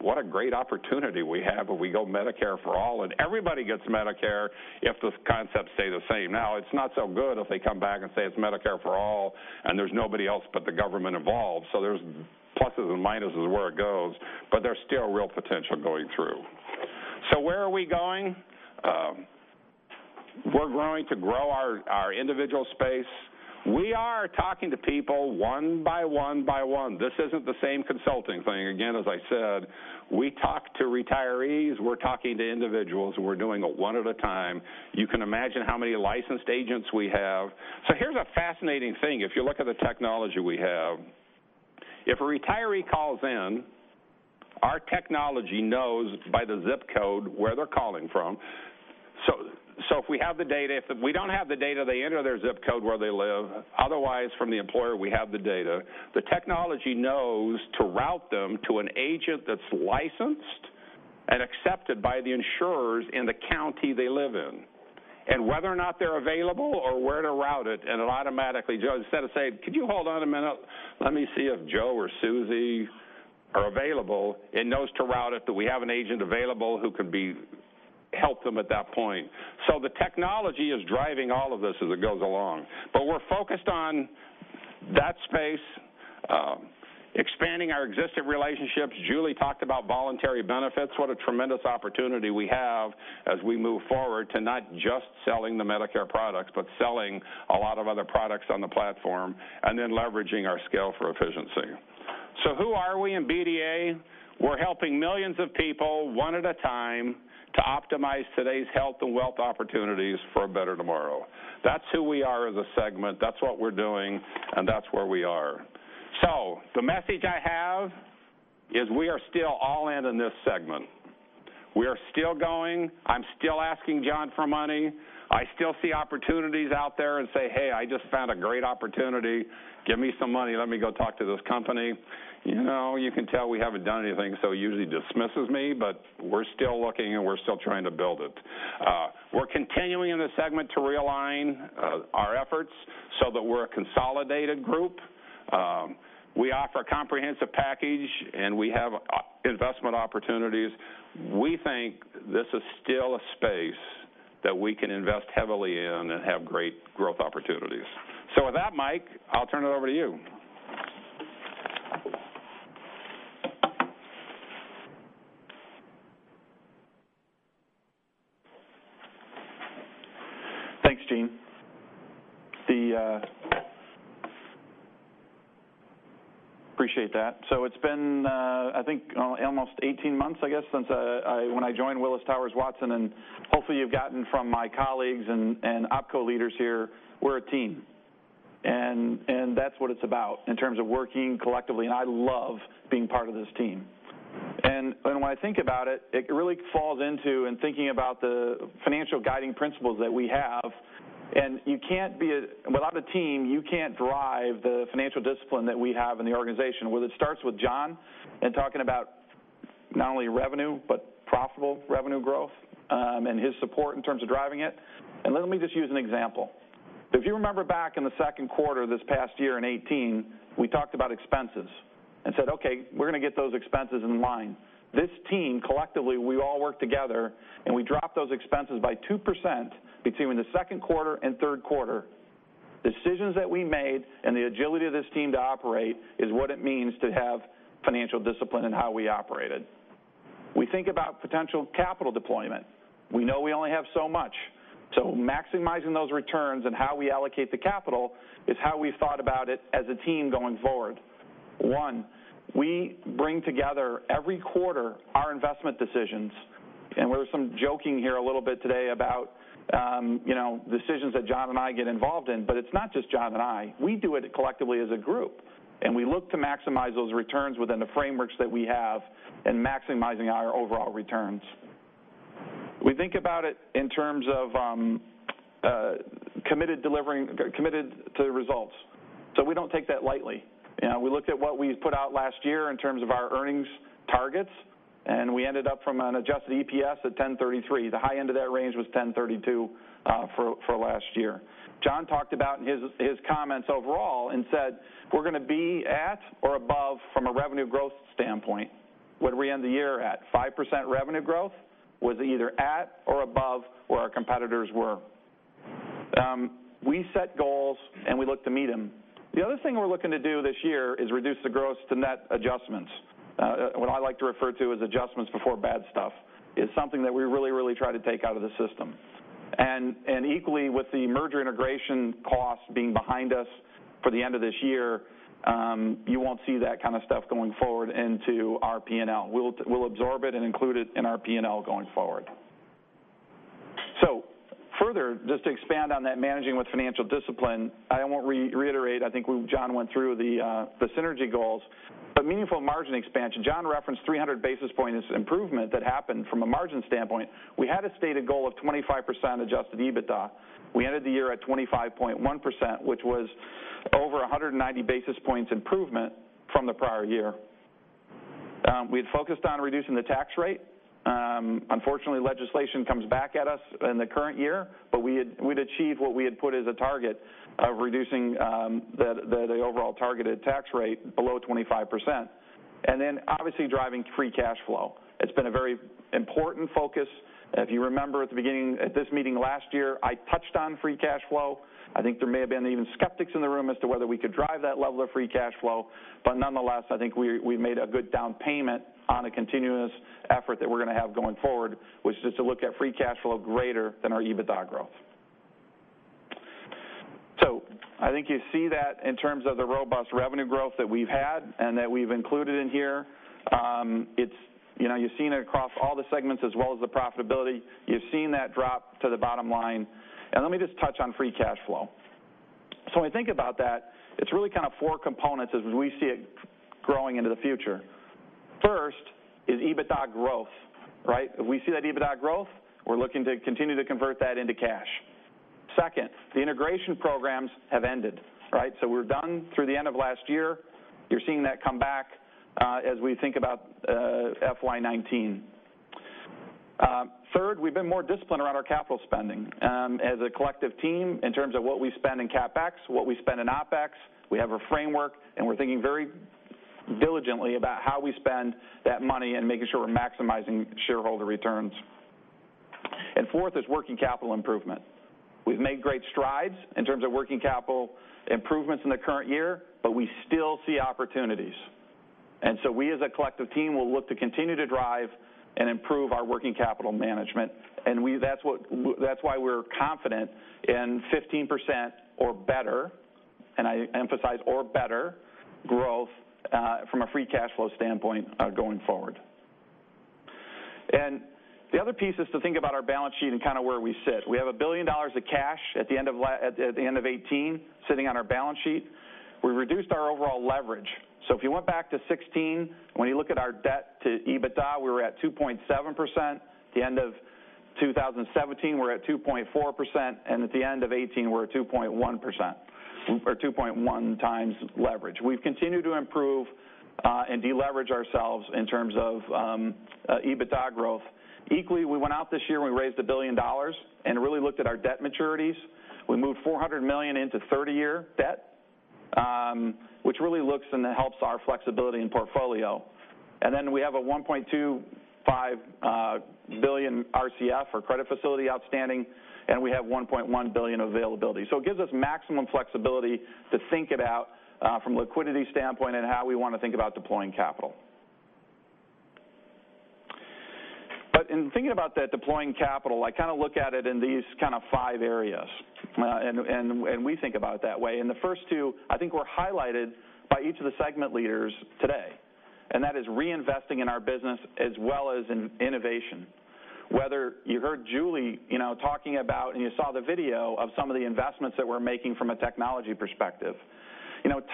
What a great opportunity we have if we go Medicare for All and everybody gets Medicare if those concepts stay the same. It's not so good if they come back and say it's Medicare for All and there's nobody else but the government involved. There's pluses and minuses where it goes, but there's still real potential going through. Where are we going? We're going to grow our individual space. We are talking to people one by one by one. This isn't the same consulting thing. Again, as I said, we talk to retirees, we're talking to individuals, and we're doing it one at a time. You can imagine how many licensed agents we have. Here's a fascinating thing. If you look at the technology we have, if a retiree calls in, our technology knows by the zip code where they're calling from. If we don't have the data, they enter their zip code where they live. Otherwise, from the employer, we have the data. The technology knows to route them to an agent that's licensed and accepted by the insurers in the county they live in. Whether or not they're available or where to route it, and it automatically, instead of saying, "Could you hold on a minute? Let me see if Joe or Susie are available," it knows to route it that we have an agent available who could help them at that point. The technology is driving all of this as it goes along. We're focused on that space, expanding our existing relationships. Julie talked about voluntary benefits. What a tremendous opportunity we have as we move forward to not just selling the Medicare products, but selling a lot of other products on the platform, and then leveraging our scale for efficiency. Who are we in BDA? We're helping millions of people, one at a time, to optimize today's health and wealth opportunities for a better tomorrow. That's who we are as a segment, that's what we're doing, and that's where we are. The message I have is we are still all in on this segment. We are still going. I'm still asking John for money. I still see opportunities out there and say, "Hey, I just found a great opportunity. Give me some money. Let me go talk to this company." You can tell we haven't done anything, so he usually dismisses me, but we're still looking and we're still trying to build it. We're continuing in this segment to realign our efforts so that we're a consolidated group. We offer a comprehensive package and we have investment opportunities. We think this is still a space that we can invest heavily in and have great growth opportunities. With that, Mike, I'll turn it over to you. Thanks, Gene. Appreciate that. It's been, I think almost 18 months, I guess, since when I joined Willis Towers Watson, hopefully you've gotten from my colleagues and opco leaders here, we're a team. That's what it's about in terms of working collectively, and I love being part of this team. When I think about it really falls into, in thinking about the financial guiding principles that we have, and without a team, you can't drive the financial discipline that we have in the organization. It starts with John in talking about not only revenue, but profitable revenue growth, and his support in terms of driving it. Let me just use an example. If you remember back in the second quarter this past year in 2018, we talked about expenses and said, "Okay, we're going to get those expenses in line." This team, collectively, we all worked together, and we dropped those expenses by 2% between the second quarter and third quarter. Decisions that we made and the agility of this team to operate is what it means to have financial discipline in how we operated. We think about potential capital deployment. We know we only have so much. Maximizing those returns and how we allocate the capital is how we've thought about it as a team going forward. One, we bring together every quarter our investment decisions. There was some joking here a little bit today about decisions that John and I get involved in, but it's not just John and I. We do it collectively as a group, and we look to maximize those returns within the frameworks that we have in maximizing our overall returns. We think about it in terms of committed to results. We don't take that lightly. We looked at what we put out last year in terms of our earnings targets. We ended up from an adjusted EPS at 10.33. The high end of that range was 10.32 for last year. John talked about in his comments overall and said we're going to be at or above from a revenue growth standpoint. What'd we end the year at? 5% revenue growth was either at or above where our competitors were. We set goals, and we look to meet them. The other thing we're looking to do this year is reduce the gross to net adjustments. What I like to refer to as adjustments before bad stuff is something that we really try to take out of the system. Equally, with the merger integration costs being behind us for the end of this year, you won't see that kind of stuff going forward into our P&L. We'll absorb it and include it in our P&L going forward. Further, just to expand on that managing with financial discipline, I won't reiterate. I think John went through the synergy goals. Meaningful margin expansion. John referenced 300 basis points improvement that happened from a margin standpoint. We had a stated goal of 25% adjusted EBITDA. We ended the year at 25.1%, which was over 190 basis points improvement from the prior year. We had focused on reducing the tax rate. We'd achieved what we had put as a target of reducing the overall targeted tax rate below 25%. Obviously driving free cash flow. It's been a very important focus. If you remember at the beginning at this meeting last year, I touched on free cash flow. I think there may have been even skeptics in the room as to whether we could drive that level of free cash flow. Nonetheless, I think we made a good down payment on a continuous effort that we're going to have going forward, which is to look at free cash flow greater than our EBITDA growth. I think you see that in terms of the robust revenue growth that we've had and that we've included in here. You've seen it across all the segments as well as the profitability. You've seen that drop to the bottom line. Let me just touch on free cash flow. When we think about that, it's really four components as we see it growing into the future. First is EBITDA growth. If we see that EBITDA growth, we're looking to continue to convert that into cash. Second, the integration programs have ended. We're done through the end of last year. You're seeing that come back as we think about FY 2019. Third, we've been more disciplined around our capital spending. As a collective team, in terms of what we spend in CapEx, what we spend in OpEx, we have a framework, and we're thinking very diligently about how we spend that money and making sure we're maximizing shareholder returns. Fourth is working capital improvement. We've made great strides in terms of working capital improvements in the current year. We still see opportunities. We, as a collective team, will look to continue to drive and improve our working capital management. That's why we're confident in 15% or better, and I emphasize or better, growth from a free cash flow standpoint going forward. The other piece is to think about our balance sheet and where we sit. We have $1 billion of cash at the end of 2018 sitting on our balance sheet. We reduced our overall leverage. If you went back to 2016, when you look at our debt to EBITDA, we were at 2.7%. At the end of 2017, we're at 2.4%, and at the end of 2018, we're at 2.1 times leverage. We've continued to improve and de-leverage ourselves in terms of EBITDA growth. Equally, we went out this year. We raised $1 billion and really looked at our debt maturities. We moved $400 million into 30-year debt, which really looks and helps our flexibility and portfolio. We have a $1.25 billion RCF, or credit facility, outstanding. We have $1.1 billion availability. It gives us maximum flexibility to think it out from a liquidity standpoint and how we want to think about deploying capital. In thinking about that deploying capital, I look at it in these five areas. We think about it that way. The first two, I think, were highlighted by each of the segment leaders today, and that is reinvesting in our business as well as in innovation. Whether you heard Julie talking about, and you saw the video of some of the investments that we're making from a technology perspective.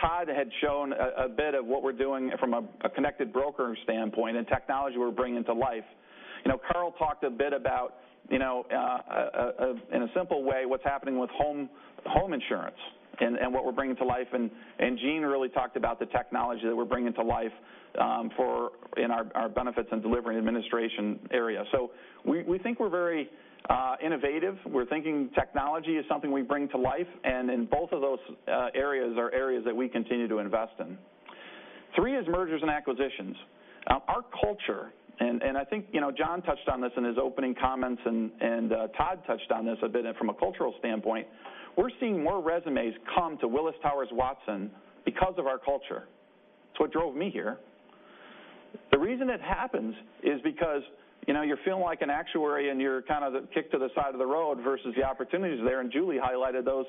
Todd had shown a bit of what we're doing from a connected broker standpoint and technology we're bringing to life. Carl talked a bit about, in a simple way, what's happening with home insurance and what we're bringing to life, Gene really talked about the technology that we're bringing to life in our Benefits Delivery and Administration area. We think we're very innovative. We're thinking technology is something we bring to life, in both of those areas are areas that we continue to invest in. Three is mergers and acquisitions. Our culture, I think John touched on this in his opening comments, Todd touched on this a bit from a cultural standpoint, we're seeing more resumes come to Willis Towers Watson because of our culture. It's what drove me here. The reason it happens is because you're feeling like an actuary, you're kind of kicked to the side of the road versus the opportunities there, Julie highlighted those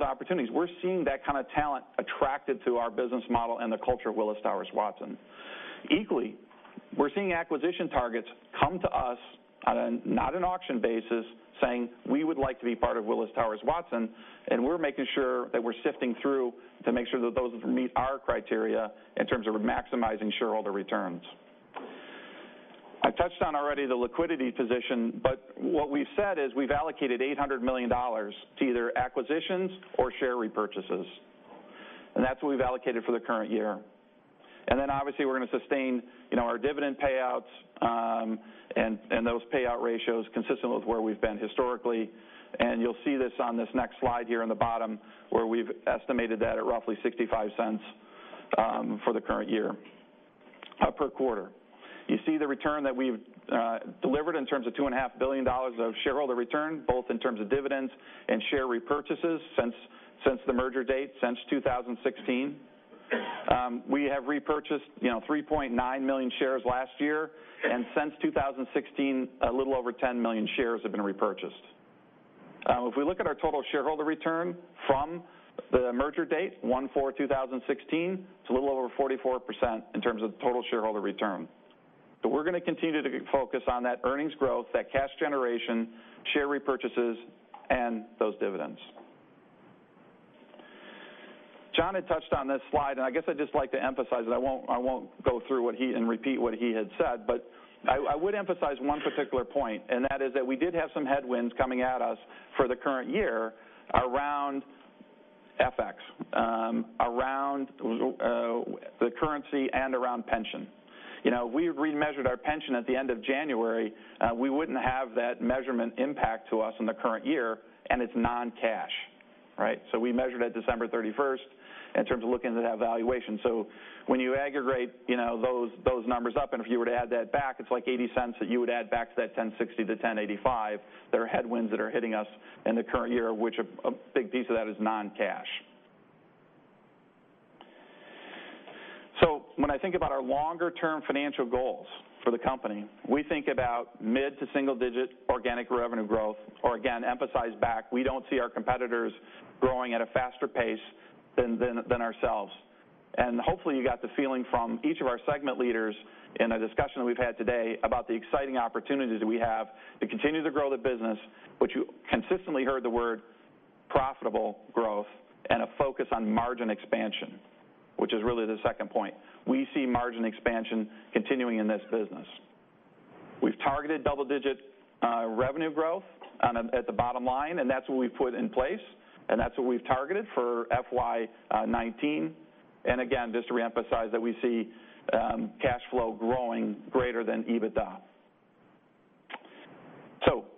opportunities. We're seeing that kind of talent attracted to our business model and the culture of Willis Towers Watson. Equally, we're seeing acquisition targets come to us on not an auction basis, saying, "We would like to be part of Willis Towers Watson," we're making sure that we're sifting through to make sure that those meet our criteria in terms of maximizing shareholder returns. I touched on already the liquidity position, but what we've said is we've allocated $800 million to either acquisitions or share repurchases, that's what we've allocated for the current year. Obviously, we're going to sustain our dividend payouts, those payout ratios consistent with where we've been historically. You'll see this on this next slide here in the bottom, where we've estimated that at roughly $0.65 for the current year per quarter. You see the return that we've delivered in terms of $2.5 billion of shareholder return, both in terms of dividends and share repurchases since the merger date, since 2016. We have repurchased 3.9 million shares last year since 2016, a little over 10 million shares have been repurchased. If we look at our total shareholder return from the merger date, 01/04/2016, it's a little over 44% in terms of total shareholder return. We're going to continue to focus on that earnings growth, that cash generation, share repurchases, those dividends. John had touched on this slide, I guess I'd just like to emphasize it. I won't go through and repeat what he had said, I would emphasize one particular point, that is that we did have some headwinds coming at us for the current year around FX, around the currency, around pension. We remeasured our pension at the end of January. We wouldn't have that measurement impact to us in the current year, it's non-cash. We measured at December 31st in terms of looking at that valuation. When you aggregate those numbers up, if you were to add that back, it's like $0.80 that you would add back to that $10.60-$10.85 that are headwinds that are hitting us in the current year, which a big piece of that is non-cash. When I think about our longer-term financial goals for the company, we think about mid to single-digit organic revenue growth, or again, emphasize back, we don't see our competitors growing at a faster pace than ourselves. Hopefully, you got the feeling from each of our segment leaders in our discussion that we've had today about the exciting opportunities we have to continue to grow the business, but you consistently heard the word profitable growth and a focus on margin expansion, which is really the second point. We see margin expansion continuing in this business. We've targeted double-digit revenue growth at the bottom line, and that's what we've put in place, and that's what we've targeted for FY 2019. Again, just to reemphasize that we see cash flow growing greater than EBITDA.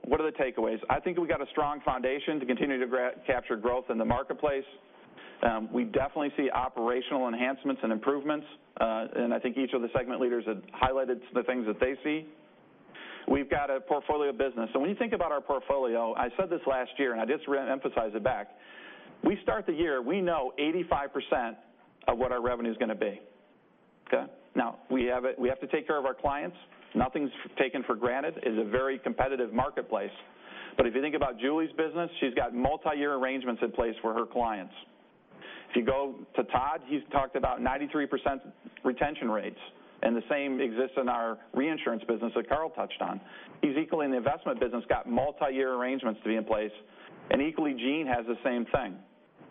What are the takeaways? I think we've got a strong foundation to continue to capture growth in the marketplace. We definitely see operational enhancements and improvements. I think each of the segment leaders have highlighted the things that they see. We've got a portfolio of business. When you think about our portfolio, I said this last year, and I just reemphasize it back. We start the year, we know 85% of what our revenue's going to be. Now, we have to take care of our clients. Nothing's taken for granted. It's a very competitive marketplace. If you think about Julie's business, she's got multi-year arrangements in place for her clients. If you go to Todd, he's talked about 93% retention rates, and the same exists in our reinsurance business that Carl touched on. He's equally in the investment business, got multi-year arrangements to be in place, and equally, Gene has the same thing.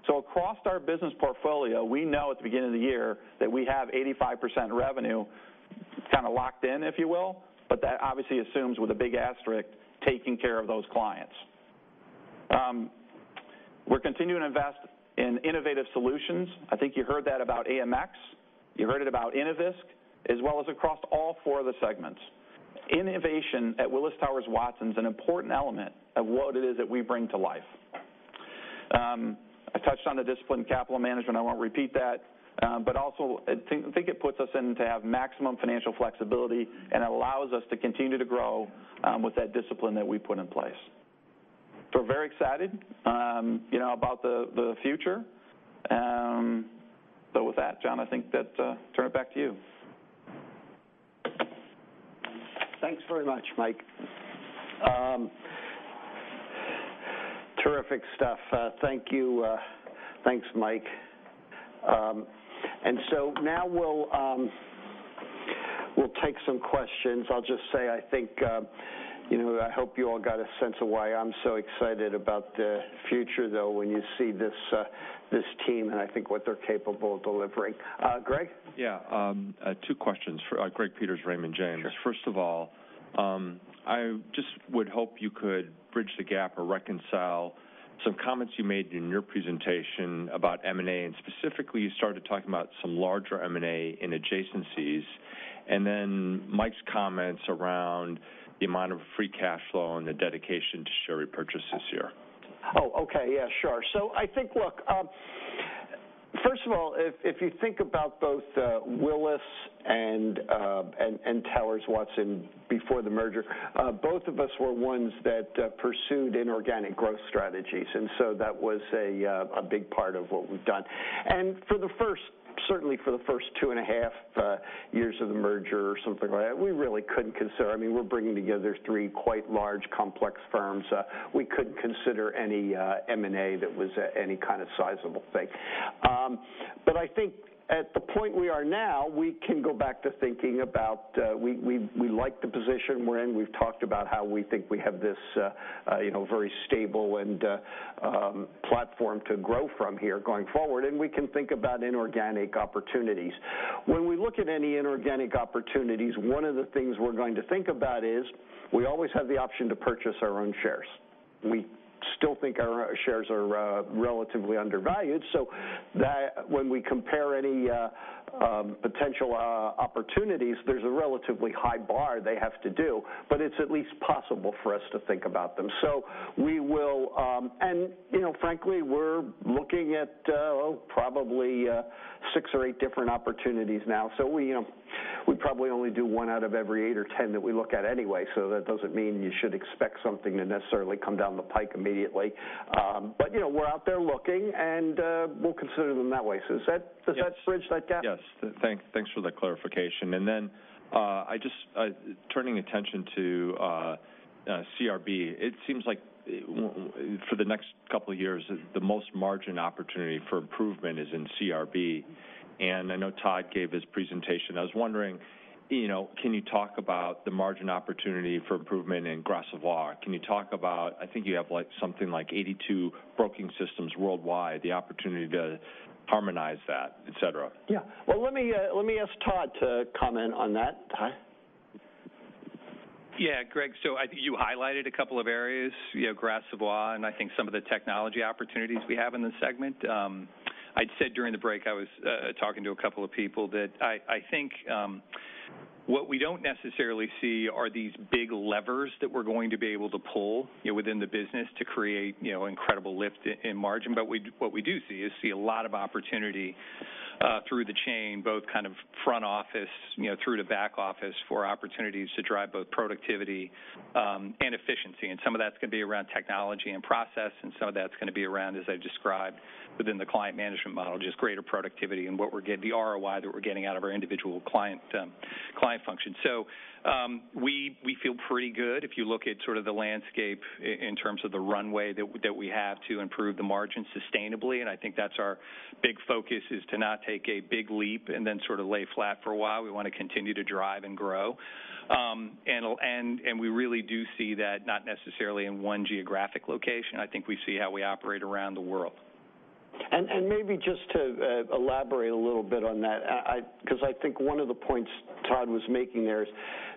Across our business portfolio, we know at the beginning of the year that we have 85% revenue kind of locked in, if you will, but that obviously assumes with a big asterisk, taking care of those clients. We're continuing to invest in innovative solutions. I think you heard that about AMX, you heard it about Innovisk, as well as across all four of the segments. Innovation at Willis Towers Watson is an important element of what it is that we bring to life. I touched on the discipline capital management. I won't repeat that. Also, I think it puts us in to have maximum financial flexibility and allows us to continue to grow with that discipline that we put in place. We're very excited about the future. With that, John, I think that turn it back to you. Thanks very much, Mike. Terrific stuff. Thank you. Thanks, Mike. Now we'll take some questions. I'll just say, I hope you all got a sense of why I'm so excited about the future, though, when you see this team, and I think what they're capable of delivering. Greg? Yeah. Two questions. Gregory Peters, Raymond James. Sure. First of all, I just would hope you could bridge the gap or reconcile some comments you made in your presentation about M&A. Specifically you started talking about some larger M&A in adjacencies, then Mike's comments around the amount of free cash flow and the dedication to share repurchases here. Oh, okay. Yeah, sure. I think, look, first of all, if you think about both Willis and Towers Watson before the merger, both of us were ones that pursued inorganic growth strategies. That was a big part of what we've done. Certainly for the first two and a half years of the merger or something like that, we really couldn't consider it. We're bringing together three quite large, complex firms. We couldn't consider any M&A that was any kind of sizable thing. I think at the point we are now, we can go back to thinking about we like the position we're in. We've talked about how we think we have this very stable platform to grow from here going forward, we can think about inorganic opportunities. When we look at any inorganic opportunities, one of the things we're going to think about is we always have the option to purchase our own shares. We still think our shares are relatively undervalued, so when we compare any potential opportunities, there's a relatively high bar they have to do, but it's at least possible for us to think about them. Frankly, we're looking at probably six or eight different opportunities now. We probably only do one out of every eight or 10 that we look at anyway, so that doesn't mean you should expect something to necessarily come down the pike immediately. We're out there looking, and we'll consider them that way. Does that- Yes bridge that gap? Yes. Thanks for the clarification. Turning attention to CRB, it seems like for the next couple of years, the most margin opportunity for improvement is in CRB, and I know Todd gave his presentation. I was wondering, can you talk about the margin opportunity for improvement in Gras Savoye? Can you talk about, I think you have something like 82 broking systems worldwide, the opportunity to harmonize that, et cetera? Yeah. Well, let me ask Todd to comment on that. Todd? Greg, I think you highlighted a couple of areas, Gras Savoye, and I think some of the technology opportunities we have in the segment. I'd said during the break, I was talking to a couple of people, that I think what we don't necessarily see are these big levers that we're going to be able to pull within the business to create incredible lift in margin. What we do see is a lot of opportunity through the chain, both front office through to back office for opportunities to drive both productivity and efficiency. Some of that's going to be around technology and process, and some of that's going to be around, as I've described, within the client management model, just greater productivity and the ROI that we're getting out of our individual client function. We feel pretty good if you look at the landscape in terms of the runway that we have to improve the margin sustainably, I think that's our big focus is to not take a big leap and then lay flat for a while. We want to continue to drive and grow. We really do see that not necessarily in one geographic location. I think we see how we operate around the world. Maybe just to elaborate a little bit on that, because I think one of the points Todd was making there is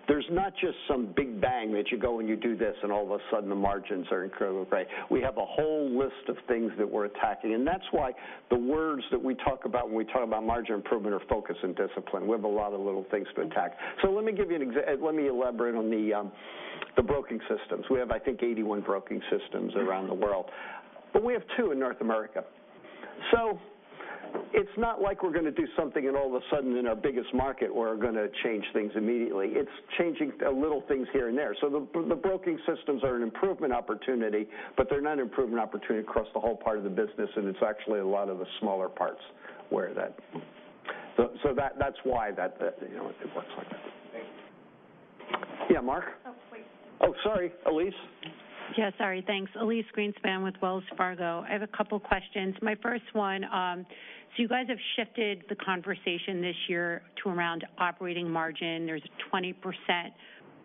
there's not just some big bang that you go and you do this, and all of a sudden the margins are incredible, right? We have a whole list of things that we're attacking, that's why the words that we talk about when we talk about margin improvement are focus and discipline. We have a lot of little things to attack. Let me elaborate on the broking systems. We have, I think, 81 broking systems around the world, we have two in North America. It's not like we're going to do something and all of a sudden in our biggest market, we're going to change things immediately. It's changing little things here and there. The broking systems are an improvement opportunity, they're not an improvement opportunity across the whole part of the business, it's actually a lot of the smaller parts. That's why it works like that. Thank you. Yeah, Mark? Oh, Elyse. Oh, sorry, Elyse? Yeah, sorry. Thanks. Elyse Greenspan with Wells Fargo. I have a couple questions. My first one, you guys have shifted the conversation this year to around operating margin. There's a 20%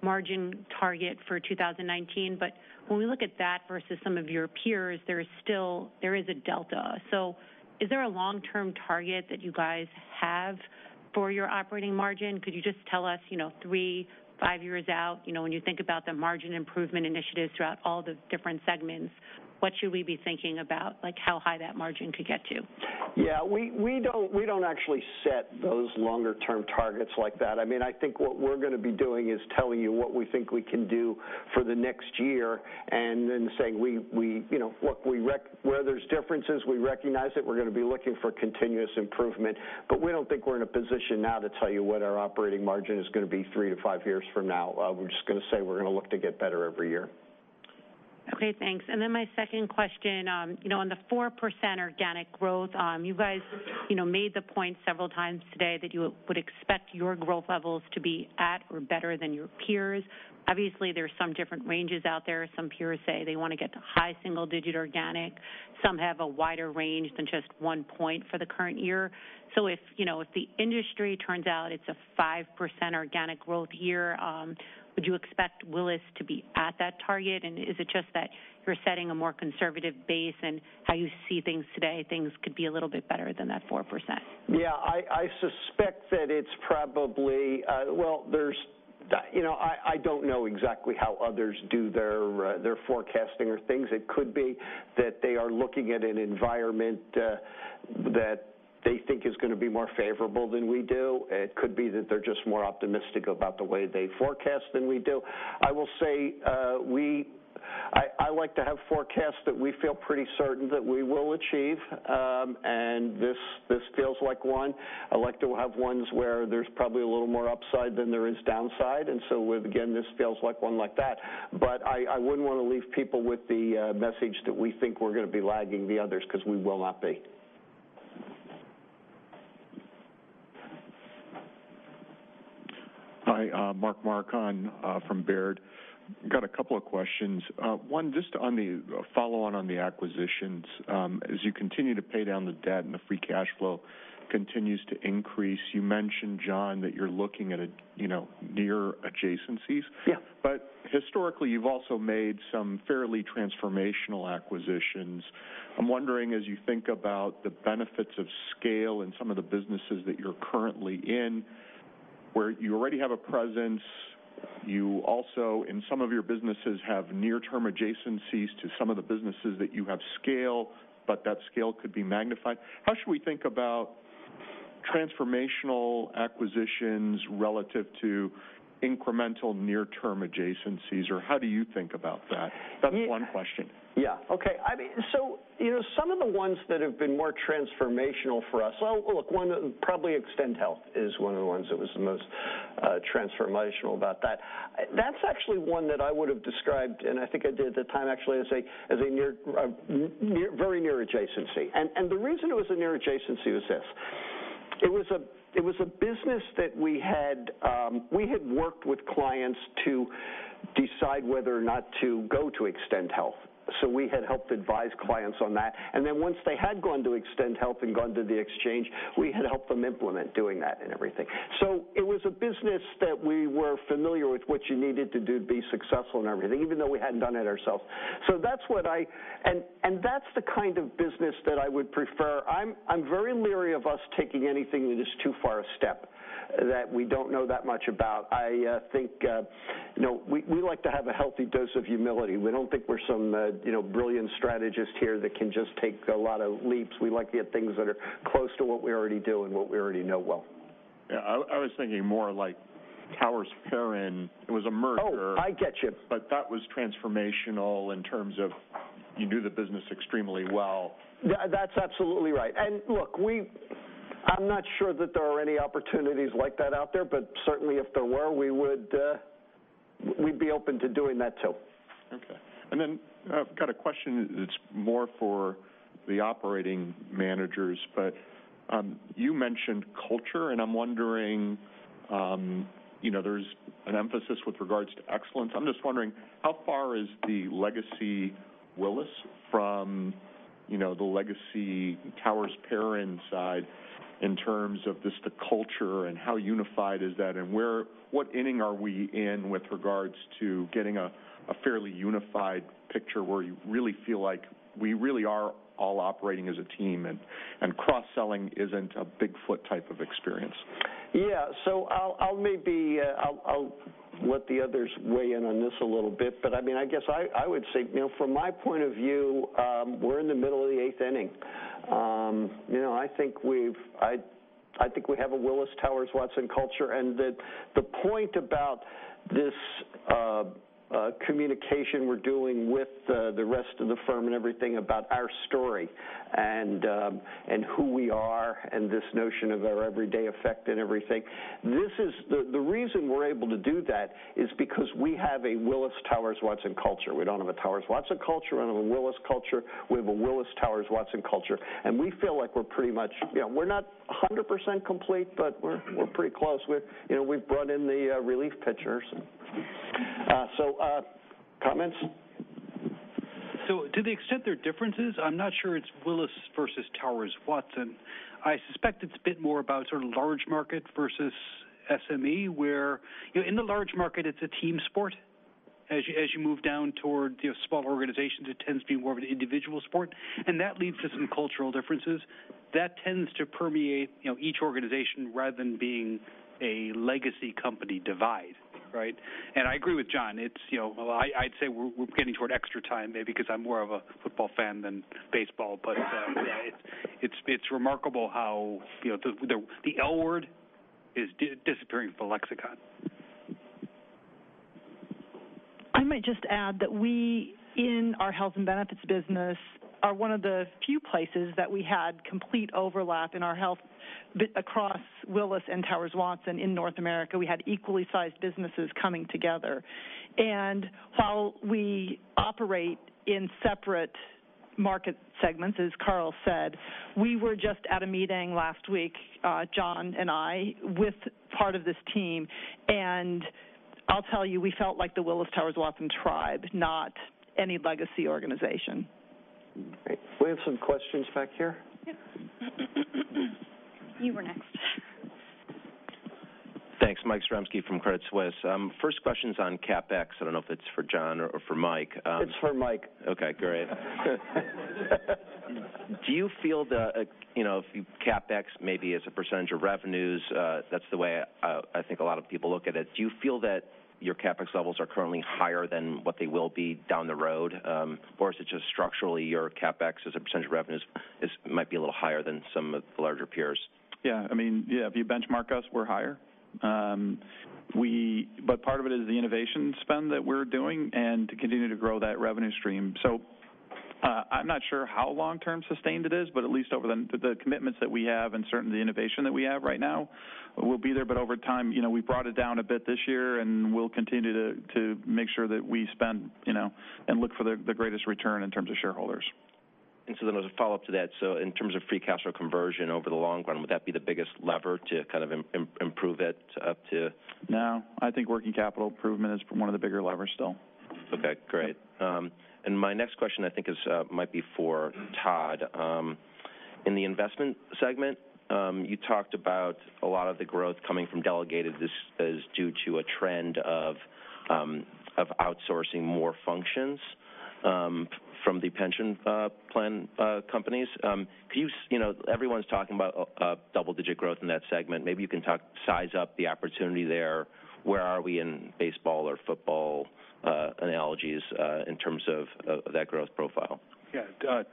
margin target for 2019. When we look at that versus some of your peers, there is a delta. Is there a long-term target that you guys have for your operating margin? Could you just tell us, three, five years out, when you think about the margin improvement initiatives throughout all the different segments, what should we be thinking about, like how high that margin could get to? Yeah. We don't actually set those longer-term targets like that. I think what we're going to be doing is telling you what we think we can do for the next year and then saying where there's differences, we recognize it. We're going to be looking for continuous improvement. We don't think we're in a position now to tell you what our operating margin is going to be three to five years from now. We're just going to say we're going to look to get better every year. Okay, thanks. My second question, on the 4% organic growth, you guys made the point several times today that you would expect your growth levels to be at or better than your peers. Obviously, there's some different ranges out there. Some peers say they want to get to high single-digit organic. Some have a wider range than just one point for the current year. If the industry turns out it's a 5% organic growth year, would you expect Willis to be at that target? Is it just that you're setting a more conservative base in how you see things today, things could be a little bit better than that 4%? Yeah. I suspect that it's probably I don't know exactly how others do their forecasting or things. It could be that they are looking at an environment that they think is going to be more favorable than we do. It could be that they're just more optimistic about the way they forecast than we do. I will say, I like to have forecasts that we feel pretty certain that we will achieve. This feels like one. I like to have ones where there's probably a little more upside than there is downside. Again, this feels like one like that. I wouldn't want to leave people with the message that we think we're going to be lagging the others, because we will not be. Hi, Mark Marcon from Baird. Got a couple of questions. One, just on the follow-on on the acquisitions. As you continue to pay down the debt and the free cash flow continues to increase, you mentioned, John, that you're looking at near adjacencies. Yeah. Historically, you've also made some fairly transformational acquisitions. I'm wondering, as you think about the benefits of scale in some of the businesses that you're currently in, where you already have a presence, you also, in some of your businesses, have near-term adjacencies to some of the businesses that you have scale, but that scale could be magnified. How should we think about transformational acquisitions relative to incremental near-term adjacencies? How do you think about that? That's one question. Yeah. Okay. Some of the ones that have been more transformational for us-- Well, look, probably Extend Health is one of the ones that was the most transformational about that. That's actually one that I would have described, and I think I did at the time, actually, as a very near adjacency. The reason it was a near adjacency was this: It was a business that we had worked with clients to decide whether or not to go to Extend Health. We had helped advise clients on that. Then once they had gone to Extend Health and gone to the exchange, we had helped them implement doing that and everything. It was a business that we were familiar with what you needed to do to be successful and everything, even though we hadn't done it ourselves. That's the kind of business that I would prefer. I'm very leery of us taking anything that is too far a step that we don't know that much about. I think we like to have a healthy dose of humility. We don't think we're some brilliant strategist here that can just take a lot of leaps. We like to get things that are close to what we already do and what we already know well. Yeah. I was thinking more like Towers Perrin. It was a merger. Oh, I get you. That was transformational in terms of you knew the business extremely well. That's absolutely right. Look, I'm not sure that there are any opportunities like that out there, but certainly if there were, we'd be open to doing that, too. Okay. I've got a question that's more for the operating managers. You mentioned culture, and I'm wondering, there's an emphasis with regards to excellence. I'm just wondering, how far is the legacy Willis from the legacy Towers Perrin side in terms of just the culture and how unified is that, and what inning are we in with regards to getting a fairly unified picture where you really feel like we really are all operating as a team, and cross-selling isn't a Bigfoot type of experience? Yeah. I'll let the others weigh in on this a little bit, but I guess I would say from my point of view, we're in the middle of the eighth inning. I think we have a Willis Towers Watson culture, and that the point about this communication we're doing with the rest of the firm and everything about our story and who we are and this notion of our everyday effect and everything, the reason we're able to do that is because we have a Willis Towers Watson culture. We don't have a Towers Watson culture and a Willis culture. We have a Willis Towers Watson culture. We feel like we're pretty much, we're not 100% complete, but we're pretty close. We've brought in the relief pitchers. Comments? To the extent there are differences, I'm not sure it's Willis versus Towers Watson. I suspect it's a bit more about sort of large market versus SME, where in the large market, it's a team sport. As you move down toward smaller organizations, it tends to be more of an individual sport. That leads to some cultural differences. That tends to permeate each organization rather than being a legacy company divide. Right? I agree with John. I'd say we're getting toward extra time maybe because I'm more of a football fan than baseball. It's remarkable how the L word is disappearing from the lexicon. I might just add that we, in our Health and Benefits business, are one of the few places that we had complete overlap in our health across Willis and Towers Watson in North America. We had equally sized businesses coming together. While we operate in separate market segments, as Carl said. We were just at a meeting last week, John and I, with part of this team, and I'll tell you, we felt like the Willis Towers Watson tribe, not any legacy organization. Great. We have some questions back here. Yeah. You were next. Thanks. Mike Zaremski from Credit Suisse. First question's on CapEx. I don't know if it's for John or for Mike. It's for Mike. Okay, great. Do you feel the CapEx, maybe as a % of revenues, that's the way I think a lot of people look at it. Do you feel that your CapEx levels are currently higher than what they will be down the road? Or is it just structurally your CapEx as a % of revenues might be a little higher than some of the larger peers? Yeah. If you benchmark us, we're higher. Part of it is the innovation spend that we're doing and to continue to grow that revenue stream. I'm not sure how long-term sustained it is, but at least over the commitments that we have and certainly the innovation that we have right now, we'll be there. Over time, we brought it down a bit this year, and we'll continue to make sure that we spend and look for the greatest return in terms of shareholders. As a follow-up to that, in terms of free cash flow conversion over the long run, would that be the biggest lever to kind of improve it up to? No, I think working capital improvement is one of the bigger levers still. Okay. Great. My next question I think is might be for Todd. In the investment segment, you talked about a lot of the growth coming from delegated. This is due to a trend of outsourcing more functions from the pension plan companies. Everyone's talking about double-digit growth in that segment. Maybe you can size up the opportunity there. Where are we in baseball or football analogies in terms of that growth profile? Yeah.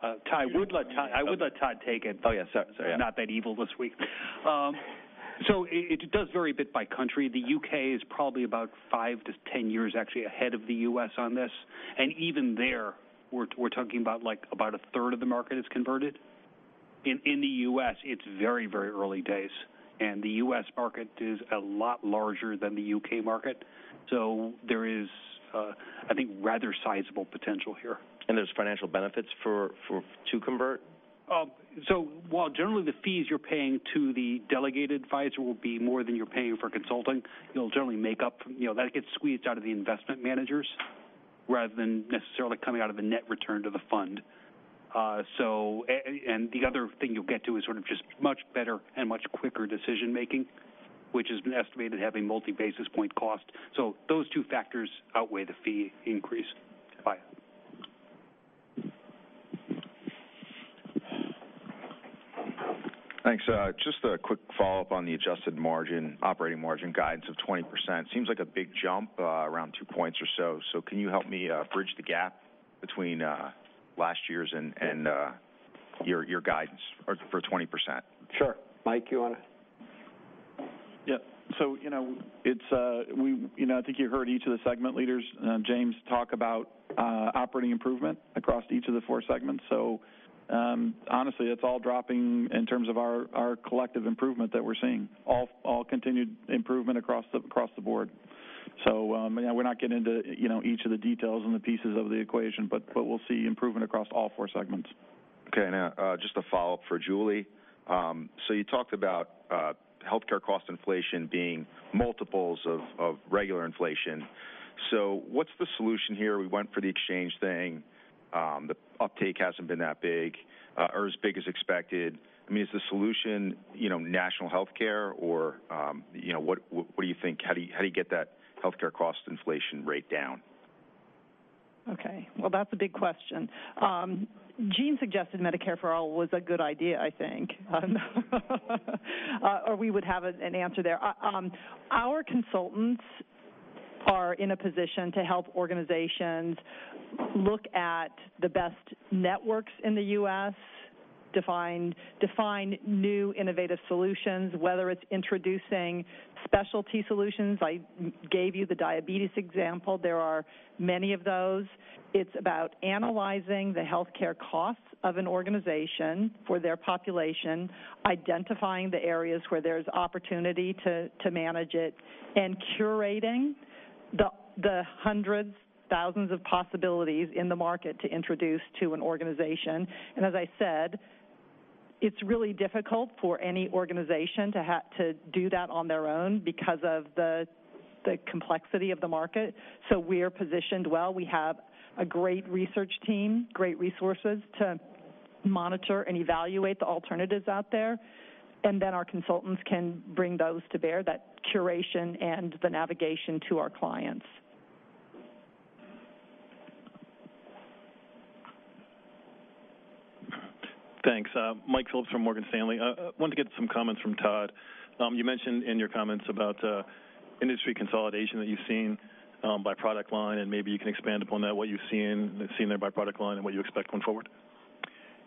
I would let Todd take it. Oh, yeah. Sorry. Not that evil this week. It does vary a bit by country. The U.K. is probably about five to 10 years actually ahead of the U.S. on this. Even there, we're talking about a third of the market is converted. In the U.S., it's very early days, and the U.S. market is a lot larger than the U.K. market. There is, I think, rather sizable potential here. There's financial benefits to convert? While generally the fees you're paying to the delegated advisor will be more than you're paying for consulting, that gets squeezed out of the investment managers rather than necessarily coming out of the net return to the fund. The other thing you'll get to is sort of just much better and much quicker decision-making, which has been estimated at having multi-basis point cost. Those two factors outweigh the fee increase by it. Thanks. Just a quick follow-up on the adjusted margin, operating margin guidance of 20%. Seems like a big jump, around two points or so. Can you help me bridge the gap between last year's and your guidance for 20%? Sure. Mike, you want to I think you heard each of the segment leaders, James, talk about operating improvement across each of the four segments. Honestly, it's all dropping in terms of our collective improvement that we're seeing, all continued improvement across the board. We're not getting into each of the details and the pieces of the equation, we'll see improvement across all four segments. Just a follow-up for Julie. You talked about healthcare cost inflation being multiples of regular inflation. What's the solution here? We went for the exchange thing. The uptake hasn't been that big, or as big as expected. Is the solution national healthcare or what do you think? How do you get that healthcare cost inflation rate down? Well, that's a big question. Gene suggested Medicare for All was a good idea, I think. We would have an answer there. Our consultants are in a position to help organizations look at the best networks in the U.S., define new innovative solutions, whether it's introducing specialty solutions. I gave you the diabetes example. There are many of those. It's about analyzing the healthcare costs of an organization for their population, identifying the areas where there's opportunity to manage it, and curating the hundreds, thousands of possibilities in the market to introduce to an organization. As I said, it's really difficult for any organization to do that on their own because of the complexity of the market. We're positioned well. We have a great research team, great resources to monitor and evaluate the alternatives out there. Our consultants can bring those to bear, that curation and the navigation to our clients. Thanks. Mike Phillips from Morgan Stanley. I wanted to get some comments from Todd. You mentioned in your comments about industry consolidation that you've seen by product line. Maybe you can expand upon that, what you've seen there by product line and what you expect going forward.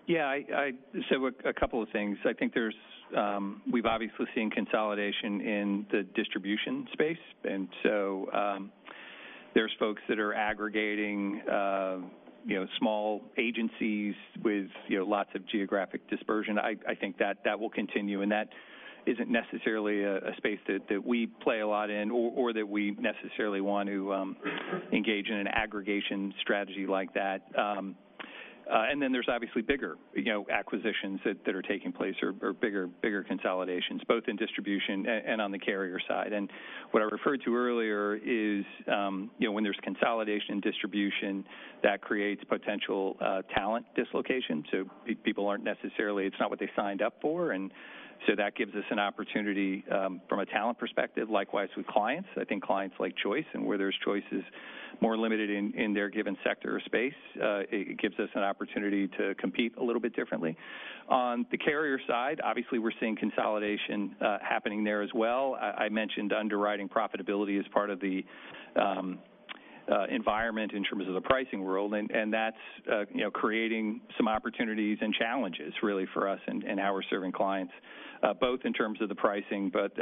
Yeah. A couple of things. I think we've obviously seen consolidation in the distribution space. There's folks that are aggregating small agencies lots of geographic dispersion. I think that will continue. That isn't necessarily a space that we play a lot in or that we necessarily want to engage in an aggregation strategy like that. Then there's obviously bigger acquisitions that are taking place or bigger consolidations both in distribution and on the carrier side. What I referred to earlier is when there's consolidation distribution, that creates potential talent dislocation. It's not what they signed up for. That gives us an opportunity from a talent perspective. Likewise with clients. I think clients like choice. Where there's choices more limited in their given sector or space, it gives us an opportunity to compete a little bit differently. On the carrier side, obviously, we're seeing consolidation happening there as well. I mentioned underwriting profitability as part of the environment in terms of the pricing world. That's creating some opportunities and challenges, really, for us in how we're serving clients, both in terms of the pricing but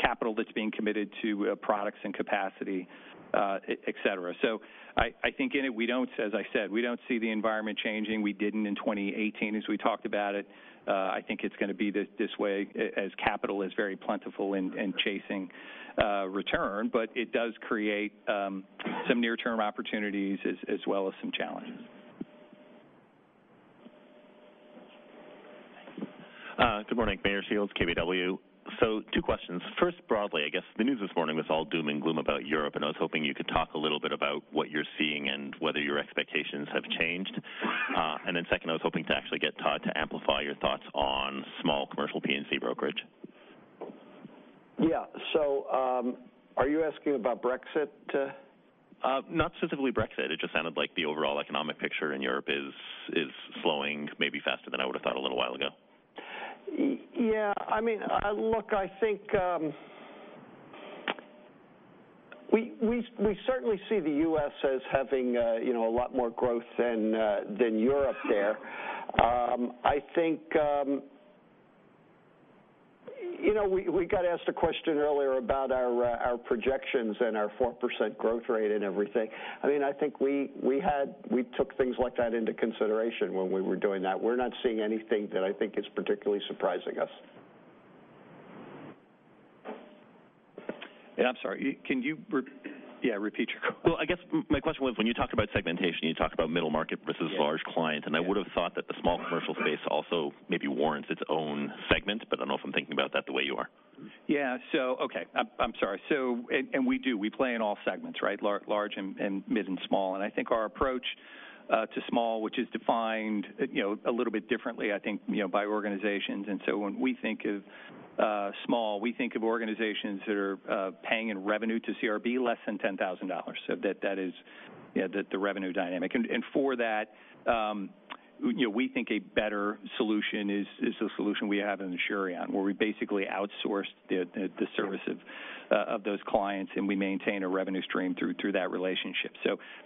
capital that's being committed to products and capacity, et cetera. I think in it, as I said, we don't see the environment changing. We didn't in 2018, as we talked about it. I think it's going to be this way as capital is very plentiful in chasing return. It does create some near-term opportunities as well as some challenges. Good morning. Meyer Shields, KBW. Two questions. First, broadly, I guess the news this morning was all doom and gloom about Europe, and I was hoping you could talk a little bit about what you're seeing and whether your expectations have changed. Second, I was hoping to actually get Todd to amplify your thoughts on small commercial P&C brokerage. Yeah. Are you asking about Brexit? Not specifically Brexit. It just sounded like the overall economic picture in Europe is slowing maybe faster than I would've thought a little while ago. Yeah. Look, I think we certainly see the U.S. as having a lot more growth than Europe there. We got asked a question earlier about our projections and our 4% growth rate and everything. I think we took things like that into consideration when we were doing that. We're not seeing anything that I think is particularly surprising us. I'm sorry. Can you repeat your question? I guess my question was when you talk about segmentation, you talk about middle market versus large client. Yeah. I would've thought that the small commercial space also maybe warrants its own segment, but I don't know if I'm thinking about that the way you are. Okay. I'm sorry. We play in all segments, right? Large and mid and small. I think our approach to small, which is defined a little bit differently, I think, by organizations. When we think of small, we think of organizations that are paying in revenue to CRB less than $10,000. That is the revenue dynamic. For that, we think a better solution is a solution we have in Asurion, where we basically outsource the service of those clients, and we maintain a revenue stream through that relationship.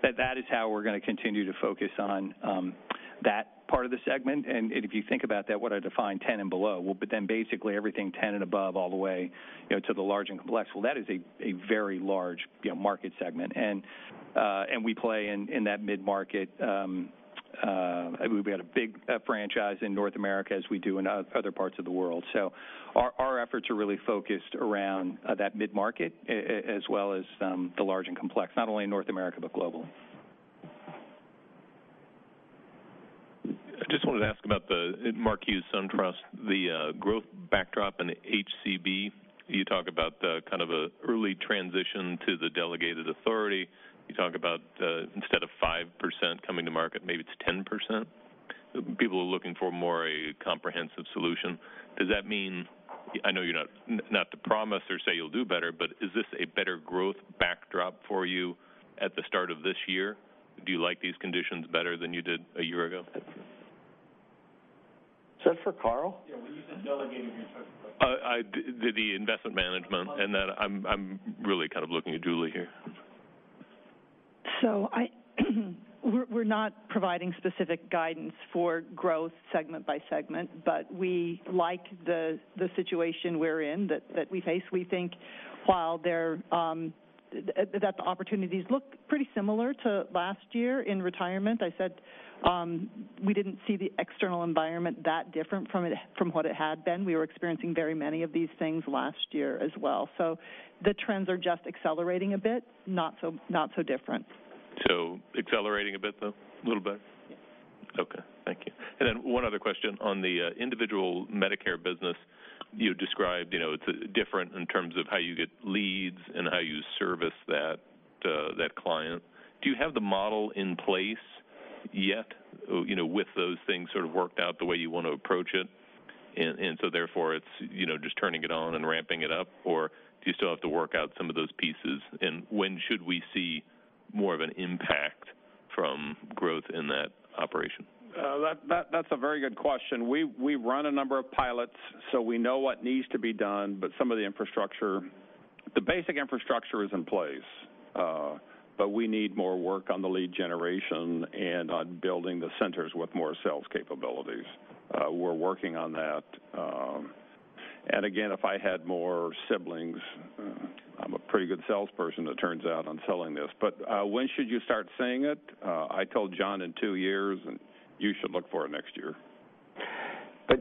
That is how we're going to continue to focus on that part of the segment. If you think about that, what I defined 10 and below, basically everything 10 and above, all the way to the large and complex. That is a very large market segment. We play in that mid-market. We've got a big franchise in North America as we do in other parts of the world. Our efforts are really focused around that mid-market as well as the large and complex, not only in North America, but globally. I just wanted to ask about the Mark Hughes, SunTrust, the growth backdrop in HCB. You talk about kind of an early transition to the delegated authority. You talk about instead of 5% coming to market, maybe it's 10%. People are looking for more a comprehensive solution. Does that mean, I know you're not to promise or say you'll do better, but is this a better growth backdrop for you at the start of this year? Do you like these conditions better than you did a year ago? Is that for Carl? Yeah. When you said delegating, you're talking about? The investment management and that I'm really kind of looking at Julie here. We're not providing specific guidance for growth segment by segment, but we like the situation we're in, that we face. We think that the opportunities look pretty similar to last year in retirement. I said we didn't see the external environment that different from what it had been. We were experiencing very many of these things last year as well. The trends are just accelerating a bit, not so different. Accelerating a bit, though? Little bit? Yeah. Okay. Thank you. One other question on the individual Medicare business. You described it's different in terms of how you get leads and how you service that client. Do you have the model in place yet with those things sort of worked out the way you want to approach it, and therefore it's just turning it on and ramping it up? Or do you still have to work out some of those pieces, and when should we see more of an impact from growth in that operation? That's a very good question. We've run a number of pilots, so we know what needs to be done, but some of the infrastructure, the basic infrastructure is in place. We need more work on the lead generation and on building the centers with more sales capabilities. We're working on that. Again, if I had more siblings, I'm a pretty good salesperson it turns out on selling this. When should you start seeing it? I told John in two years, and you should look for it next year.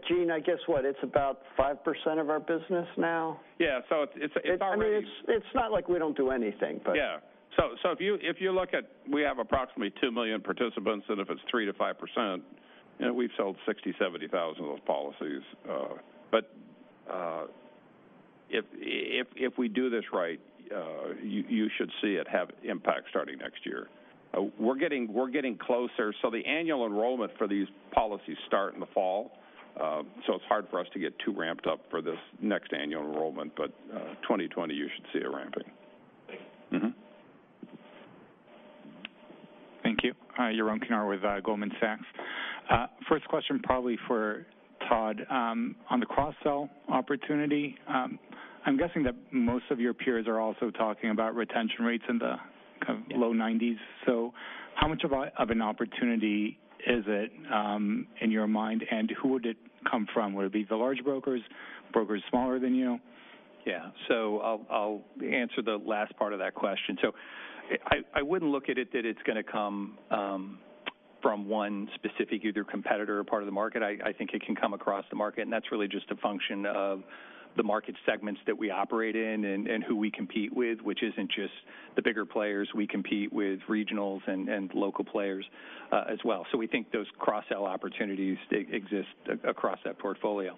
Gene, I guess what, it's about 5% of our business now? Yeah. It's already. It's not like we don't do anything. If you look at, we have approximately 2 million participants, and if it's 3%-5%, we've sold 60,000, 70,000 of those policies. If we do this right, you should see it have impact starting next year. We're getting closer. The annual enrollment for these policies start in the fall, so it's hard for us to get too ramped up for this next annual enrollment. 2020, you should see it ramping. Thank you. Thank you. Yaron Kinar with Goldman Sachs. First question probably for Todd. On the cross-sell opportunity, I'm guessing that most of your peers are also talking about retention rates in the low 90s. How much of an opportunity is it in your mind, and who would it come from? Would it be the large brokers smaller than you? I'll answer the last part of that question. I wouldn't look at it that it's going to come from one specific either competitor or part of the market. I think it can come across the market, and that's really just a function of the market segments that we operate in and who we compete with, which isn't just the bigger players. We compete with regionals and local players as well. We think those cross-sell opportunities exist across that portfolio.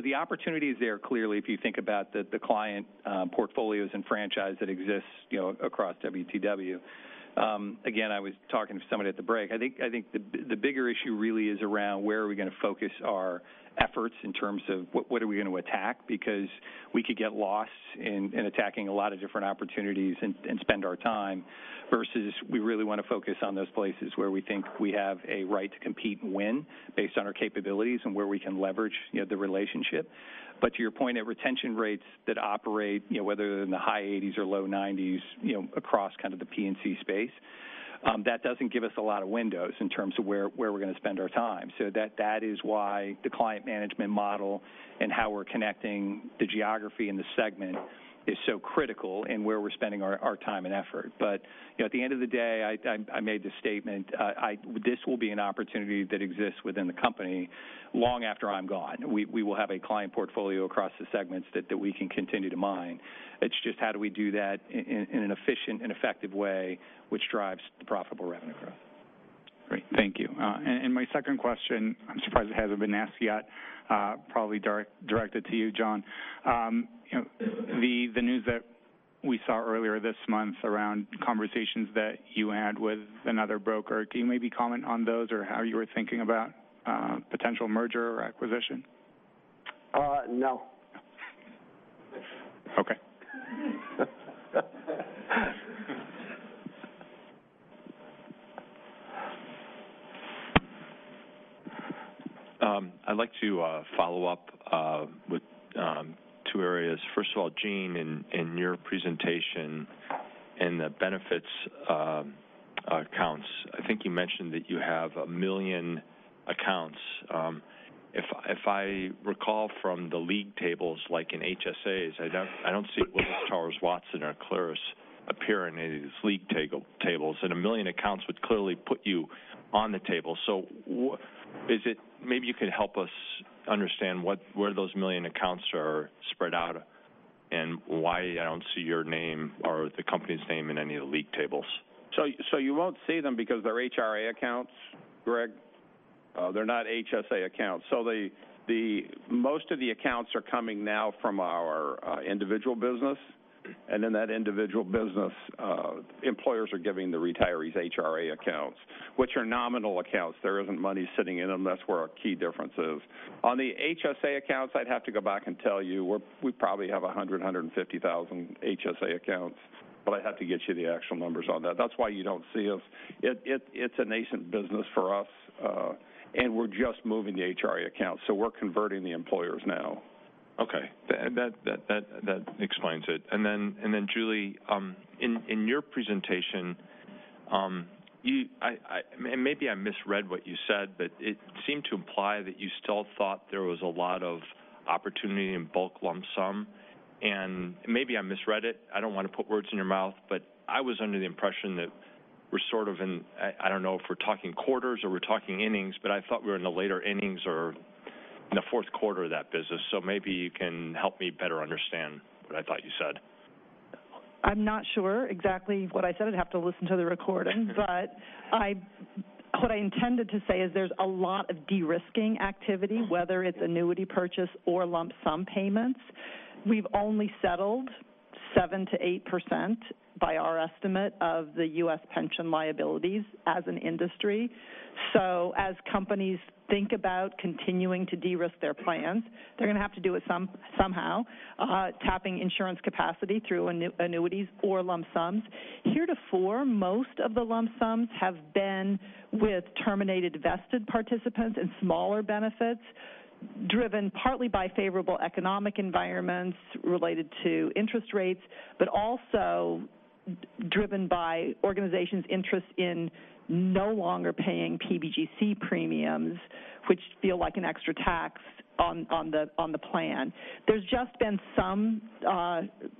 The opportunity is there, clearly, if you think about the client portfolios and franchise that exists across WTW. Again, I was talking to somebody at the break, I think the bigger issue really is around where are we going to focus our efforts in terms of what are we going to attack. We could get lost in attacking a lot of different opportunities and spend our time, versus we really want to focus on those places where we think we have a right to compete and win based on our capabilities and where we can leverage the relationship. To your point, at retention rates that operate, whether they're in the high 80s or low 90s, across the P&C space, that doesn't give us a lot of windows in terms of where we're going to spend our time. That is why the client management model and how we're connecting the geography and the segment is so critical in where we're spending our time and effort. At the end of the day, I made the statement, this will be an opportunity that exists within the company long after I'm gone. We will have a client portfolio across the segments that we can continue to mine. It's just how do we do that in an efficient and effective way which drives the profitable revenue growth. Great. Thank you. My second question, I'm surprised it hasn't been asked yet, probably directed to you, John. The news that we saw earlier this month around conversations that you had with another broker. Can you maybe comment on those or how you were thinking about potential merger or acquisition? No. Okay. I'd like to follow up with two areas. First of all, Gene, in your presentation in the benefits accounts, I think you mentioned that you have 1 million accounts. If I recall from the league tables, like in HSAs, I don't see Willis Towers Watson or Acclaris appear in any of these league tables, and 1 million accounts would clearly put you on the table. Maybe you could help us understand where those 1 million accounts are spread out and why I don't see your name or the company's name in any of the league tables. You won't see them because they're HRA accounts, Greg. They're not HSA accounts. Most of the accounts are coming now from our individual business, and in that individual business, employers are giving the retirees HRA accounts, which are nominal accounts. There isn't money sitting in them. That's where our key difference is. On the HSA accounts, I'd have to go back and tell you. We probably have 100,000, 150,000 HSA accounts, but I'd have to get you the actual numbers on that. That's why you don't see us. It's a nascent business for us, and we're just moving the HRA accounts. We're converting the employers now. Okay. That explains it. Julie, in your presentation, and maybe I misread what you said, but it seemed to imply that you still thought there was a lot of opportunity in bulk lump sum, and maybe I misread it. I don't want to put words in your mouth, but I was under the impression that we're sort of in, I don't know if we're talking quarters or we're talking innings, but I thought we were in the later innings or in the fourth quarter of that business. Maybe you can help me better understand what I thought you said. I'm not sure exactly what I said. I'd have to listen to the recording. What I intended to say is there's a lot of de-risking activity, whether it's annuity purchase or lump sum payments. We've only settled 7%-8% by our estimate of the U.S. pension liabilities as an industry. As companies think about continuing to de-risk their plans, they're going to have to do it somehow, tapping insurance capacity through annuities or lump sums. Heretofore, most of the lump sums have been with terminated vested participants and smaller benefits. Driven partly by favorable economic environments related to interest rates, but also driven by organizations' interest in no longer paying PBGC premiums, which feel like an extra tax on the plan. There's just been some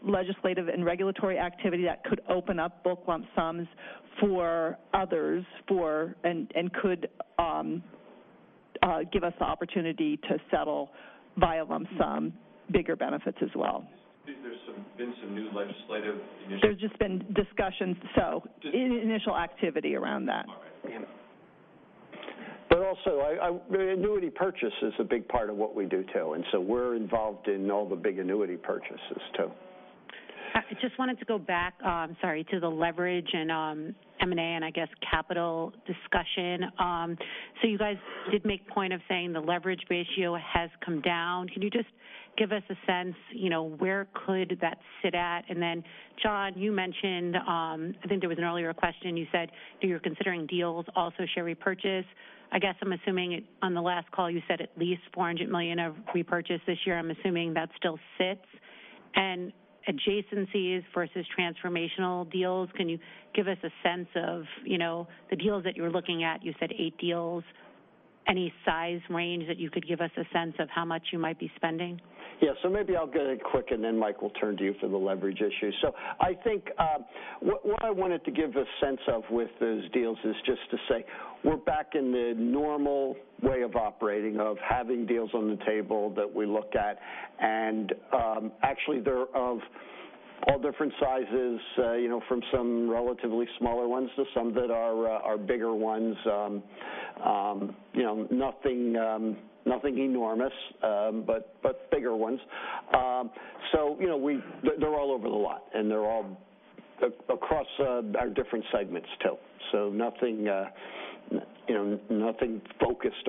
legislative and regulatory activity that could open up bulk lump sums for others, could give us the opportunity to settle via lump sum bigger benefits as well. There's been some new legislative initiatives? There's just been discussions. Initial activity around that. All right. Also, annuity purchase is a big part of what we do, too, and so we're involved in all the big annuity purchases, too. I just wanted to go back, sorry, to the leverage and M&A, and I guess capital discussion. You guys did make a point of saying the leverage ratio has come down. Can you just give us a sense, where could that sit at? John, you mentioned, I think there was an earlier question, you said that you're considering deals, also share repurchase. I guess I'm assuming on the last call, you said at least $400 million of repurchase this year. I'm assuming that still sits. Adjacencies versus transformational deals. Can you give us a sense of the deals that you're looking at? You said eight deals. Any size range that you could give us a sense of how much you might be spending? Yeah. Maybe I'll go ahead quick, and then Mike, we'll turn to you for the leverage issue. I think what I wanted to give a sense of with those deals is just to say we're back in the normal way of operating, of having deals on the table that we look at. Actually, they're of all different sizes, from some relatively smaller ones to some that are bigger ones. Nothing enormous, but bigger ones. They're all over the lot, and they're all across our different segments, too. Nothing focused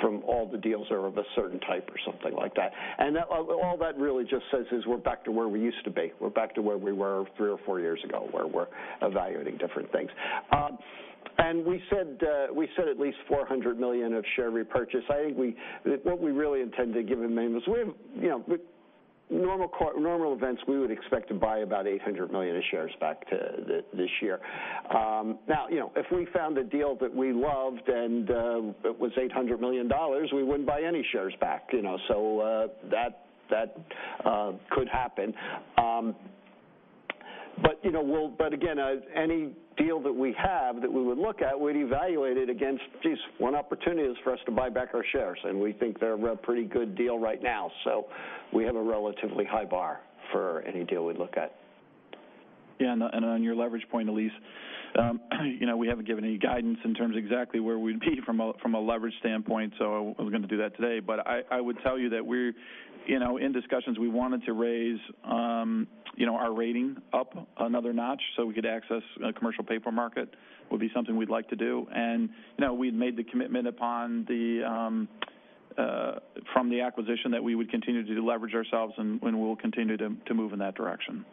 from all the deals are of a certain type or something like that. All that really just says is we're back to where we used to be. We're back to where we were three or four years ago, where we're evaluating different things. We said at least $400 million of share repurchase. I think what we really intend to give in main was with normal events, we would expect to buy about $800 million of shares back this year. Now, if we found a deal that we loved and it was $800 million, we wouldn't buy any shares back. That could happen. Again, any deal that we have that we would look at, we'd evaluate it against, geez, one opportunity is for us to buy back our shares, and we think they're a pretty good deal right now. We have a relatively high bar for any deal we'd look at. Yeah, on your leverage point, Elyse, we haven't given any guidance in terms of exactly where we'd be from a leverage standpoint, I wasn't going to do that today. I would tell you that we're in discussions. We wanted to raise our rating up another notch so we could access a commercial paper market, would be something we'd like to do. We'd made the commitment from the acquisition that we would continue to leverage ourselves, and we will continue to move in that direction.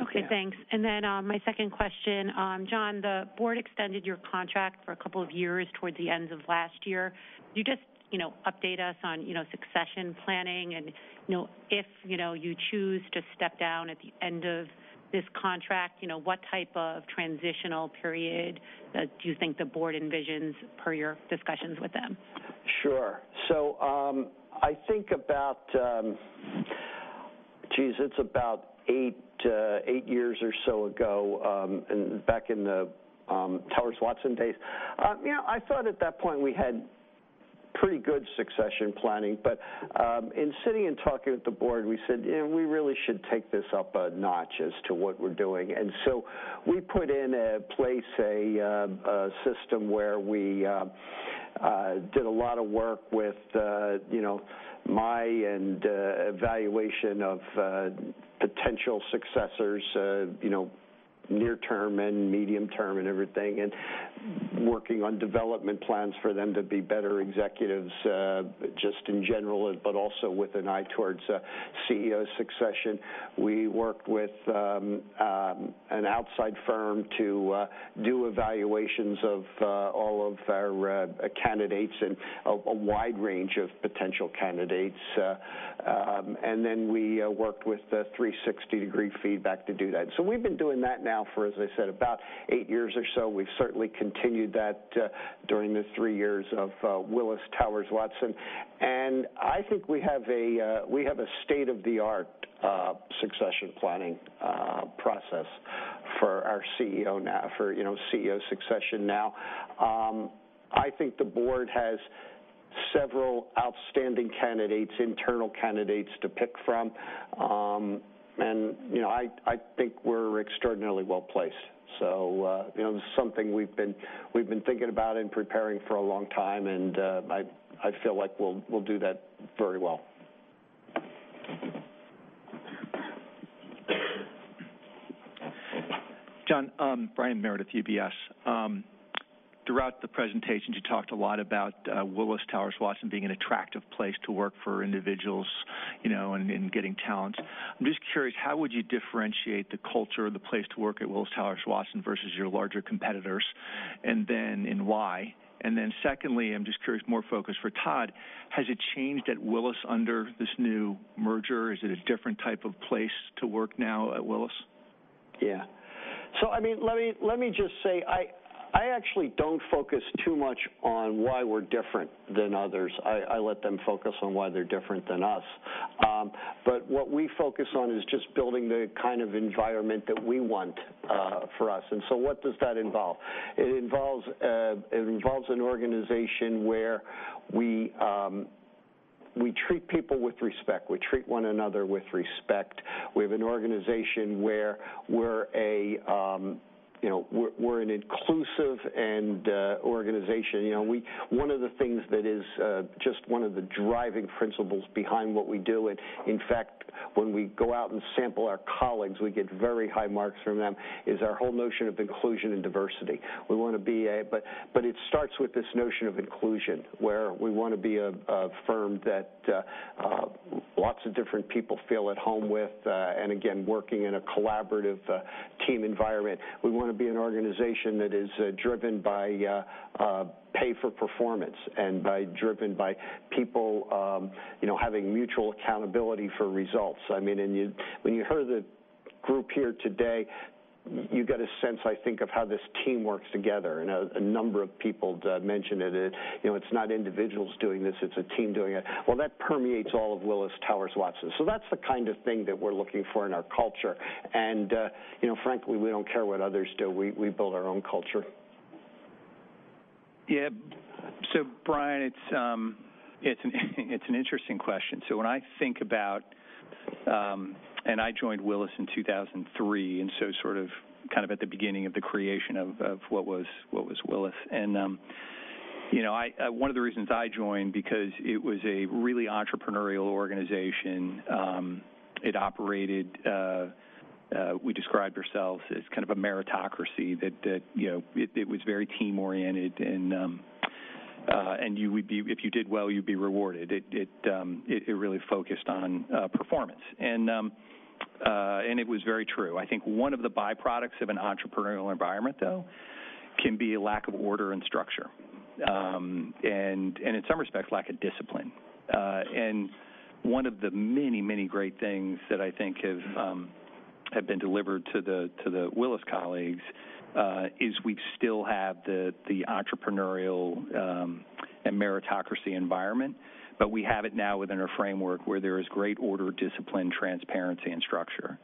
Okay, thanks. My second question. John, the board extended your contract for a couple of years towards the end of last year. Can you just update us on succession planning and if you choose to step down at the end of this contract, what type of transitional period do you think the board envisions per your discussions with them? Sure. I think about, geez, it's about eight years or so ago, back in the Towers Watson days. I thought at that point we had pretty good succession planning. In sitting and talking with the board, we said, "We really should take this up a notch as to what we're doing." We put in place a system where we did a lot of work with my and evaluation of potential successors, near term and medium term and everything, and working on development plans for them to be better executives, just in general, but also with an eye towards CEO succession. We worked with an outside firm to do evaluations of all of our candidates and a wide range of potential candidates. We worked with the 360-degree feedback to do that. We've been doing that now for, as I said, about eight years or so. We've certainly continued that during the three years of Willis Towers Watson. I think we have a state-of-the-art succession planning process for our CEO succession now. I think the board has several outstanding candidates, internal candidates to pick from. I think we're extraordinarily well-placed. This is something we've been thinking about and preparing for a long time, and I feel like we'll do that very well. John, Brian Meredith, UBS. Throughout the presentation, you talked a lot about Willis Towers Watson being an attractive place to work for individuals and getting talent. I'm just curious, how would you differentiate the culture or the place to work at Willis Towers Watson versus your larger competitors, and then why? Secondly, I'm just curious, more focused for Todd, has it changed at Willis under this new merger? Is it a different type of place to work now at Willis? Yeah. Let me just say, I actually don't focus too much on why we're different than others. I let them focus on why they're different than us. What we focus on is just building the kind of environment that we want for us. What does that involve? It involves an organization where we treat people with respect. We treat one another with respect. We have an organization where we're an inclusive organization. One of the things that is just one of the driving principles behind what we do, in fact, when we go out and sample our colleagues, we get very high marks from them, is our whole notion of inclusion and diversity. It starts with this notion of inclusion, where we want to be a firm that lots of different people feel at home with, and again, working in a collaborative team environment. We want to be an organization that is driven by pay for performance and driven by people having mutual accountability for results. When you heard the group here today, you get a sense, I think, of how this team works together, and a number of people mentioned it. It's not individuals doing this, it's a team doing it. Well, that permeates all of Willis Towers Watson. That's the kind of thing that we're looking for in our culture. Frankly, we don't care what others do. We build our own culture. Yeah. Brian, it's an interesting question. When I think about-- I joined Willis in 2003, so sort of at the beginning of the creation of what was Willis. One of the reasons I joined, because it was a really entrepreneurial organization, it operated, we described ourselves as kind of a meritocracy that it was very team-oriented, if you did well, you'd be rewarded. It really focused on performance. It was very true. I think one of the byproducts of an entrepreneurial environment, though, can be a lack of order and structure. In some respects, lack of discipline. One of the many great things that I think have been delivered to the Willis colleagues is we still have the entrepreneurial and meritocracy environment, we have it now within a framework where there is great order, discipline, transparency, and structure.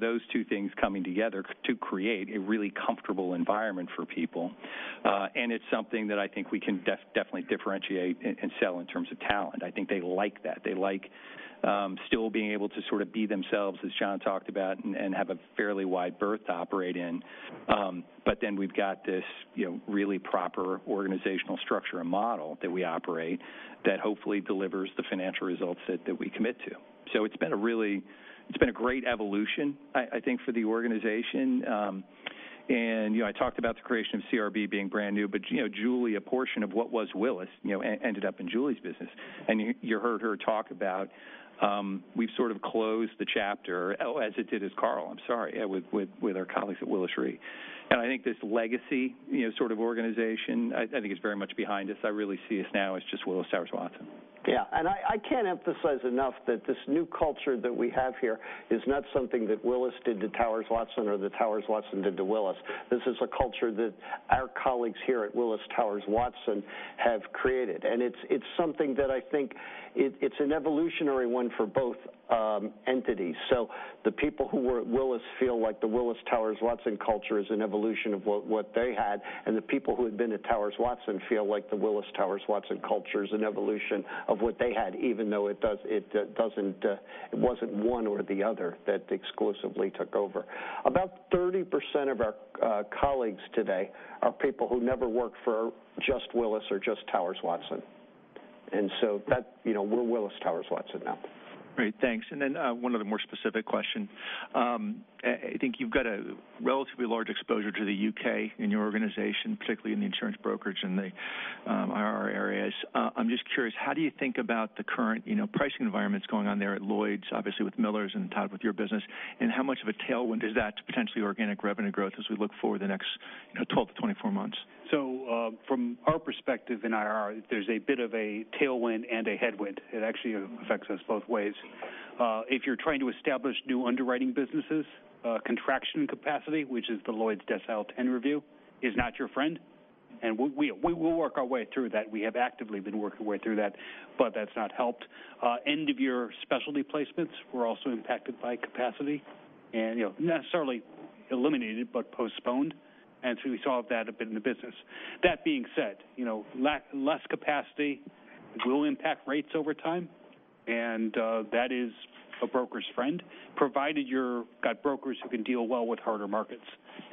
Those two things coming together to create a really comfortable environment for people, it's something that I think we can definitely differentiate and sell in terms of talent. I think they like that. They like still being able to be themselves, as John talked about, have a fairly wide berth to operate in. We've got this really proper organizational structure and model that we operate that hopefully delivers the financial results that we commit to. It's been a great evolution, I think, for the organization. I talked about the creation of CRB being brand new, Julie, a portion of what was Willis ended up in Julie's business. You heard her talk about we've sort of closed the chapter, as it did as Carl, I'm sorry, with our colleagues at Willis Re. I think this legacy sort of organization, I think it's very much behind us. I really see us now as just Willis Towers Watson. I can't emphasize enough that this new culture that we have here is not something that Willis did to Towers Watson or that Towers Watson did to Willis. This is a culture that our colleagues here at Willis Towers Watson have created. It's something that I think it's an evolutionary one for both entities. The people who were at Willis feel like the Willis Towers Watson culture is an evolution of what they had, and the people who had been at Towers Watson feel like the Willis Towers Watson culture is an evolution of what they had, even though it wasn't one or the other that exclusively took over. About 30% of our colleagues today are people who never worked for just Willis or just Towers Watson. We're Willis Towers Watson now. Great. Thanks. One other more specific question. I think you've got a relatively large exposure to the U.K. in your organization, particularly in the insurance brokerage and the IR areas. I'm just curious, how do you think about the current pricing environments going on there at Lloyd's, obviously with Miller's and Todd with your business, how much of a tailwind is that to potentially organic revenue growth as we look forward the next 12-24 months? From our perspective in IR, there's a bit of a tailwind and a headwind. It actually affects us both ways. If you're trying to establish new underwriting businesses, contraction capacity, which is the Lloyd's Decile 10 review, is not your friend. We will work our way through that. We have actively been working our way through that, but that's not helped. End of year specialty placements were also impacted by capacity, not necessarily eliminated, but postponed, we saw that a bit in the business. That being said, less capacity will impact rates over time, that is a broker's friend, provided you're got brokers who can deal well with harder markets.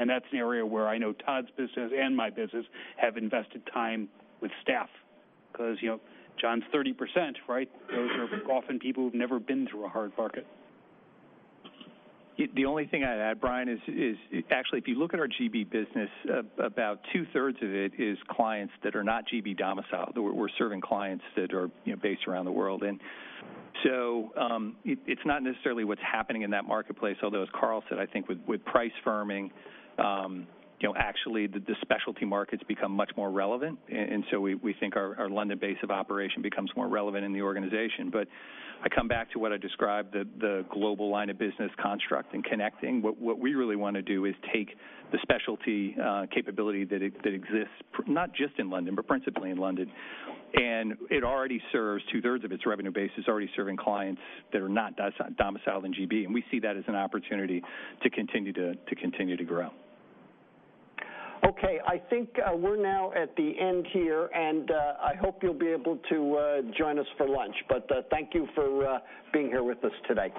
That's an area where I know Todd's business and my business have invested time with staff because John's 30%, right? Those are often people who've never been through a hard market. The only thing I'd add, Brian, is actually if you look at our GB business, about two-thirds of it is clients that are not GB domiciled, we're serving clients that are based around the world. It's not necessarily what's happening in that marketplace, although as Carl said, I think with price firming, actually the specialty markets become much more relevant. We think our London base of operation becomes more relevant in the organization. I come back to what I described, the global line of business construct and connecting. What we really want to do is take the specialty capability that exists, not just in London, but principally in London, and it already serves two-thirds of its revenue base is already serving clients that are not domiciled in GB, and we see that as an opportunity to continue to grow. Okay. I think we're now at the end here, and I hope you'll be able to join us for lunch. Thank you for being here with us today.